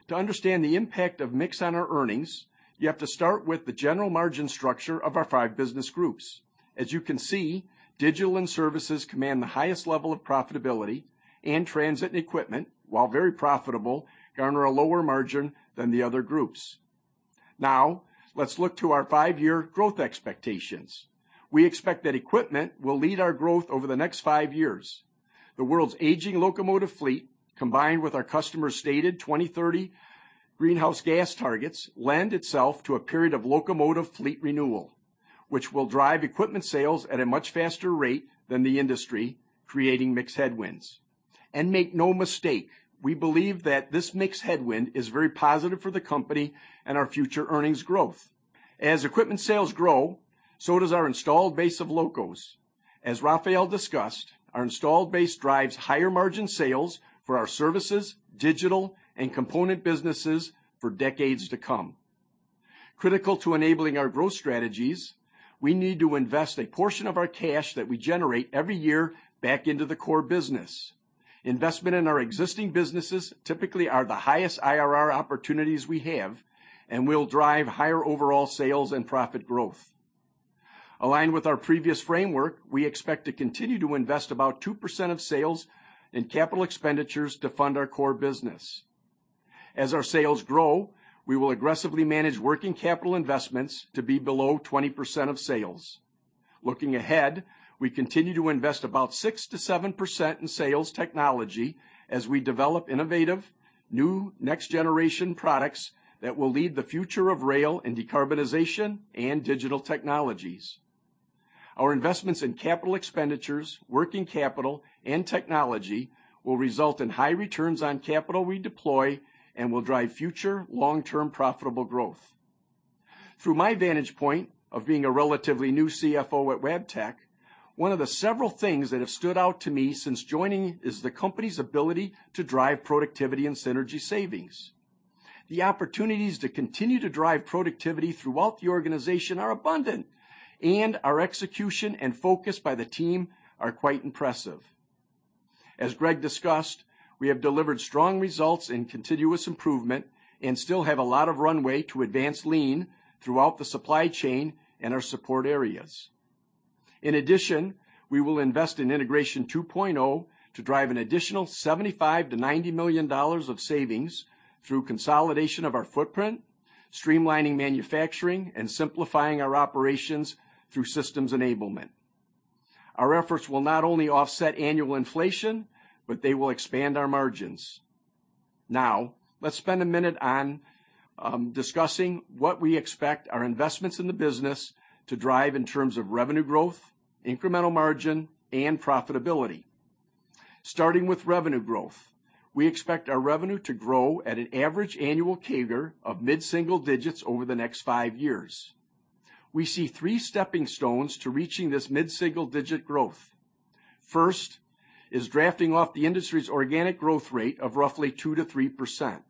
To understand the impact of mix on our earnings, you have to start with the general margin structure of our five business groups. As you can see, digital and services command the highest level of profitability, and transit and equipment, while very profitable, garner a lower margin than the other groups. Now, let's look to our five-year growth expectations. We expect that equipment will lead our growth over the next five years. The world's aging locomotive fleet, combined with our customers' stated 2030 greenhouse gas targets lend itself to a period of locomotive fleet renewal, which will drive equipment sales at a much faster rate than the industry, creating mix headwinds. Make no mistake, we believe that this mixed headwind is very positive for the company and our future earnings growth. As equipment sales grow, so does our installed base of locos. As Rafael discussed, our installed base drives higher-margin sales for our services, digital, and component businesses for decades to come. Critical to enabling our growth strategies, we need to invest a portion of our cash that we generate every year back into the core business. Investment in our existing businesses typically are the highest IRR opportunities we have and will drive higher overall sales and profit growth. Aligned with our previous framework, we expect to continue to invest about 2% of sales in capital expenditures to fund our core business. As our sales grow, we will aggressively manage working capital investments to be below 20% of sales. Looking ahead, we continue to invest about 6%-7% in sales technology as we develop innovative, new next-generation products that will lead the future of rail in decarbonization and digital technologies. Our investments in capital expenditures, working capital, and technology will result in high returns on capital we deploy and will drive future long-term profitable growth. Through my vantage point of being a relatively new CFO at Wabtec, one of the several things that have stood out to me since joining is the company's ability to drive productivity and synergy savings. The opportunities to continue to drive productivity throughout the organization are abundant, and our execution and focus by the team are quite impressive. As Greg discussed, we have delivered strong results in continuous improvement and still have a lot of runway to advance Lean throughout the supply chain and our support areas. In addition, we will invest in Integration 2.0 to drive an additional $75 million-$90 million of savings through consolidation of our footprint, streamlining manufacturing, and simplifying our operations through systems enablement. Our efforts will not only offset annual inflation, but they will expand our margins. Now, let's spend a minute on discussing what we expect our investments in the business to drive in terms of revenue growth, incremental margin, and profitability. Starting with revenue growth, we expect our revenue to grow at an average annual CAGR of mid-single digits over the next five years. We see three stepping stones to reaching this mid-single-digit growth. First is drafting off the industry's organic growth rate of roughly 2%-3%.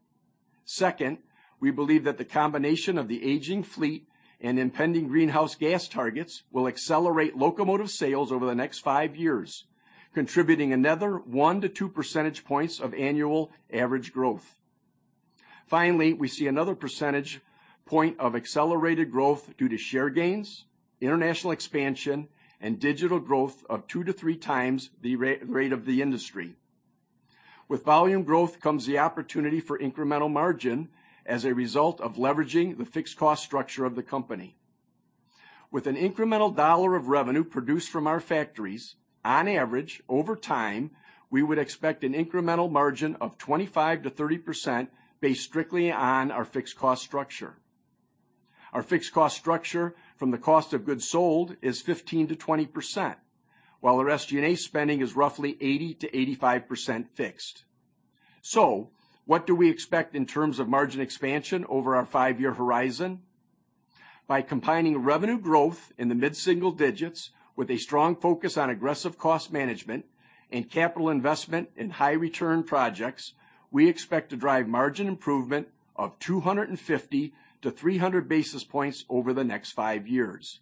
Second, we believe that the combination of the aging fleet and impending greenhouse gas targets will accelerate locomotive sales over the next five years, contributing another 1-2 percentage points of annual average growth. Finally, we see another percentage point of accelerated growth due to share gains, international expansion, and digital growth of two to three times the rate of the industry. With volume growth comes the opportunity for incremental margin as a result of leveraging the fixed cost structure of the company. With an incremental dollar of revenue produced from our factories, on average over time, we would expect an incremental margin of 25%-30% based strictly on our fixed cost structure. Our fixed cost structure from the cost of goods sold is 15%-20%, while our SG&A spending is roughly 80%-85% fixed. What do we expect in terms of margin expansion over our five-year horizon? By combining revenue growth in the mid-single digits with a strong focus on aggressive cost management and capital investment in high-return projects, we expect to drive margin improvement of 250-300 basis points over the next five years.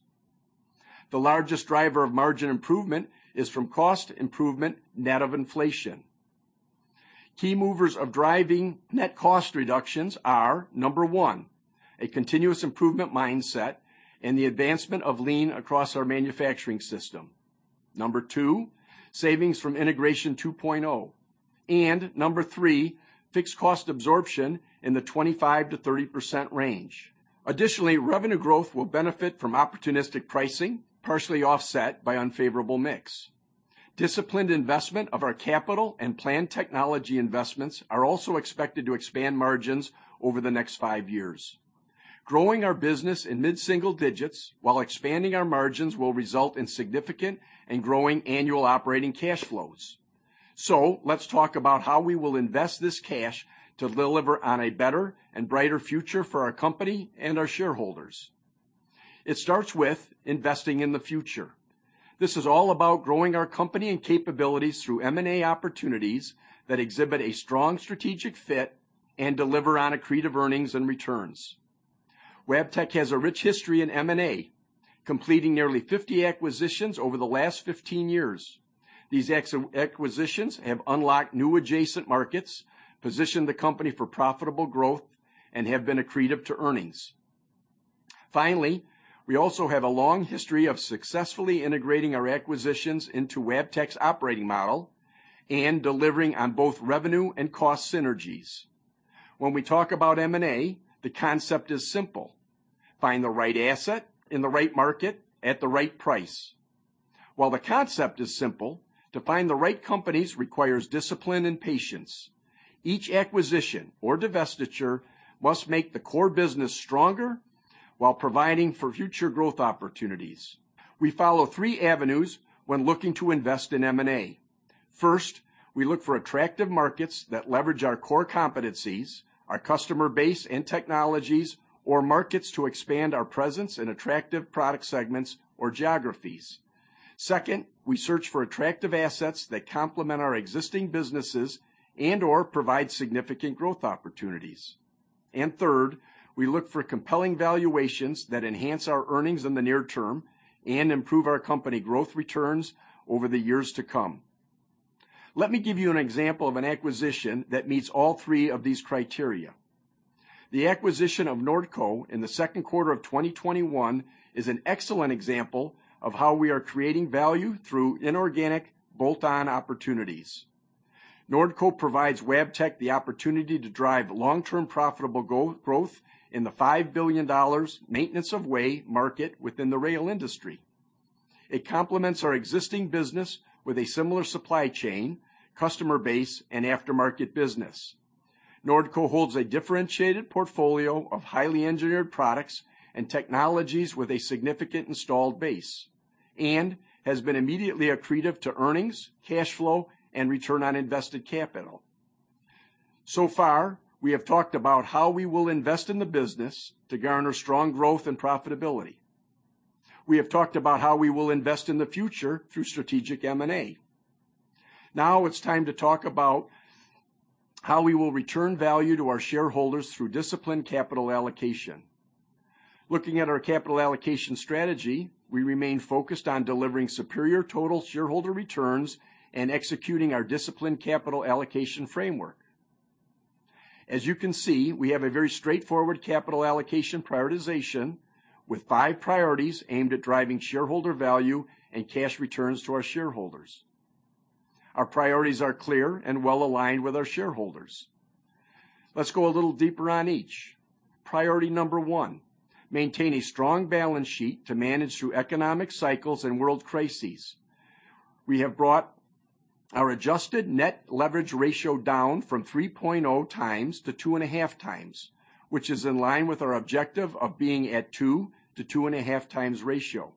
The largest driver of margin improvement is from cost improvement net of inflation. Key drivers driving net cost reductions are, number one, a continuous improvement mindset and the advancement of Lean across our manufacturing system. Number two, savings from Integration 2.0. And number three, fixed cost absorption in the 25%-30% range. Additionally, revenue growth will benefit from opportunistic pricing, partially offset by unfavorable mix. Disciplined investment of our capital and planned technology investments are also expected to expand margins over the next five years. Growing our business in mid-single digits while expanding our margins will result in significant and growing annual operating cash flows. Let's talk about how we will invest this cash to deliver on a better and brighter future for our company and our shareholders. It starts with investing in the future. This is all about growing our company and capabilities through M&A opportunities that exhibit a strong strategic fit and deliver on accretive earnings and returns. Wabtec has a rich history in M&A, completing nearly 50 acquisitions over the last 15 years. These acquisitions have unlocked new adjacent markets, positioned the company for profitable growth, and have been accretive to earnings. Finally, we also have a long history of successfully integrating our acquisitions into Wabtec's operating model and delivering on both revenue and cost synergies. When we talk about M&A, the concept is simple: Find the right asset in the right market at the right price. While the concept is simple, to find the right companies requires discipline and patience. Each acquisition or divestiture must make the core business stronger while providing for future growth opportunities. We follow three avenues when looking to invest in M&A. First, we look for attractive markets that leverage our core competencies, our customer base and technologies, or markets to expand our presence in attractive product segments or geographies. Second, we search for attractive assets that complement our existing businesses and/or provide significant growth opportunities. Third, we look for compelling valuations that enhance our earnings in the near term and improve our company growth returns over the years to come. Let me give you an example of an acquisition that meets all three of these criteria. The acquisition of Nordco in the second quarter of 2021 is an excellent example of how we are creating value through inorganic bolt-on opportunities. Nordco provides Wabtec the opportunity to drive long-term profitable go-growth in the $5 billion maintenance-of-way market within the rail industry. It complements our existing business with a similar supply chain, customer base, and aftermarket business. Nordco holds a differentiated portfolio of highly engineered products and technologies with a significant installed base and has been immediately accretive to earnings, cash flow, and return on invested capital. So far, we have talked about how we will invest in the business to garner strong growth and profitability. We have talked about how we will invest in the future through strategic M&A. Now it's time to talk about how we will return value to our shareholders through disciplined capital allocation. Looking at our capital allocation strategy, we remain focused on delivering superior total shareholder returns and executing our disciplined capital allocation framework. As you can see, we have a very straightforward capital allocation prioritization with five priorities aimed at driving shareholder value and cash returns to our shareholders. Our priorities are clear and well-aligned with our shareholders. Let's go a little deeper on each. Priority number one. Maintain a strong balance sheet to manage through economic cycles and world crises. We have brought our adjusted net leverage ratio down from 3.0x to 2.5x, which is in line with our objective of being at 2x-2.5x ratio,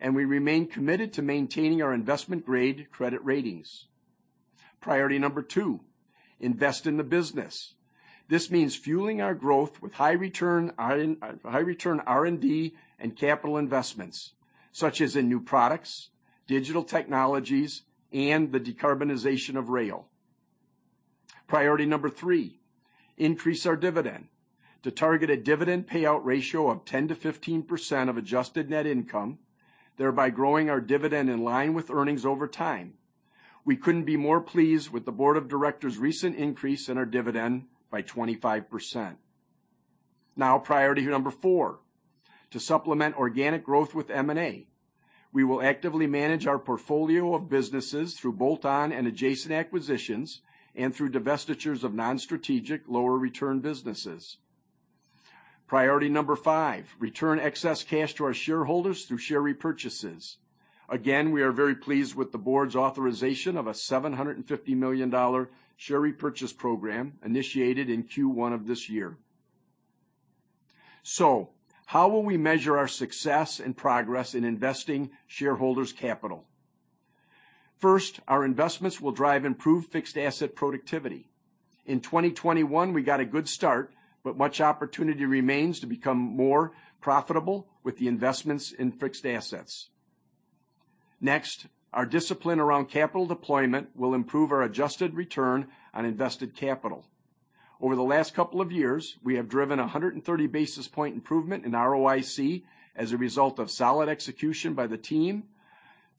and we remain committed to maintaining our investment-grade credit ratings. Priority number two. Invest in the business. This means fueling our growth with high-return R&D and capital investments such as in new products, digital technologies, and the decarbonization of rail. Priority number three, increase our dividend to target a dividend payout ratio of 10%-15% of adjusted net income, thereby growing our dividend in line with earnings over time. We couldn't be more pleased with the board of directors' recent increase in our dividend by 25%. Now, priority number four, to supplement organic growth with M&A. We will actively manage our portfolio of businesses through bolt-on and adjacent acquisitions and through divestitures of non-strategic lower return businesses. Priority number five, return excess cash to our shareholders through share repurchases. Again, we are very pleased with the board's authorization of a $750 million share repurchase program initiated in Q1 of this year. How will we measure our success and progress in investing shareholders' capital? First, our investments will drive improved fixed asset productivity. In 2021, we got a good start, but much opportunity remains to become more profitable with the investments in fixed assets. Next, our discipline around capital deployment will improve our adjusted return on invested capital. Over the last couple of years, we have driven a 130-basis point improvement in ROIC as a result of solid execution by the team,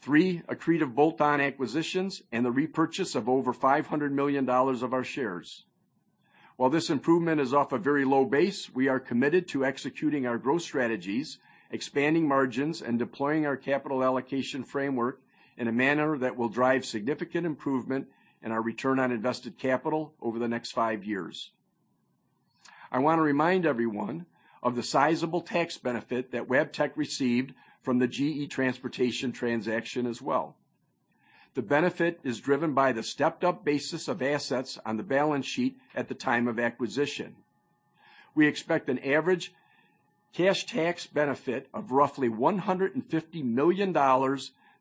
three accretive bolt-on acquisitions, and the repurchase of over $500 million of our shares. While this improvement is off a very low base, we are committed to executing our growth strategies, expanding margins, and deploying our capital allocation framework in a manner that will drive significant improvement in our return on invested capital over the next five years. I want to remind everyone of the sizable tax benefit that Wabtec received from the GE Transportation transaction as well. The benefit is driven by the stepped-up basis of assets on the balance sheet at the time of acquisition. We expect an average cash tax benefit of roughly $150 million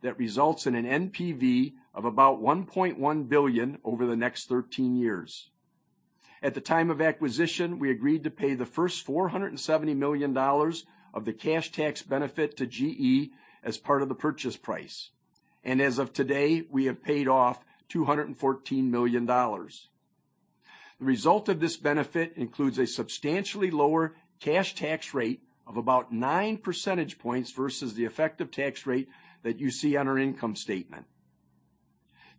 that results in an NPV of about $1.1 billion over the next 13 years. At the time of acquisition, we agreed to pay the first $470 million of the cash tax benefit to GE as part of the purchase price, and as of today, we have paid off $214 million. The result of this benefit includes a substantially lower cash tax rate of about 9 percentage points versus the effective tax rate that you see on our income statement.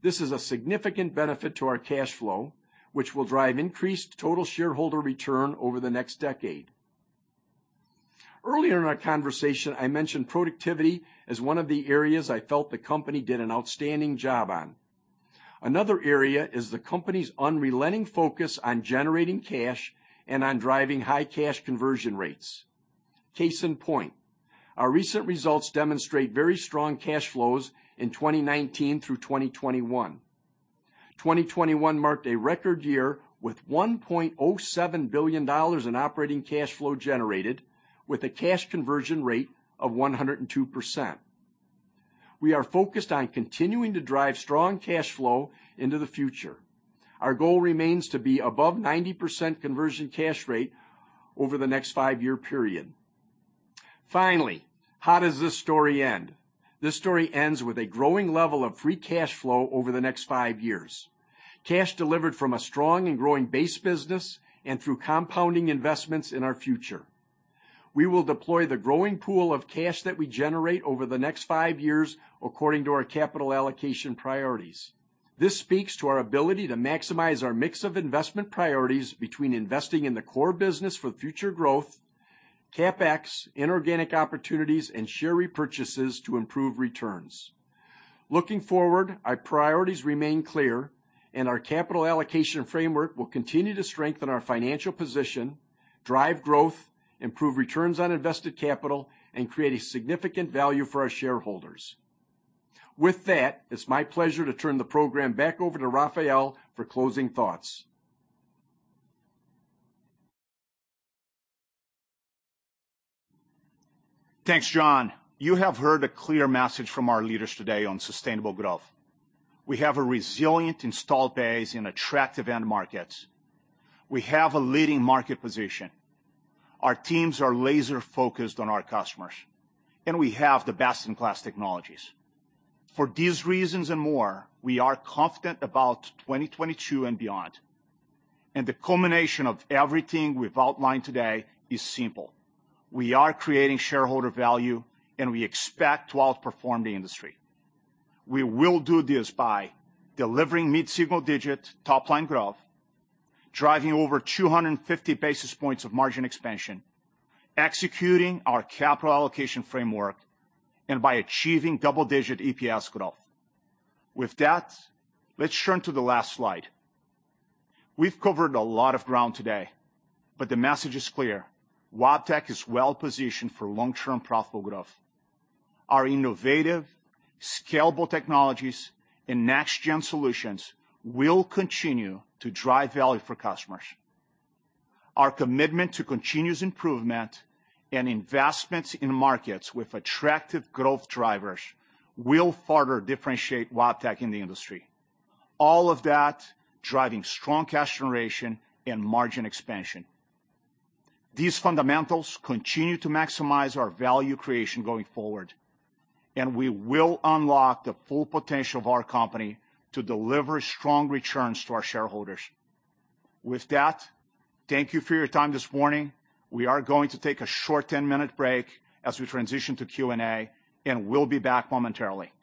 This is a significant benefit to our cash flow, which will drive increased total shareholder return over the next decade. Earlier in our conversation, I mentioned productivity as one of the areas I felt the company did an outstanding job on. Another area is the company's unrelenting focus on generating cash and on driving high cash conversion rates. Case in point, our recent results demonstrate very strong cash flows in 2019 through 2021. 2021 marked a record year with $1.07 billion in operating cash flow generated, with a cash conversion rate of 102%. We are focused on continuing to drive strong cash flow into the future. Our goal remains to be above 90% conversion cash rate over the next five-year period. Finally, how does this story end? This story ends with a growing level of free cash flow over the next five years, cash delivered from a strong and growing base business and through compounding investments in our future. We will deploy the growing pool of cash that we generate over the next five years according to our capital allocation priorities. This speaks to our ability to maximize our mix of investment priorities between investing in the core business for future growth, CapEx, inorganic opportunities and share repurchases to improve returns. Looking forward, our priorities remain clear, and our capital allocation framework will continue to strengthen our financial position, drive growth, improve returns on invested capital, and create significant value for our shareholders. With that, it's my pleasure to turn the program back over to Rafael for closing thoughts. Thanks, John. You have heard a clear message from our leaders today on sustainable growth. We have a resilient installed base in attractive end markets. We have a leading market position. Our teams are laser-focused on our customers, and we have the best-in-class technologies. For these reasons and more, we are confident about 2022 and beyond. The culmination of everything we've outlined today is simple: We are creating shareholder value, and we expect to outperform the industry. We will do this by delivering mid-single digit top line growth, driving over 250 basis points of margin expansion, executing our capital allocation framework, and by achieving double-digit EPS growth. With that, let's turn to the last slide. We've covered a lot of ground today, but the message is clear. Wabtec is well positioned for long-term profitable growth. Our innovative, scalable technologies and next-gen solutions will continue to drive value for customers. Our commitment to continuous improvement and investments in markets with attractive growth drivers will further differentiate Wabtec in the industry. All of that driving strong cash generation and margin expansion. These fundamentals continue to maximize our value creation going forward, and we will unlock the full potential of our company to deliver strong returns to our shareholders. With that, thank you for your time this morning. We are going to take a short 10-minute break as we transition to Q&A, and we'll be back momentarily.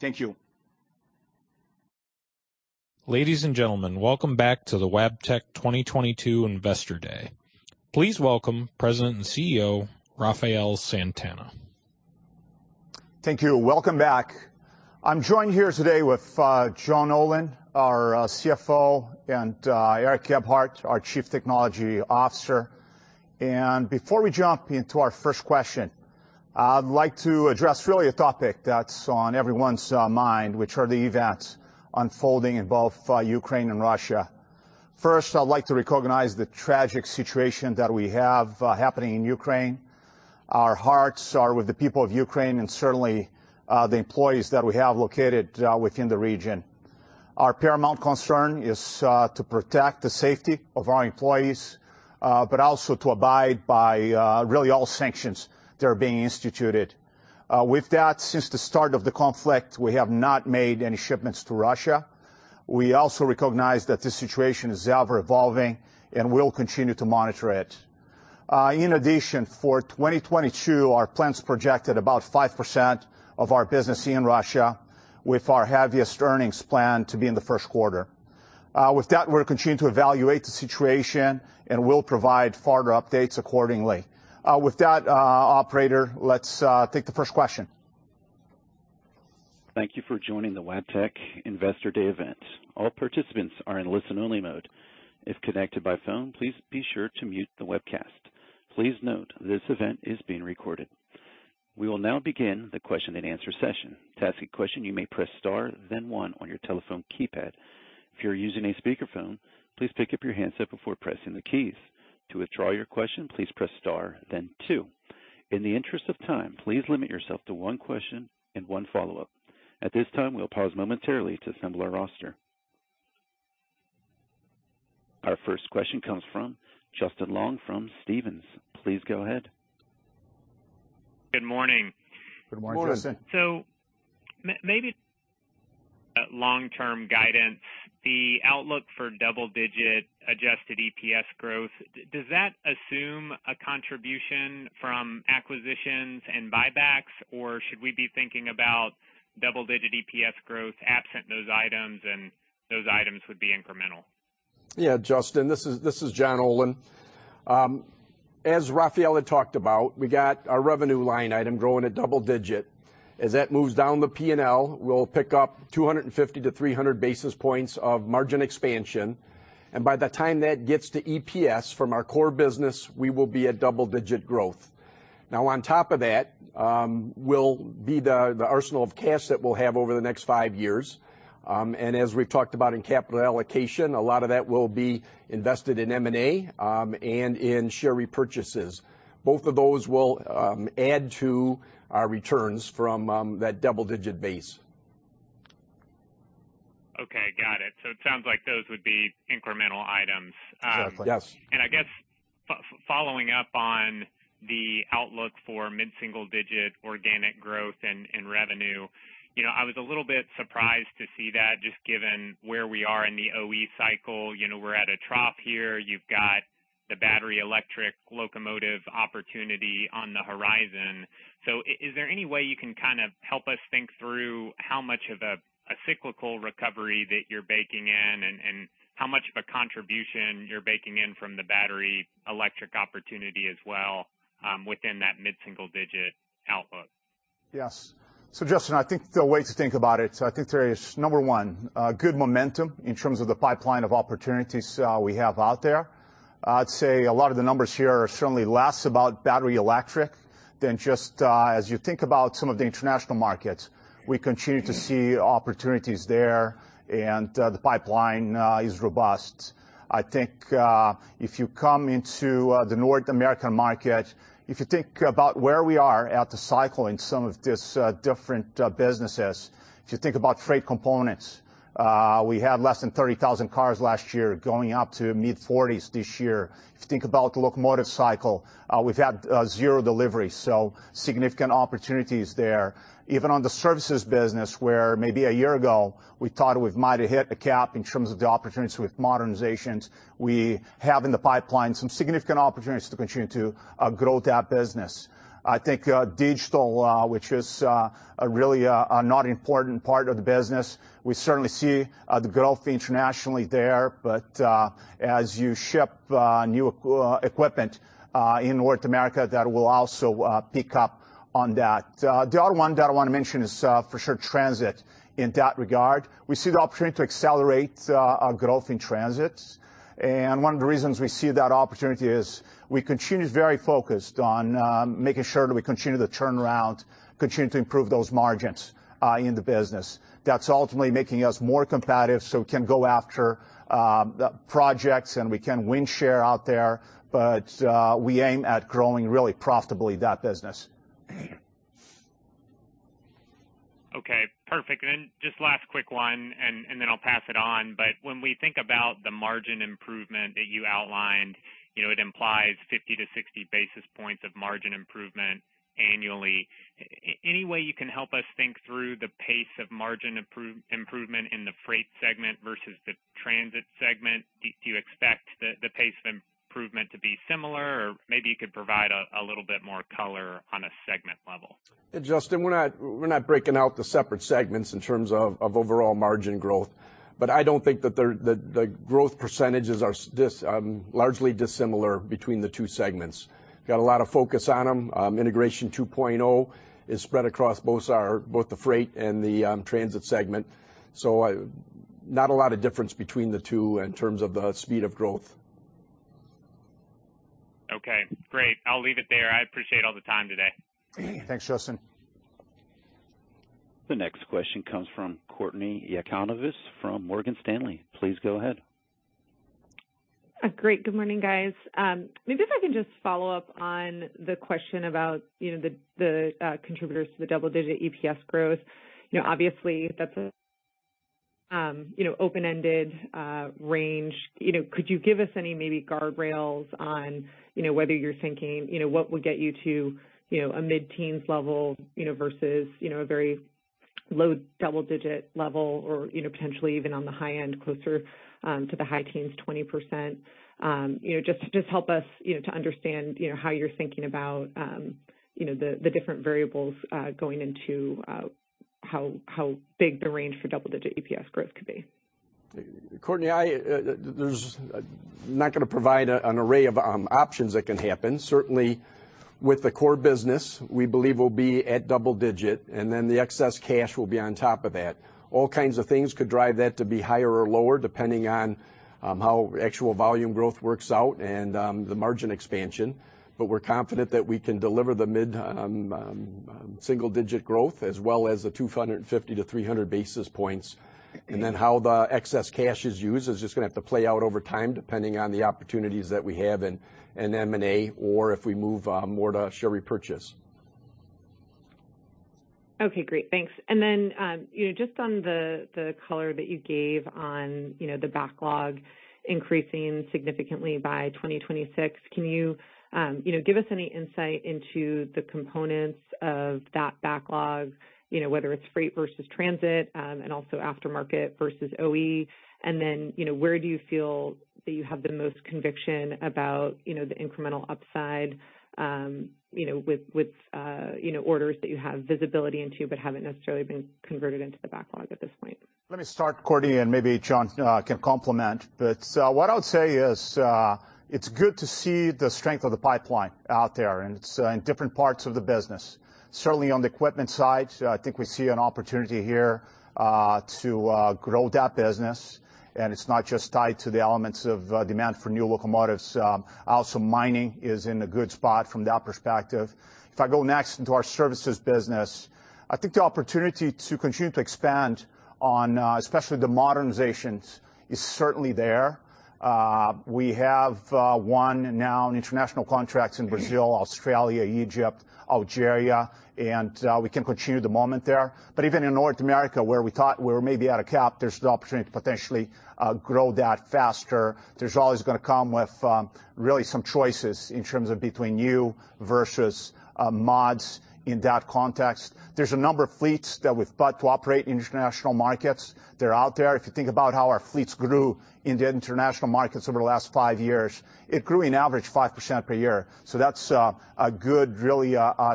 Thank you. Ladies and gentlemen, welcome back to the Wabtec 2022 Investor Day. Please welcome President and CEO, Rafael Santana. Thank you. Welcome back. I'm joined here today with John Olin, our CFO, and Eric Gebhardt, our Chief Technology Officer. Before we jump into our first question, I'd like to address really a topic that's on everyone's mind, which are the events unfolding in both Ukraine and Russia. First, I'd like to recognize the tragic situation that we have happening in Ukraine. Our hearts are with the people of Ukraine and certainly the employees that we have located within the region. Our paramount concern is to protect the safety of our employees, but also to abide by really all sanctions that are being instituted. With that, since the start of the conflict, we have not made any shipments to Russia. We also recognize that the situation is ever-evolving and we'll continue to monitor it. In addition, for 2022, our plans projected about 5% of our business in Russia, with our heaviest earnings plan to be in the first quarter. With that, we'll continue to evaluate the situation and will provide further updates accordingly. With that, operator, let's take the first question. Thank you for joining the Wabtec Investor Day event. All participants are in listen-only mode. If connected by phone, please be sure to mute the webcast. Please note this event is being recorded. We will now begin the question-and-answer session. To ask a question, you may press star then one on your telephone keypad. If you're using a speakerphone, please pick up your handset before pressing the keys. To withdraw your question, please press star then two. In the interest of time, please limit yourself to one question and one follow-up. At this time, we'll pause momentarily to assemble our roster. Our first question comes from Justin Long from Stephens. Please go ahead. Good morning. Good morning, Justin. Maybe long-term guidance, the outlook for double-digit adjusted EPS growth, does that assume a contribution from acquisitions and buybacks? Or should we be thinking about double-digit EPS growth absent those items and those items would be incremental? Yeah, Justin, this is John Olin. As Rafael had talked about, we got our revenue line item growing at double-digit. As that moves down the P&L, we'll pick up 250-300 basis points of margin expansion. By the time that gets to EPS from our core business, we will be at double-digit growth. Now, on top of that, will be the arsenal of cash that we'll have over the next five years. As we've talked about in capital allocation, a lot of that will be invested in M&A, and in share repurchases. Both of those will add to our returns from that double-digit base. Okay, got it. It sounds like those would be incremental items. Exactly. Yes. Following up on the outlook for mid-single-digit organic growth and revenue, you know, I was a little bit surprised to see that just given where we are in the OE cycle. You know, we're at a trough here. You've got the battery electric locomotive opportunity on the horizon. Is there any way you can kind of help us think through how much of a cyclical recovery that you're baking in and how much of a contribution you're baking in from the battery electric opportunity as well, within that mid-single-digit outlook? Yes. Justin, I think the way to think about it, I think there is, number one, good momentum in terms of the pipeline of opportunities we have out there. I'd say a lot of the numbers here are certainly less about battery electric than just, as you think about some of the international markets. We continue to see opportunities there, and the pipeline is robust. I think, if you come into the North American market, if you think about where we are at the cycle in some of these different businesses, if you think about freight components, we had less than 30,000 cars last year, going up to mid-40s this year. If you think about the locomotive cycle, we've had 0 deliveries, so significant opportunities there. Even on the services business, where maybe a year ago, we thought we might have hit a cap in terms of the opportunities with modernizations, we have in the pipeline some significant opportunities to continue to grow that business. I think digital, which is a really important part of the business, we certainly see the growth internationally there. As you ship new equipment in North America, that will also pick up on that. The other one that I want to mention is for sure transit. In that regard, we see the opportunity to accelerate our growth in transit. One of the reasons we see that opportunity is we continue to be very focused on making sure that we continue the turnaround, continue to improve those margins in the business. That's ultimately making us more competitive, so we can go after the projects and we can win share out there. We aim at growing really profitably that business. Okay, perfect. Just last quick one, and then I'll pass it on. When we think about the margin improvement that you outlined, you know, it implies 50-60 basis points of margin improvement annually. Any way you can help us think through the pace of margin improvement in the Freight segment versus the Transit segment? Do you expect the pace of improvement to be similar? Or maybe you could provide a little bit more color on a segment level. Justin, we're not breaking out the separate segments in terms of overall margin growth, but I don't think that the growth percentages are largely dissimilar between the two segments. Got a lot of focus on them. Integration 2.0 is spread across both the freight and the transit segment. Not a lot of difference between the two in terms of the speed of growth. Okay, great. I'll leave it there. I appreciate all the time today. Thanks, Justin. The next question comes from Courtney Yakavonis from Morgan Stanley. Please go ahead. Great. Good morning, guys. Maybe if I can just follow up on the question about, you know, the contributors to the double-digit EPS growth. You know, obviously, that's an open-ended range. You know, could you give us any maybe guardrails on, you know, whether you're thinking, you know, what would get you to, you know, a mid-teens level, you know, versus, you know, a very low double-digit level or, you know, potentially even on the high end, closer to the high teens, 20%? You know, just help us, you know, to understand, you know, how you're thinking about, you know, the different variables going into how big the range for double-digit EPS growth could be. Courtney, I'm not gonna provide an array of options that can happen. Certainly, with the core business, we believe we'll be at double-digit, and then the excess cash will be on top of that. All kinds of things could drive that to be higher or lower, depending on how actual volume growth works out and the margin expansion. But we're confident that we can deliver the mid single-digit growth as well as the 250-300 basis points. How the excess cash is used is just gonna have to play out over time, depending on the opportunities that we have in M&A or if we move more to share repurchase. Okay, great. Thanks. Then, you know, just on the color that you gave on, you know, the backlog increasing significantly by 2026, can you know, give us any insight into the components of that backlog, you know, whether it's freight versus transit, and also aftermarket versus OE? Then, you know, where do you feel that you have the most conviction about, you know, the incremental upside, you know, with orders that you have visibility into but haven't necessarily been converted into the backlog at this point? Let me start, Courtney, and maybe John can comment. What I would say is, it's good to see the strength of the pipeline out there, and it's in different parts of the business. Certainly on the equipment side, I think we see an opportunity here to grow that business. It's not just tied to the elements of demand for new locomotives. Also mining is in a good spot from that perspective. If I go next into our services business, I think the opportunity to continue to expand on, especially the modernizations is certainly there. We have won new international contracts in Brazil, Australia, Egypt, Algeria, and we can continue the momentum there. Even in North America, where we thought we were maybe at a cap, there's the opportunity to potentially grow that faster. There's always gonna come with really some choices in terms of between new versus mods in that context. There's a number of fleets that we've bought to operate in international markets. They're out there. If you think about how our fleets grew in the international markets over the last 5 years, it grew on average 5% per year. That's a good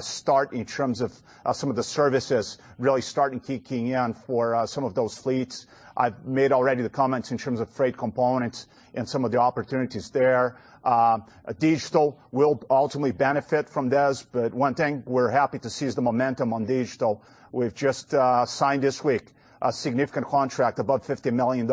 start in terms of some of the services really starting kicking in for some of those fleets. I've made already the comments in terms of freight components and some of the opportunities there. Digital will ultimately benefit from this, but one thing we're happy to see is the momentum on digital. We've just signed this week a significant contract above $50 million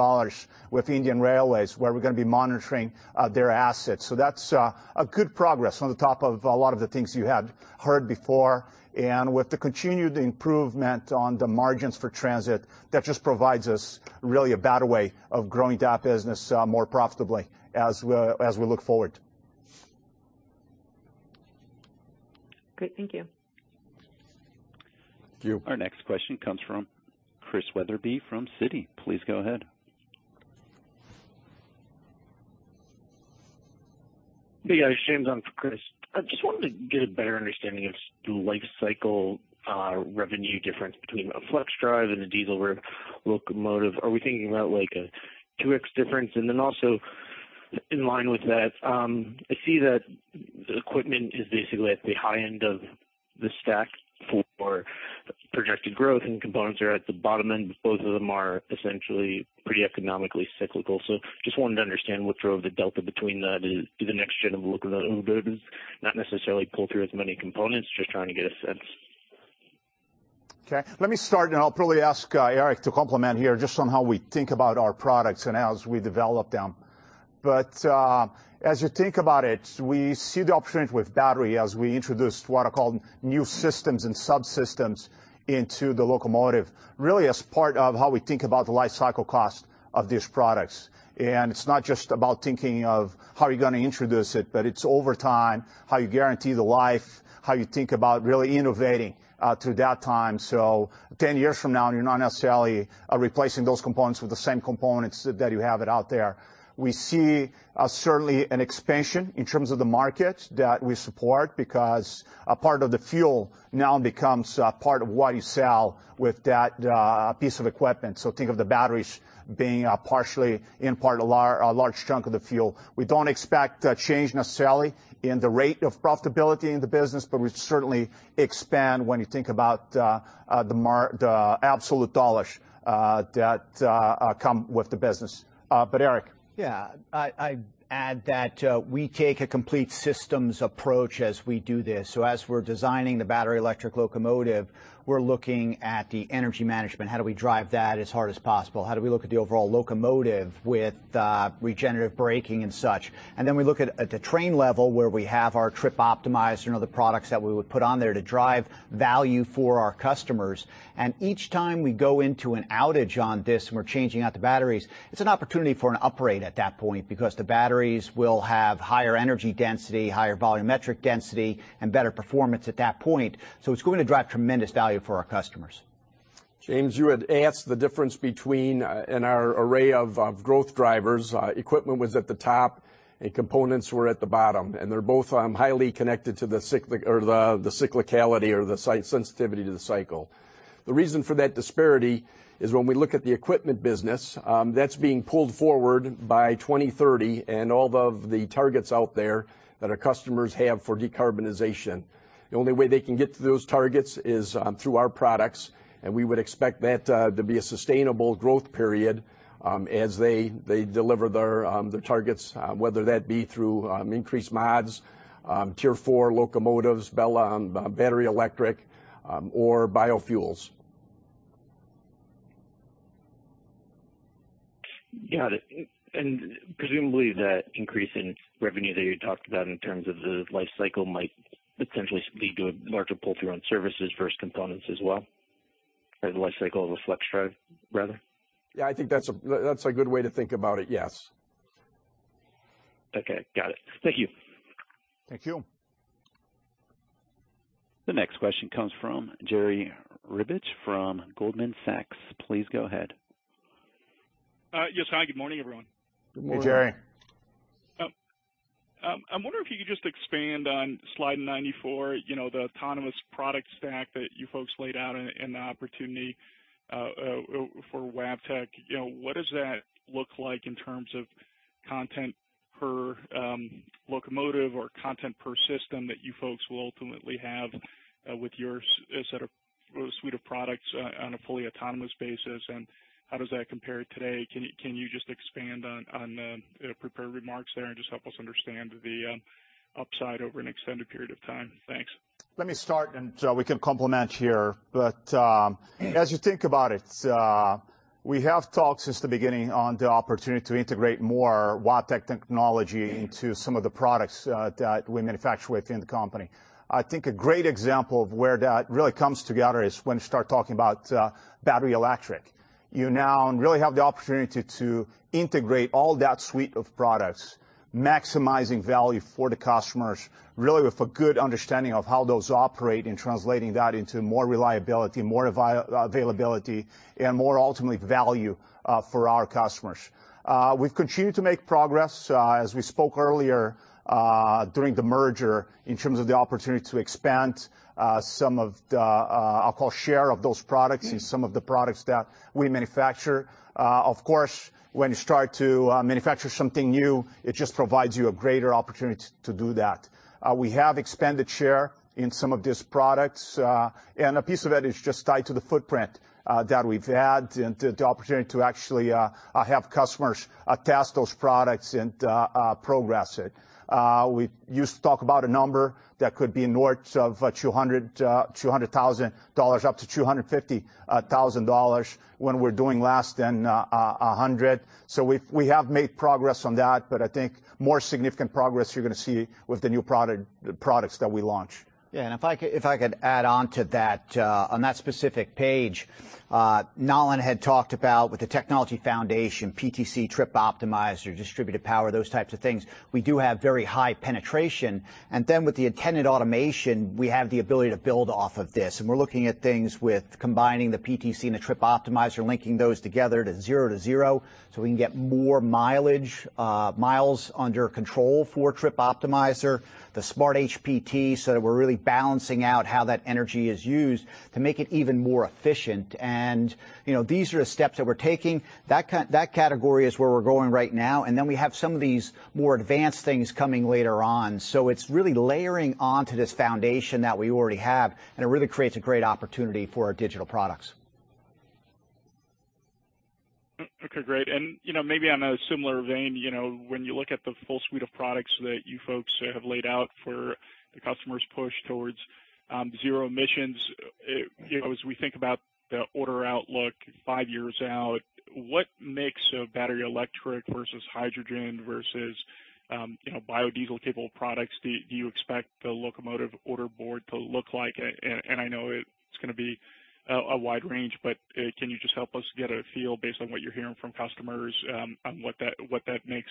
with Indian Railways, where we're gonna be monitoring their assets. That's a good progress on top of a lot of the things you have heard before. With the continued improvement on the margins for transit, that just provides us really a better way of growing that business more profitably as we look forward. Great. Thank you. Thank you. Our next question comes from Chris Wetherbee from Citi. Please go ahead. Hey, guys. James on for Chris. I just wanted to get a better understanding of the life cycle revenue difference between a FLXdrive and a diesel locomotive. Are we thinking about like a 2x difference? Then also in line with that, I see that the equipment is basically at the high end of the stack for projected growth and components are at the bottom end. Both of them are essentially pretty economically cyclical. Just wanted to understand what drove the delta between that. Is it the next-gen of locomotives not necessarily pull through as many components? Just trying to get a sense. Okay. Let me start, and I'll probably ask Eric to comment here just on how we think about our products and as we develop them. As you think about it, we see the opportunity with battery as we introduce what are called new systems and subsystems into the locomotive, really as part of how we think about the life cycle cost of these products. It's not just about thinking of how are you gonna introduce it, but it's over time, how you guarantee the life, how you think about really innovating through that time. So, 10 years from now, you're not necessarily replacing those components with the same components that you have it out there. We see certainly an expansion in terms of the market that we support because a part of the fuel now becomes a part of what you sell with that piece of equipment. Think of the batteries being partially in part a large chunk of the fuel. We don't expect a change necessarily in the rate of profitability in the business, but we certainly expand when you think about the absolute dollars that come with the business. Eric?. I add that we take a complete systems approach as we do this. As we're designing the battery electric locomotive, we're looking at the energy management. How do we drive that as hard as possible? How do we look at the overall locomotive with regenerative braking and such? Then we look at the train level where we have our Trip Optimizer and other products that we would put on there to drive value for our customers. Each time we go into an outage on this and we're changing out the batteries, it's an opportunity for an upgrade at that point because the batteries will have higher energy density, higher volumetric density, and better performance at that point. It's going to drive tremendous value for our customers. James, you had asked the difference between in our array of growth drivers. Equipment was at the top and components were at the bottom, and they're both highly connected to the cyclic or the cyclicality or the cycle sensitivity to the cycle. The reason for that disparity is when we look at the equipment business, that's being pulled forward by 2030 and all of the targets out there that our customers have for decarbonization. The only way they can get to those targets is through our products, and we would expect that to be a sustainable growth period as they deliver their targets whether that be through increased mods, Tier 4 locomotives, BEL, battery electric, or biofuels. Got it. Presumably that increase in revenue that you talked about in terms of the life cycle might potentially lead to a larger pull-through on services versus components as well, or the life cycle of a FLXdrive, rather. Yeah, I think that's a good way to think about it, yes. Okay, got it. Thank you. Thank you. The next question comes from Jerry Revich from Goldman Sachs. Please go ahead. Yes. Hi, good morning, everyone. Good morning. Hey, Jerry. I wonder if you could just expand on slide 94, you know, the autonomous product stack that you folks laid out and the opportunity for Wabtec. You know, what does that look like in terms of content per locomotive or content per system that you folks will ultimately have with your suite of products on a fully autonomous basis, and how does that compare today? Can you just expand on the, you know, prepared remarks there and just help us understand the upside over an extended period of time? Thanks. Let me start, and, we can complement here. As you think about it, we have talked since the beginning on the opportunity to integrate more Wabtec technology into some of the products, that we manufacture within the company. I think a great example of where that really comes together is when you start talking about battery electric. You now really have the opportunity to integrate all that suite of products, maximizing value for the customers, really with a good understanding of how those operate and translating that into more reliability, more availability and more ultimately value, for our customers. We've continued to make progress, as we spoke earlier, during the merger in terms of the opportunity to expand, some of the, I'll call share of those products in some of the products that we manufacture. Of course, when you start to manufacture something new, it just provides you a greater opportunity to do that. We have expanded share in some of these products. A piece of it is just tied to the footprint that we've had and the opportunity to actually have customers test those products and progress it. We used to talk about a number that could be north of $200,000, up to $250,000 when we're doing less than 100. We have made progress on that, but I think more significant progress you're gonna see with the new products that we launch. Yeah. If I could add on to that, on that specific page, Nalin had talked about with the technology foundation, PTC Trip Optimizer, Distributed Power, those types of things. We do have very high penetration. With the attendant automation, we have the ability to build off of this. We're looking at things with combining the PTC and the Trip Optimizer, linking those together to Zero-to-Zero, so we can get more mileage, miles under control for Trip Optimizer, the SmartHPT, so that we're really balancing out how that energy is used to make it even more efficient. You know, these are the steps that we're taking. That category is where we're going right now. We have some of these more advanced things coming later on. It's really layering onto this foundation that we already have, and it really creates a great opportunity for our digital products. Okay, great. You know, maybe on a similar vein, you know, when you look at the full suite of products that you folks have laid out for the customers push towards zero emissions, you know, as we think about the order outlook five years out, what mix of battery electric versus hydrogen versus, you know, biodiesel capable products do you expect the locomotive order board to look like? And I know it's gonna be a wide range, but can you just help us get a feel based on what you're hearing from customers on what that mix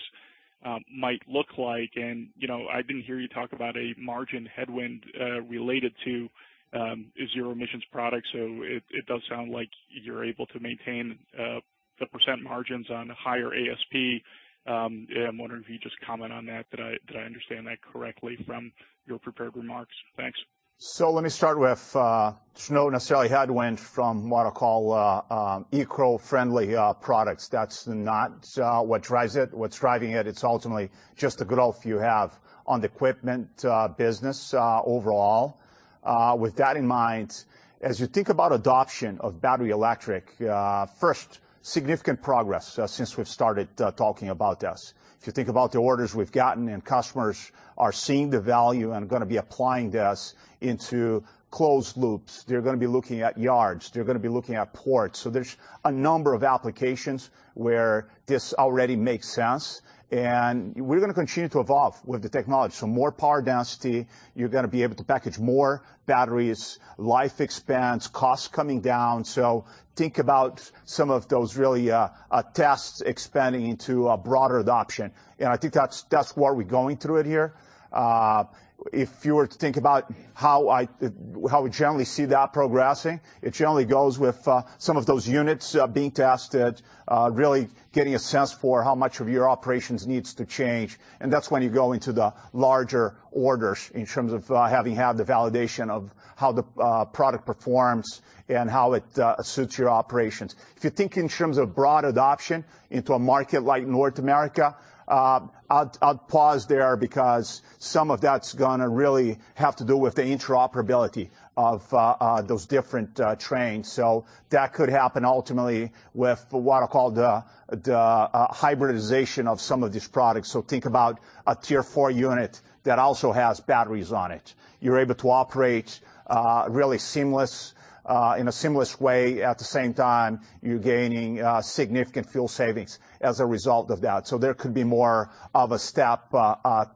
might look like? And, you know, I didn't hear you talk about a margin headwind related to zero emissions products, so it does sound like you're able to maintain the percent margins on higher ASP. Yeah, I'm wondering if you just comment on that. Did I understand that correctly from your prepared remarks? Thanks. Let me start with, it's not necessarily headwind from what I call, eco-friendly, products. That's not what drives it. What's driving it's ultimately just the growth you have on the equipment business overall. With that in mind, as you think about adoption of battery electric, first, significant progress since we've started talking about this. If you think about the orders we've gotten and customers are seeing the value and gonna be applying this into closed loops. They're gonna be looking at yards. They're gonna be looking at ports. There's a number of applications where this already makes sense, and we're gonna continue to evolve with the technology. More power density, you're gonna be able to package more batteries, life expands, costs coming down. Think about some of those really tests expanding into a broader adoption. I think that's why we're going through it here. If you were to think about how we generally see that progressing, it generally goes with some of those units being tested really getting a sense for how much of your operations needs to change. That's when you go into the larger orders in terms of having had the validation of how the product performs and how it suits your operations. If you think in terms of broad adoption into a market like North America, I'd pause there because some of that's gonna really have to do with the interoperability of those different trains. That could happen ultimately with what I call the hybridization of some of these products. Think about a Tier 4 unit that also has batteries on it. You're able to operate really seamless in a seamless way. At the same time, you're gaining significant fuel savings as a result of that. There could be more of a step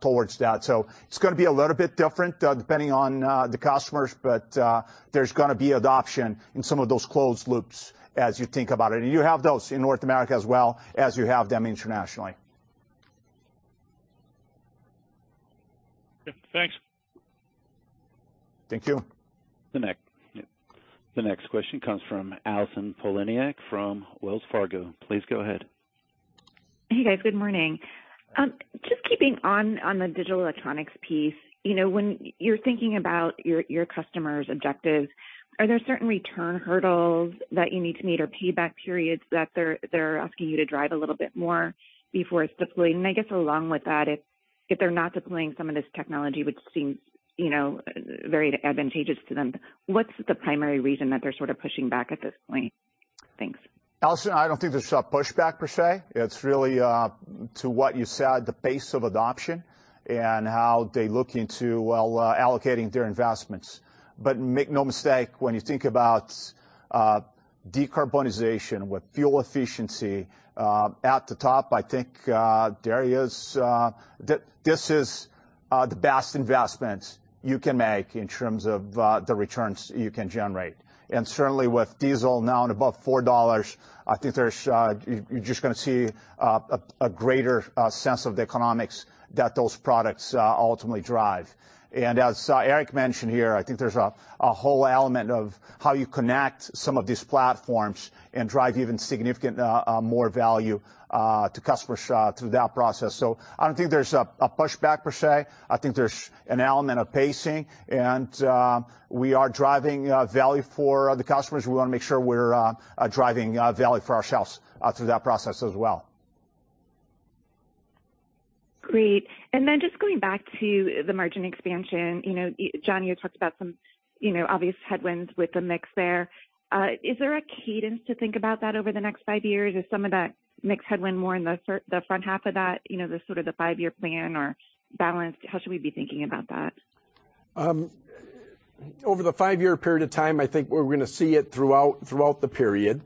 towards that. It's gonna be a little bit different depending on the customers, but there's gonna be adoption in some of those closed loops as you think about it. You have those in North America as well as you have them internationally. Thanks. Thank you. The next question comes from Allison Poliniak-Cusic from Wells Fargo. Please go ahead. Hey, guys. Good morning. Just keeping on the digital electronics piece, you know, when you're thinking about your customers' objectives, are there certain return hurdles that you need to meet or payback periods that they're asking you to drive a little bit more before it's deployed? I guess along with that, if they're not deploying some of this technology which seems, you know, very advantageous to them, what's the primary reason that they're sort of pushing back at this point? Thanks. Allison, I don't think there's a pushback per se. It's really to what you said, the pace of adoption and how they look into allocating their investments. Make no mistake, when you think about decarbonization with fuel efficiency at the top, I think this is the best investment you can make in terms of the returns you can generate. Certainly with diesel now above $4, I think you're just gonna see a greater sense of the economics that those products ultimately drive. As Eric mentioned here, I think there's a whole element of how you connect some of these platforms and drive even more significant value to customers through that process. I don't think there's a pushback per se. I think there's an element of pacing, and we are driving value for the customers. We want to make sure we're driving value for ourselves through that process as well. Great. Just going back to the margin expansion. You know, John, you talked about some, you know, obvious headwinds with the mix there. Is there a cadence to think about that over the next five years? Is some of that mix headwind more in the front half of that, you know, the sort of the five-year plan or balanced? How should we be thinking about that? Over the five-year period of time, I think we're gonna see it throughout the period.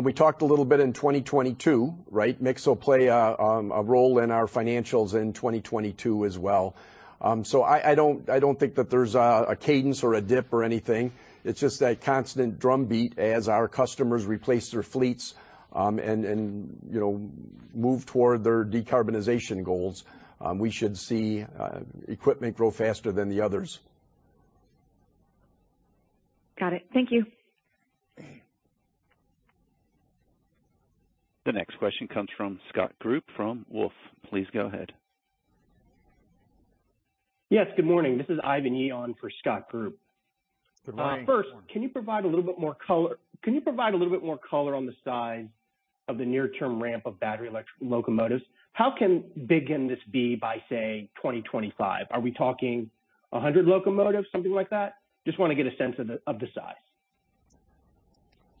We talked a little bit in 2022, right? Mix will play a role in our financials in 2022 as well. I don't think that there's a cadence or a dip or anything. It's just that constant drumbeat as our customers replace their fleets and you know, move toward their decarbonization goals. We should see equipment grow faster than the others. Got it. Thank you. The next question comes from Scott Group from Wolfe. Please go ahead. Yes, good morning. This is Ivan Yi on for Scott Group. Good morning. First, can you provide a little bit more color on the size of the near-term ramp of battery electric locomotives? How big can this be by, say, 2025? Are we talking 100 locomotives, something like that? Just wanna get a sense of the size.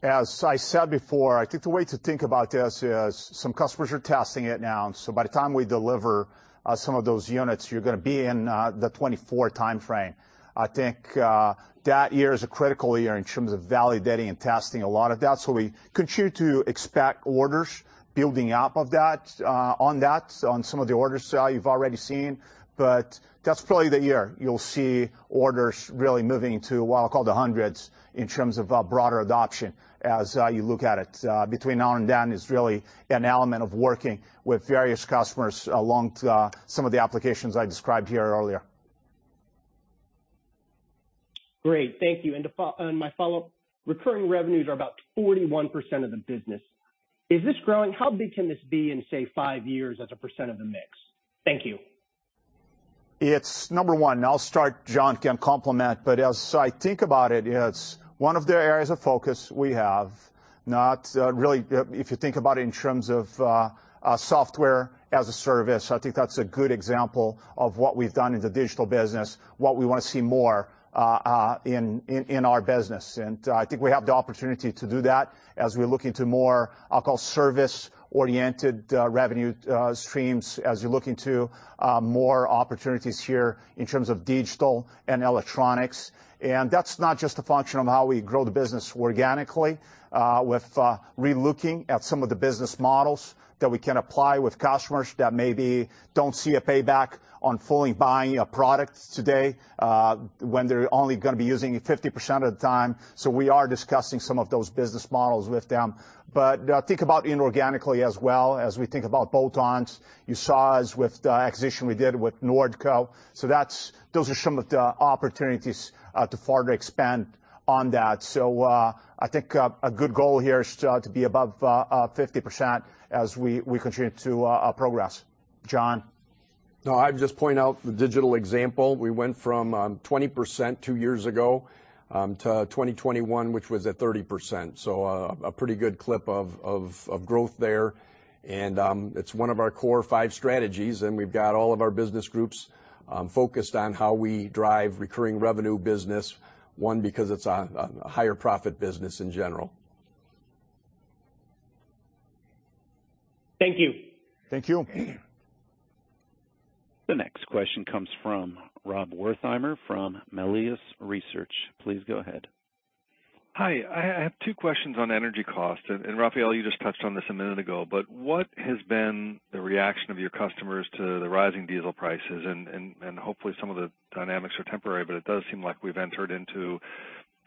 As I said before, I think the way to think about this is some customers are testing it now, and so by the time we deliver, some of those units, you're gonna be in the 2024 timeframe. I think that year is a critical year in terms of validating and testing a lot of that. We continue to expect orders building up of that, on that, on some of the orders you've already seen. That's probably the year you'll see orders really moving into what I call the hundreds in terms of broader adoption as you look at it. Between now and then is really an element of working with various customers along to some of the applications I described here earlier. Great. Thank you. My follow-up, recurring revenues are about 41% of the business. Is this growing? How big can this be in, say, five years as a percent of the mix? Thank you. It's number one. I'll start, John can complement. As I think about it's one of the areas of focus we have. Not really, if you think about it in terms of Software as a Service, I think that's a good example of what we've done in the digital business, what we want to see more in our business. I think we have the opportunity to do that as we look into more, I'll call service-oriented revenue streams as you look into more opportunities here in terms of digital and electronics. That's not just a function of how we grow the business organically, with re-looking at some of the business models that we can apply with customers that maybe don't see a payback on fully buying a product today, when they're only gonna be using it 50% of the time. We are discussing some of those business models with them. Think about inorganically as well as we think about bolt-ons. You saw us with the acquisition we did with Nordco. Those are some of the opportunities to further expand on that. I think a good goal here is to be above 50% as we continue to progress. John? No, I'd just point out the digital example. We went from 20% two years ago to 2021, which was at 30%. A pretty good clip of growth there. It's one of our core five strategies, and we've got all of our business groups focused on how we drive recurring revenue business, one, because it's a higher profit business in general. Thank you. Thank you. The next question comes from Rob Wertheimer from Melius Research. Please go ahead. Hi. I have two questions on energy cost, and Rafael, you just touched on this a minute ago, but what has been the reaction of your customers to the rising diesel prices? Hopefully some of the dynamics are temporary, but it does seem like we've entered into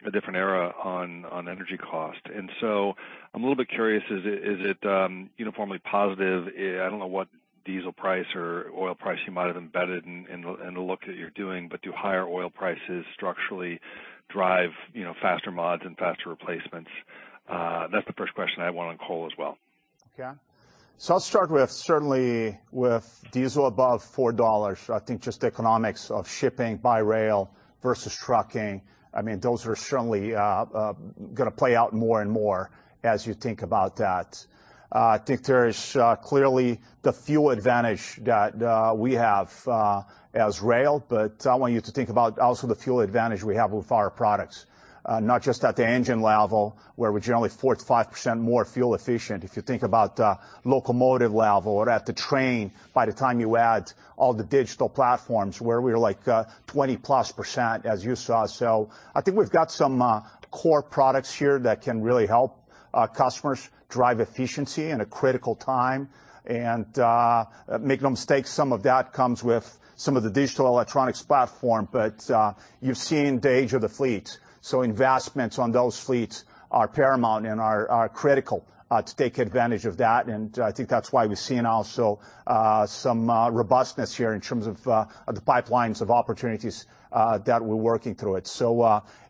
a different era on energy cost. I'm a little bit curious. Is it uniformly positive? I don't know what diesel price or oil price you might have embedded in the look that you're doing, but do higher oil prices structurally drive, you know, faster mods and faster replacements? That's the first question. I have one on coal as well. Okay. I'll start with certainly with diesel above $4, I think just the economics of shipping by rail versus trucking. I mean, those are certainly gonna play out more and more as you think about that. I think there is clearly the fuel advantage that we have as rail. I want you to think about also the fuel advantage we have with our products, not just at the engine level, where we're generally 4%-5% more fuel efficient. If you think about the locomotive level or at the train, by the time you add all the digital platforms where we're like 20%+ as you saw. I think we've got some core products here that can really help our customers drive efficiency in a critical time. Make no mistake, some of that comes with some of the digital electronics platform. You've seen the age of the fleet, so investments on those fleets are paramount and are critical to take advantage of that. I think that's why we're seeing also some robustness here in terms of the pipelines of opportunities that we're working through it.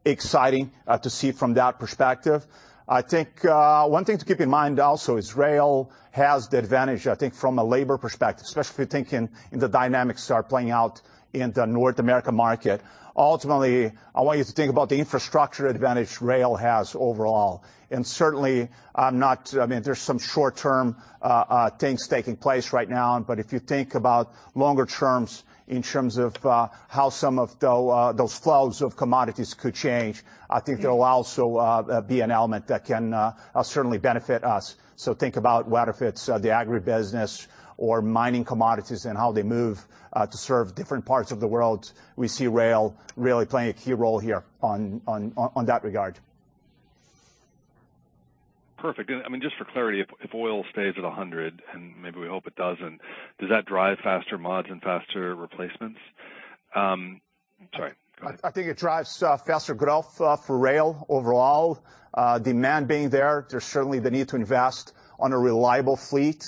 Exciting to see from that perspective. I think one thing to keep in mind also is rail has the advantage, I think from a labor perspective, especially if you're thinking and the dynamics are playing out in the North America market. Ultimately, I want you to think about the infrastructure advantage rail has overall. Certainly, I mean, there's some short-term things taking place right now, but if you think about longer terms in terms of how some of those flows of commodities could change, I think there will also be an element that can certainly benefit us. Think about whether it's the agribusiness or mining commodities and how they move to serve different parts of the world. We see rail really playing a key role here in that regard. Perfect. I mean, just for clarity, if oil stays at $100, and maybe we hope it doesn't, does that drive faster mods and faster replacements? Sorry. Go ahead. I think it drives faster growth for rail overall. Demand being there's certainly the need to invest on a reliable fleet.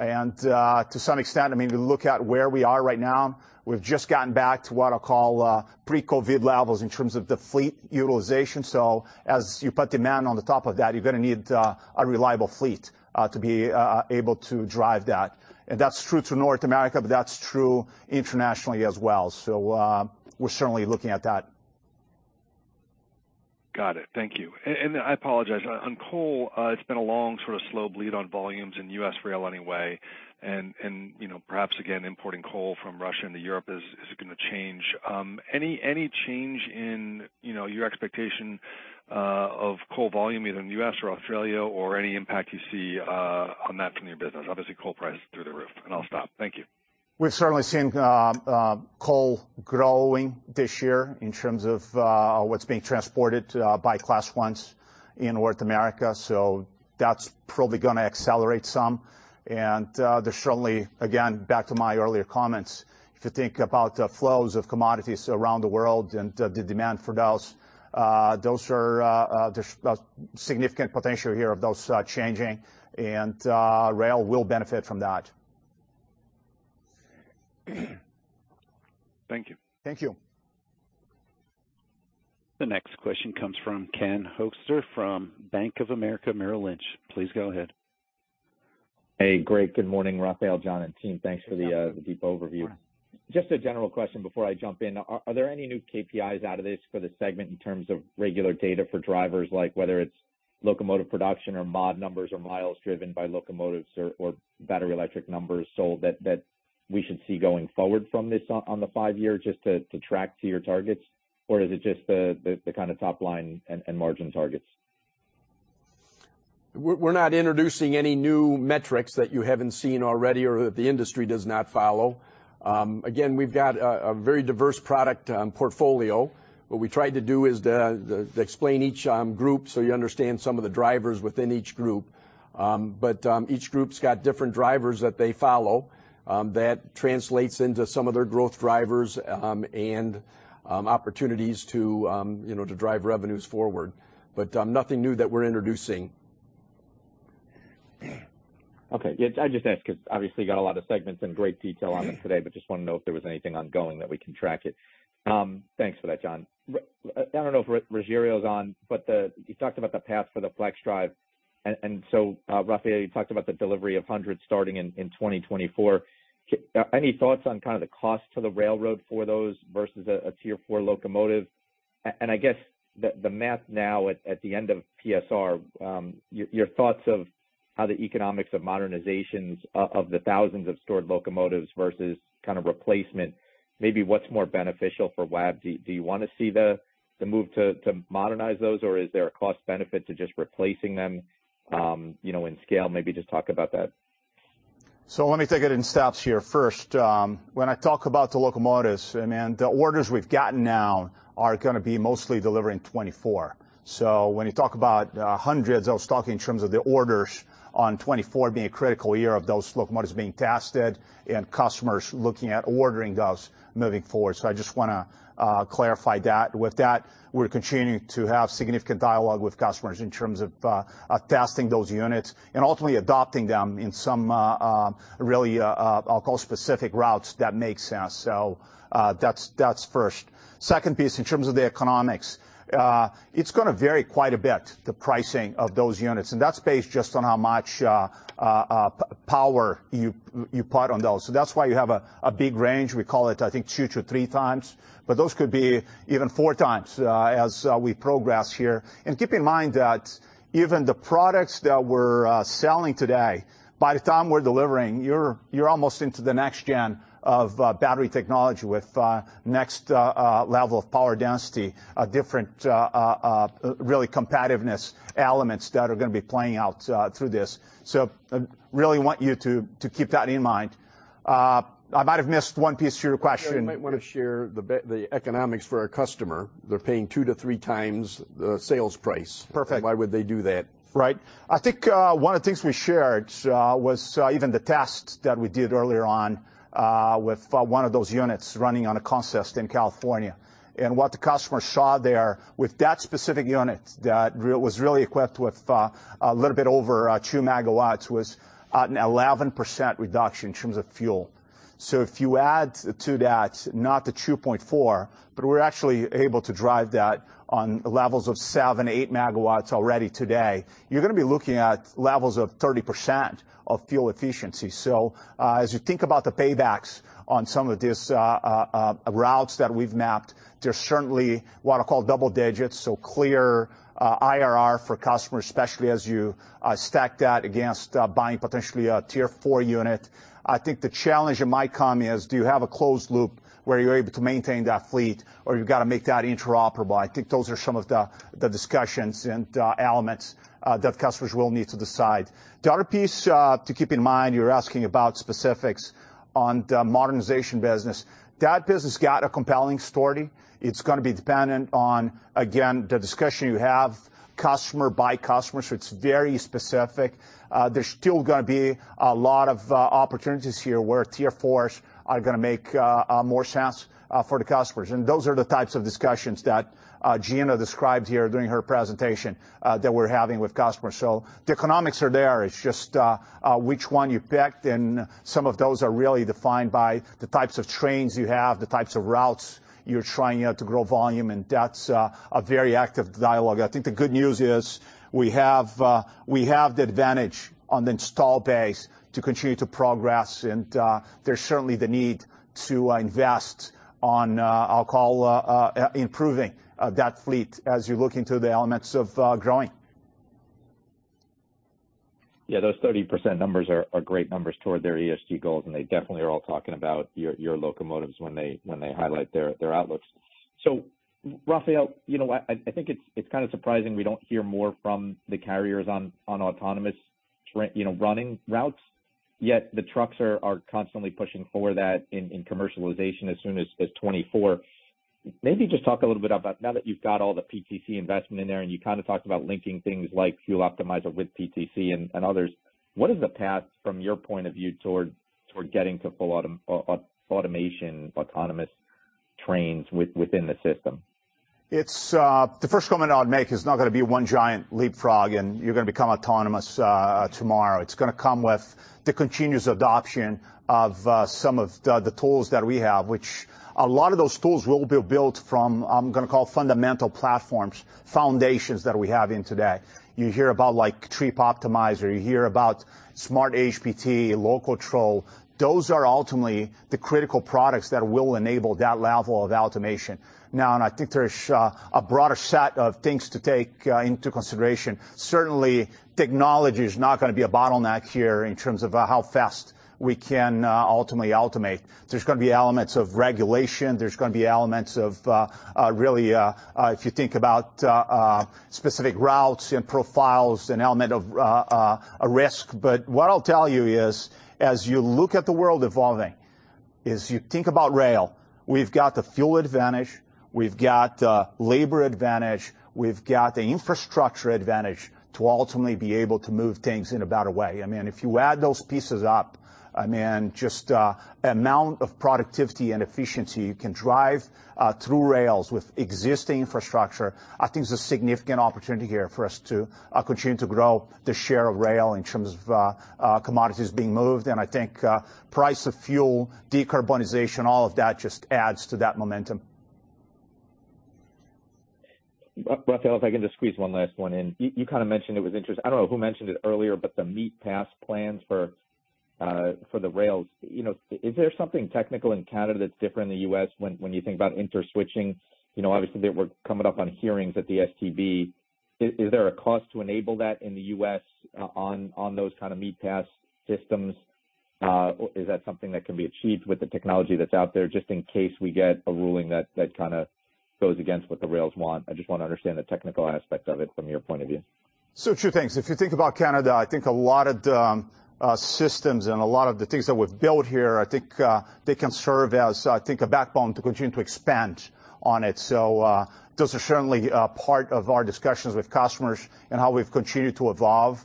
To some extent, I mean, we look at where we are right now, we've just gotten back to what I call pre-COVID levels in terms of the fleet utilization. As you put demand on the top of that, you're gonna need a reliable fleet to be able to drive that. That's true to North America, but that's true internationally as well. We're certainly looking at that. Got it. Thank you. I apologize. On coal, it's been a long sort of slow bleed on volumes in U.S. rail anyway, and you know, perhaps again, importing coal from Russia into Europe. Is it gonna change any change in you know, your expectation of coal volume either in the U.S. or Australia or any impact you see on that from your business? Obviously, coal prices are through the roof. I'll stop. Thank you. We've certainly seen coal growing this year in terms of what's being transported by class ones in North America, so that's probably gonna accelerate some. There's certainly, again, back to my earlier comments, if you think about the flows of commodities around the world and the demand for those, there's significant potential here of those changing and rail will benefit from that. Thank you. Thank you. The next question comes from Ken Hoexter from Bank of America Merrill Lynch. Please go ahead. Hey. Great. Good morning, Rafael, John, and team. Thanks for the deep overview. Just a general question before I jump in. Are there any new KPIs out of this for the segment in terms of regular data for drivers, like whether it's locomotive production or mod numbers or miles driven by locomotives or battery electric numbers sold that we should see going forward from this on the five-year just to track to your targets? Or is it just the kinda top line and margin targets? We're not introducing any new metrics that you haven't seen already or that the industry does not follow. Again, we've got a very diverse product portfolio. What we tried to do is explain each group so you understand some of the drivers within each group. Each group's got different drivers that they follow that translates into some of their growth drivers and opportunities to you know to drive revenues forward. Nothing new that we're introducing. Okay. Yeah, I just ask because obviously you got a lot of segments and great detail on them today, but just wanna know if there was anything ongoing that we can track. Thanks for that, John. I don't know if Rogério is on, but you talked about the path for the FLXdrive. Rafael, you talked about the delivery of 100 starting in 2024. Any thoughts on kind of the cost to the railroad for those versus a Tier 4 locomotive? I guess the math now at the end of PSR, your thoughts of how the economics of modernizations of the thousands of stored locomotives versus kind of replacement, maybe what's more beneficial for WAB? Do you wanna see the move to modernize those, or is there a cost benefit to just replacing them, you know, in scale? Maybe just talk about that. Let me take it in steps here. First, when I talk about the locomotives, and the orders we've gotten now are gonna be mostly delivering in 2024. When you talk about hundreds in stock in terms of the orders in 2024 being a critical year of those locomotives being tested and customers looking at ordering those moving forward. I just wanna clarify that. With that, we're continuing to have significant dialogue with customers in terms of testing those units and ultimately adopting them in some really specific routes that make sense. That's first. Second piece in terms of the economics, it's gonna vary quite a bit, the pricing of those units, and that's based just on how much power you put on those. That's why you have a big range. We call it, I think, two to three times, but those could be even four times as we progress here. Keep in mind that even the products that we're selling today, by the time we're delivering, you're almost into the next gen of battery technology with next level of power density, different really competitive elements that are gonna be playing out through this. I really want you to keep that in mind. I might have missed one piece to your question. You might wanna share the economics for our customer. They're paying two to three times the sales price. Perfect. Why would they do that? Right. I think one of the things we shared was even the tests that we did earlier on with one of those units running on a consist in California. What the customer saw there with that specific unit that was really equipped with a little bit over 2 MW was an 11% reduction in terms of fuel. If you add to that not the 2.4 MW, but we're actually able to drive that on levels of 7-8 MW already today, you're gonna be looking at levels of 30% fuel efficiency. As you think about the paybacks on some of these routes that we've mapped, there's certainly what I call double digits, so clear IRR for customers, especially as you stack that against buying potentially a Tier 4 unit. I think the challenge that might come is, do you have a closed loop where you're able to maintain that fleet or you've gotta make that interoperable? I think those are some of the discussions and elements that customers will need to decide. The other piece to keep in mind, you're asking about specifics on the modernization business. That business has got a compelling story. It's gonna be dependent on, again, the discussion you have customer by customer, so it's very specific. There's still gonna be a lot of opportunities here where Tier 4s are gonna make more sense for the customers. Those are the types of discussions that Gina described here during her presentation that we're having with customers. The economics are there. It's just which one you picked, and some of those are really defined by the types of trains you have, the types of routes you're trying out to grow volume, and that's a very active dialogue. I think the good news is we have the advantage on the install base to continue to progress. There's certainly the need to invest in improving that fleet as you look into the elements of growing. Yeah, those 30% numbers are great numbers toward their ESG goals, and they definitely are all talking about your locomotives when they highlight their outlooks. Rafael, you know what? I think it's kind of surprising we don't hear more from the carriers on autonomous, you know, running routes, yet the trucks are constantly pushing for that in commercialization as soon as 2024. Maybe just talk a little bit about now that you've got all the PTC investment in there, and you kind of talked about linking things like Trip Optimizer with PTC and others, what is the path from your point of view toward getting to full automation, autonomous trains within the system? It's the first comment I would make is it's not gonna be one giant leapfrog, and you're gonna become autonomous tomorrow. It's gonna come with the continuous adoption of some of the tools that we have, which a lot of those tools will be built from, I'm gonna call fundamental platforms, foundations that we have in today. You hear about like Trip Optimizer. You hear about SmartHPT, LOCOTROL. Those are ultimately the critical products that will enable that level of automation. Now, I think there's a broader set of things to take into consideration. Certainly, technology is not gonna be a bottleneck here in terms of how fast we can ultimately automate. There's gonna be elements of regulation. There's gonna be elements of really, if you think about specific routes and profiles, an element of a risk. But what I'll tell you is, as you look at the world evolving, as you think about rail, we've got the fuel advantage. We've got labor advantage. We've got the infrastructure advantage to ultimately be able to move things in a better way. I mean, if you add those pieces up, I mean, just amount of productivity and efficiency you can drive through rails with existing infrastructure, I think is a significant opportunity here for us to continue to grow the share of rail in terms of commodities being moved. I think price of fuel, decarbonization, all of that just adds to that momentum. Rafael, if I can just squeeze one last one in. You kinda mentioned it was interesting. I don't know who mentioned it earlier, but the meet pass plans for the rails. You know, is there something technical in Canada that's different in the U.S. when you think about interswitching? You know, obviously, they were coming up on hearings at the STB. Is there a cost to enable that in the U.S. on those kind of meet pass systems? Is that something that can be achieved with the technology that's out there just in case we get a ruling that kinda goes against what the rails want? I just wanna understand the technical aspect of it from your point of view. Two things. If you think about Canada, I think a lot of the systems and a lot of the things that we've built here, I think, they can serve as, I think, a backbone to continue to expand on it. Those are certainly part of our discussions with customers and how we've continued to evolve.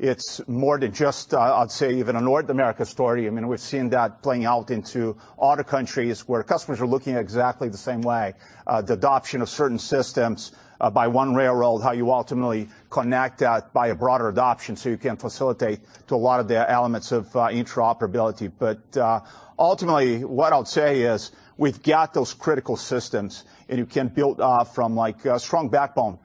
It's more than just, I'd say, even a North America story. I mean, we've seen that playing out into other countries, where customers are looking exactly the same way. The adoption of certain systems by one railroad, how you ultimately connect that by a broader adoption, so you can facilitate to a lot of the elements of interoperability. Ultimately, what I'd say is we've got those critical systems, and you can build from, like, a strong backbone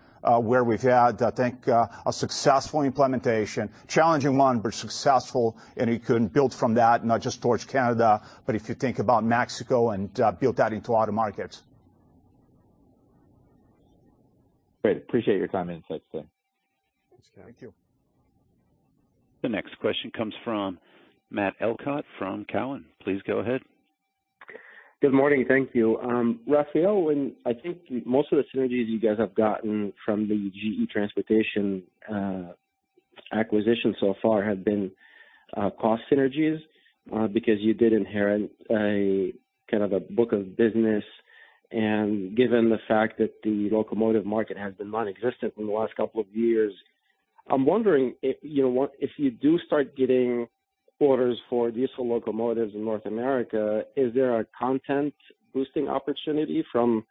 where we've had, I think, a successful implementation, challenging one, but successful, and you can build from that, not just towards Canada, but if you think about Mexico and build that into other markets. Great. I appreciate your time and insights today. Thanks. Thank you. The next question comes from Matt Elkott from Cowen. Please go ahead. Good morning. Thank you. Rafael, when I think most of the synergies you guys have gotten from the GE Transportation acquisition so far have been cost synergies, because you did inherit a kind of a book of business, and given the fact that the locomotive market has been nonexistent in the last couple of years, I'm wondering if, you know, if you do start getting orders for diesel locomotives in North America, is there a content boosting opportunity from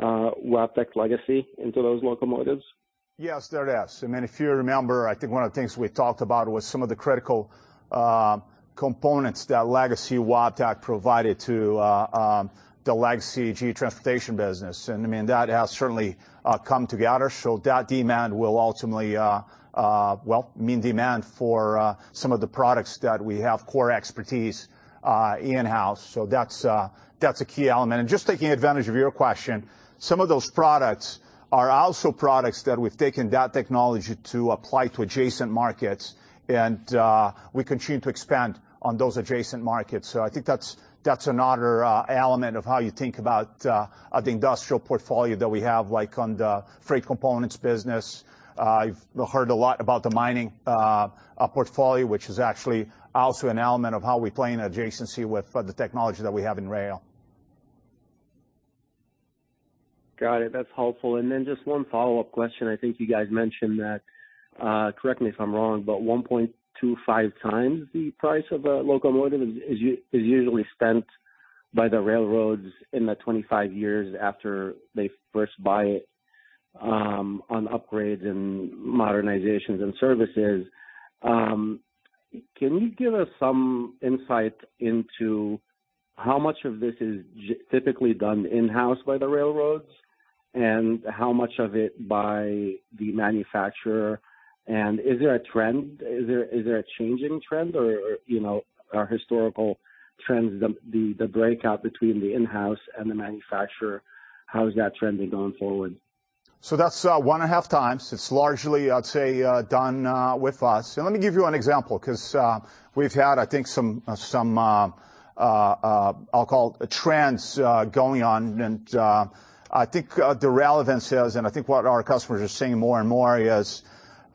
Wabtec legacy into those locomotives? Yes, there is. I mean, if you remember, I think one of the things we talked about was some of the critical components that legacy Wabtec provided to the legacy GE Transportation business. I mean, that has certainly come together. That demand will ultimately well, mean demand for some of the products that we have core expertise in-house. That's a key element. Just taking advantage of your question, some of those products are also products that we've taken that technology to apply to adjacent markets. We continue to expand on those adjacent markets. I think that's another element of how you think about the industrial portfolio that we have, like on the freight components business. You've heard a lot about the mining portfolio, which is actually also an element of how we play an adjacency with the technology that we have in rail. Got it. That's helpful. Just one follow-up question. I think you guys mentioned that, correct me if I'm wrong, but 1.25 times the price of a locomotive is usually spent by the railroads in the 25 years after they first buy it, on upgrades and modernizations and services. Can you give us some insight into how much of this is typically done in-house by the railroads and how much of it by the manufacturer? Is there a trend? Is there a changing trend or, you know, are historical trends, the breakout between the in-house and the manufacturer, how is that trending going forward? That's 1.5 times. It's largely, I'd say, done with us. Let me give you an example, 'cause we've had, I think, some I'll call it trends going on. I think the relevance is, and I think what our customers are seeing more and more is,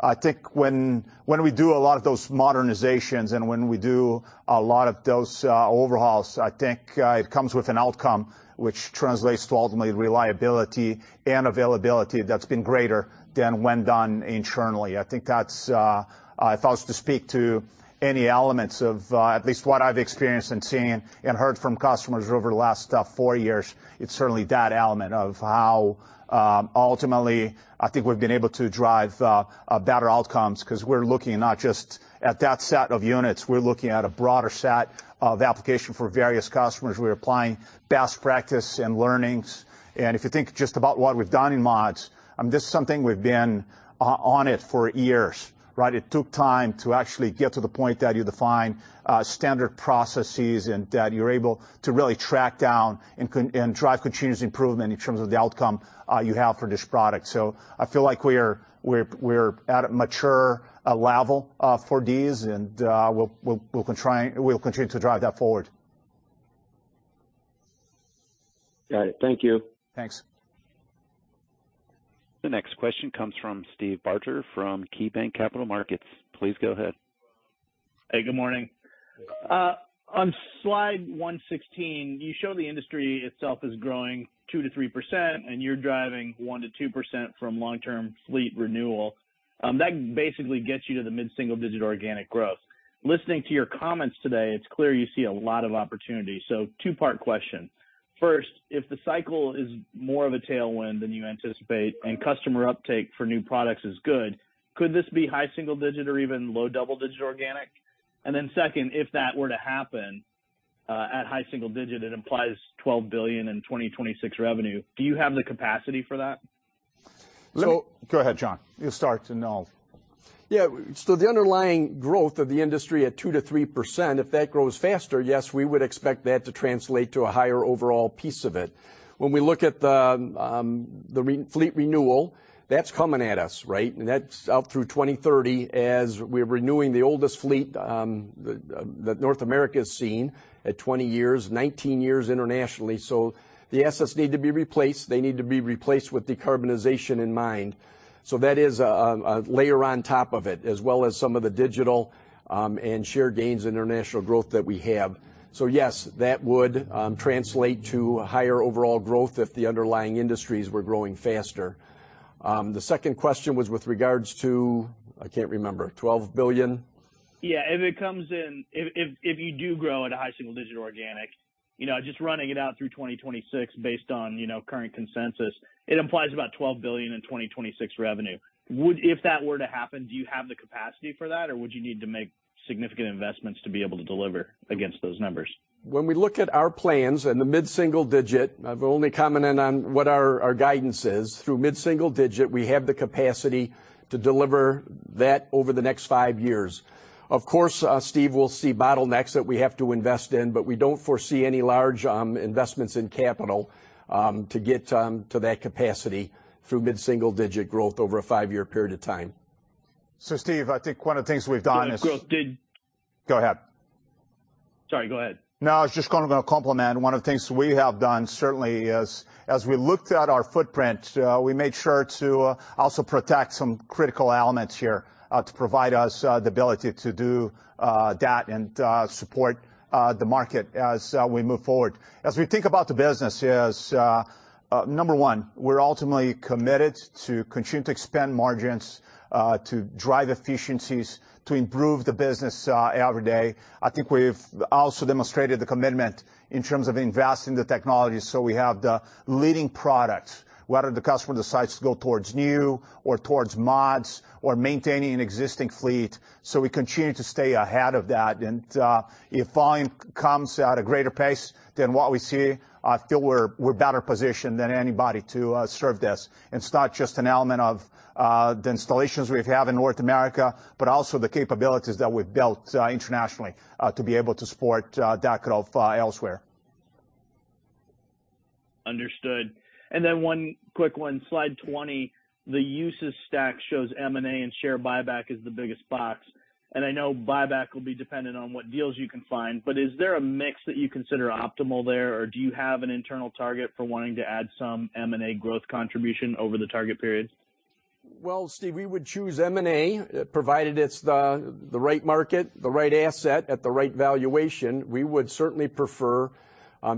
I think when we do a lot of those modernizations and when we do a lot of those overhauls, I think it comes with an outcome which translates to ultimately reliability and availability that's been greater than when done internally. I think that's if I was to speak to any elements of at least what I've experienced and seen and heard from customers over the last four years, it's certainly that element of how ultimately I think we've been able to drive a better outcomes 'cause we're looking not just at that set of units, we're looking at a broader set of application for various customers. We're applying best practice and learnings. If you think just about what we've done in mods, this is something we've been on it for years, right? It took time to actually get to the point that you define standard processes and that you're able to really track down and drive continuous improvement in terms of the outcome you have for this product. I feel like we're at a mature level for these, and we'll continue to drive that forward. Got it. Thank you. Thanks. The next question comes from Steve Barger from KeyBanc Capital Markets. Please go ahead. Hey, good morning. On slide 116, you show the industry itself is growing 2%-3%, and you're driving 1%-2% from long-term fleet renewal. That basically gets you to the mid-single-digit organic growth. Listening to your comments today, it's clear you see a lot of opportunity. Two-part question. First, if the cycle is more of a tailwind than you anticipate and customer uptake for new products is good, could this be high single-digit or even low double-digit organic? And then second, if that were to happen, at high single-digit, it implies $12 billion in 2026 revenue. Do you have the capacity for that? You know- Go ahead, John. You start, and I'll... Yeah. The underlying growth of the industry at 2%-3%, if that grows faster, yes, we would expect that to translate to a higher overall piece of it. When we look at the fleet renewal, that's coming at us, right? That's out through 2030 as we're renewing the oldest fleet that North America has seen at 20 years, 19 years internationally. The assets need to be replaced. They need to be replaced with decarbonization in mind. That is a layer on top of it as well as some of the digital and share gains international growth that we have. Yes, that would translate to higher overall growth if the underlying industries were growing faster. The second question was with regards to, I can't remember, $12 billion? Yeah, if it comes in. If you do grow at a high single-digit organic, you know, just running it out through 2026 based on, you know, current consensus, it implies about $12 billion in 2026 revenue. If that were to happen, do you have the capacity for that, or would you need to make significant investments to be able to deliver against those numbers? When we look at our plans in the mid-single digit, I've only commented on what our guidance is, through mid-single digit, we have the capacity to deliver that over the next five years. Of course, Steve, we'll see bottlenecks that we have to invest in, but we don't foresee any large investments in capital to get to that capacity through mid-single digit growth over a five-year period of time. Steve, I think one of the things we've done is- Growth did- Go ahead. Sorry, go ahead. No, I was just gonna compliment. One of the things we have done certainly is, as we looked at our footprint, we made sure to also protect some critical elements here, to provide us the ability to do that and support the market as we move forward. As we think about the business is, number one, we're ultimately committed to continue to expand margins, to drive efficiencies, to improve the business every day. I think we've also demonstrated the commitment in terms of investing the technology, so we have the leading products, whether the customer decides to go towards new or towards mods or maintaining an existing fleet. We continue to stay ahead of that. If volume comes at a greater pace than what we see, I feel we're better positioned than anybody to serve this. It's not just an element of the installations we have in North America, but also the capabilities that we've built internationally to be able to support that growth elsewhere. Understood. One quick one, slide 20, the uses stack shows M&A and share buyback is the biggest box. I know buyback will be dependent on what deals you can find, but is there a mix that you consider optimal there, or do you have an internal target for wanting to add some M&A growth contribution over the target period? Well, Steve, we would choose M&A, provided it's the right market, the right asset at the right valuation. We would certainly prefer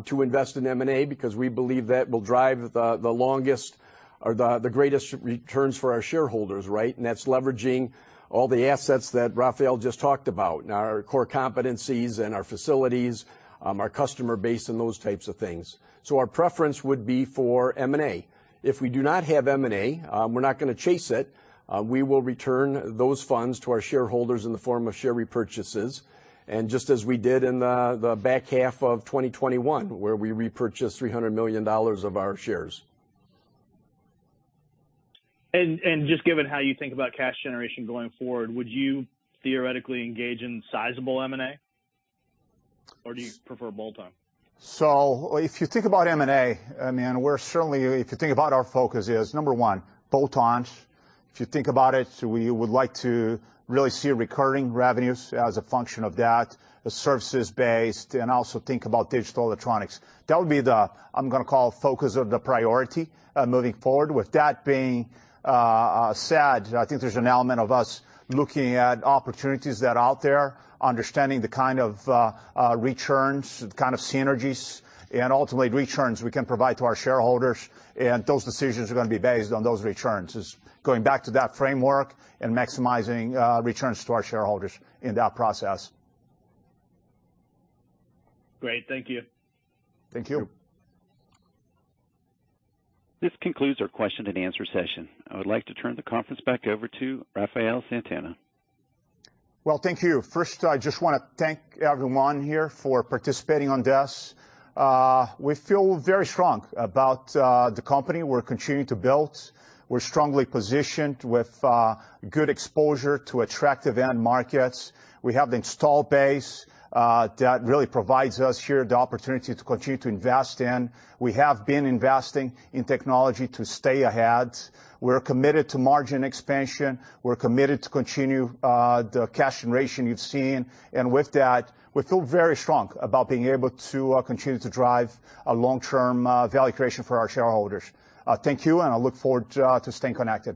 to invest in M&A because we believe that will drive the longest or the greatest returns for our shareholders, right? That's leveraging all the assets that Rafael just talked about, and our core competencies and our facilities, our customer base and those types of things. Our preference would be for M&A. If we do not have M&A, we're not gonna chase it, we will return those funds to our shareholders in the form of share repurchases. Just as we did in the back half of 2021, where we repurchased $300 million of our shares. Just given how you think about cash generation going forward, would you theoretically engage in sizable M&A? Or do you prefer bolt-on? If you think about M&A, I mean, we're certainly. If you think about it, we would like to really see recurring revenues as a function of that, as services based, and also think about digital electronics. That would be the, I'm gonna call focus of the priority, moving forward. With that being said, I think there's an element of us looking at opportunities that are out there, understanding the kind of returns, the kind of synergies and ultimately returns we can provide to our shareholders, and those decisions are gonna be based on those returns. It's going back to that framework and maximizing returns to our shareholders in that process. Great. Thank you. Thank you. Sure. This concludes our question-and-answer session. I would like to turn the conference back over to Rafael Santana. Well, thank you. First, I just wanna thank everyone here for participating on this. We feel very strong about the company we're continuing to build. We're strongly positioned with good exposure to attractive end markets. We have the install base that really provides us here the opportunity to continue to invest in. We have been investing in technology to stay ahead. We're committed to margin expansion. We're committed to continue the cash generation you've seen. With that, we feel very strong about being able to continue to drive a long-term value creation for our shareholders. Thank you, and I look forward to staying connected.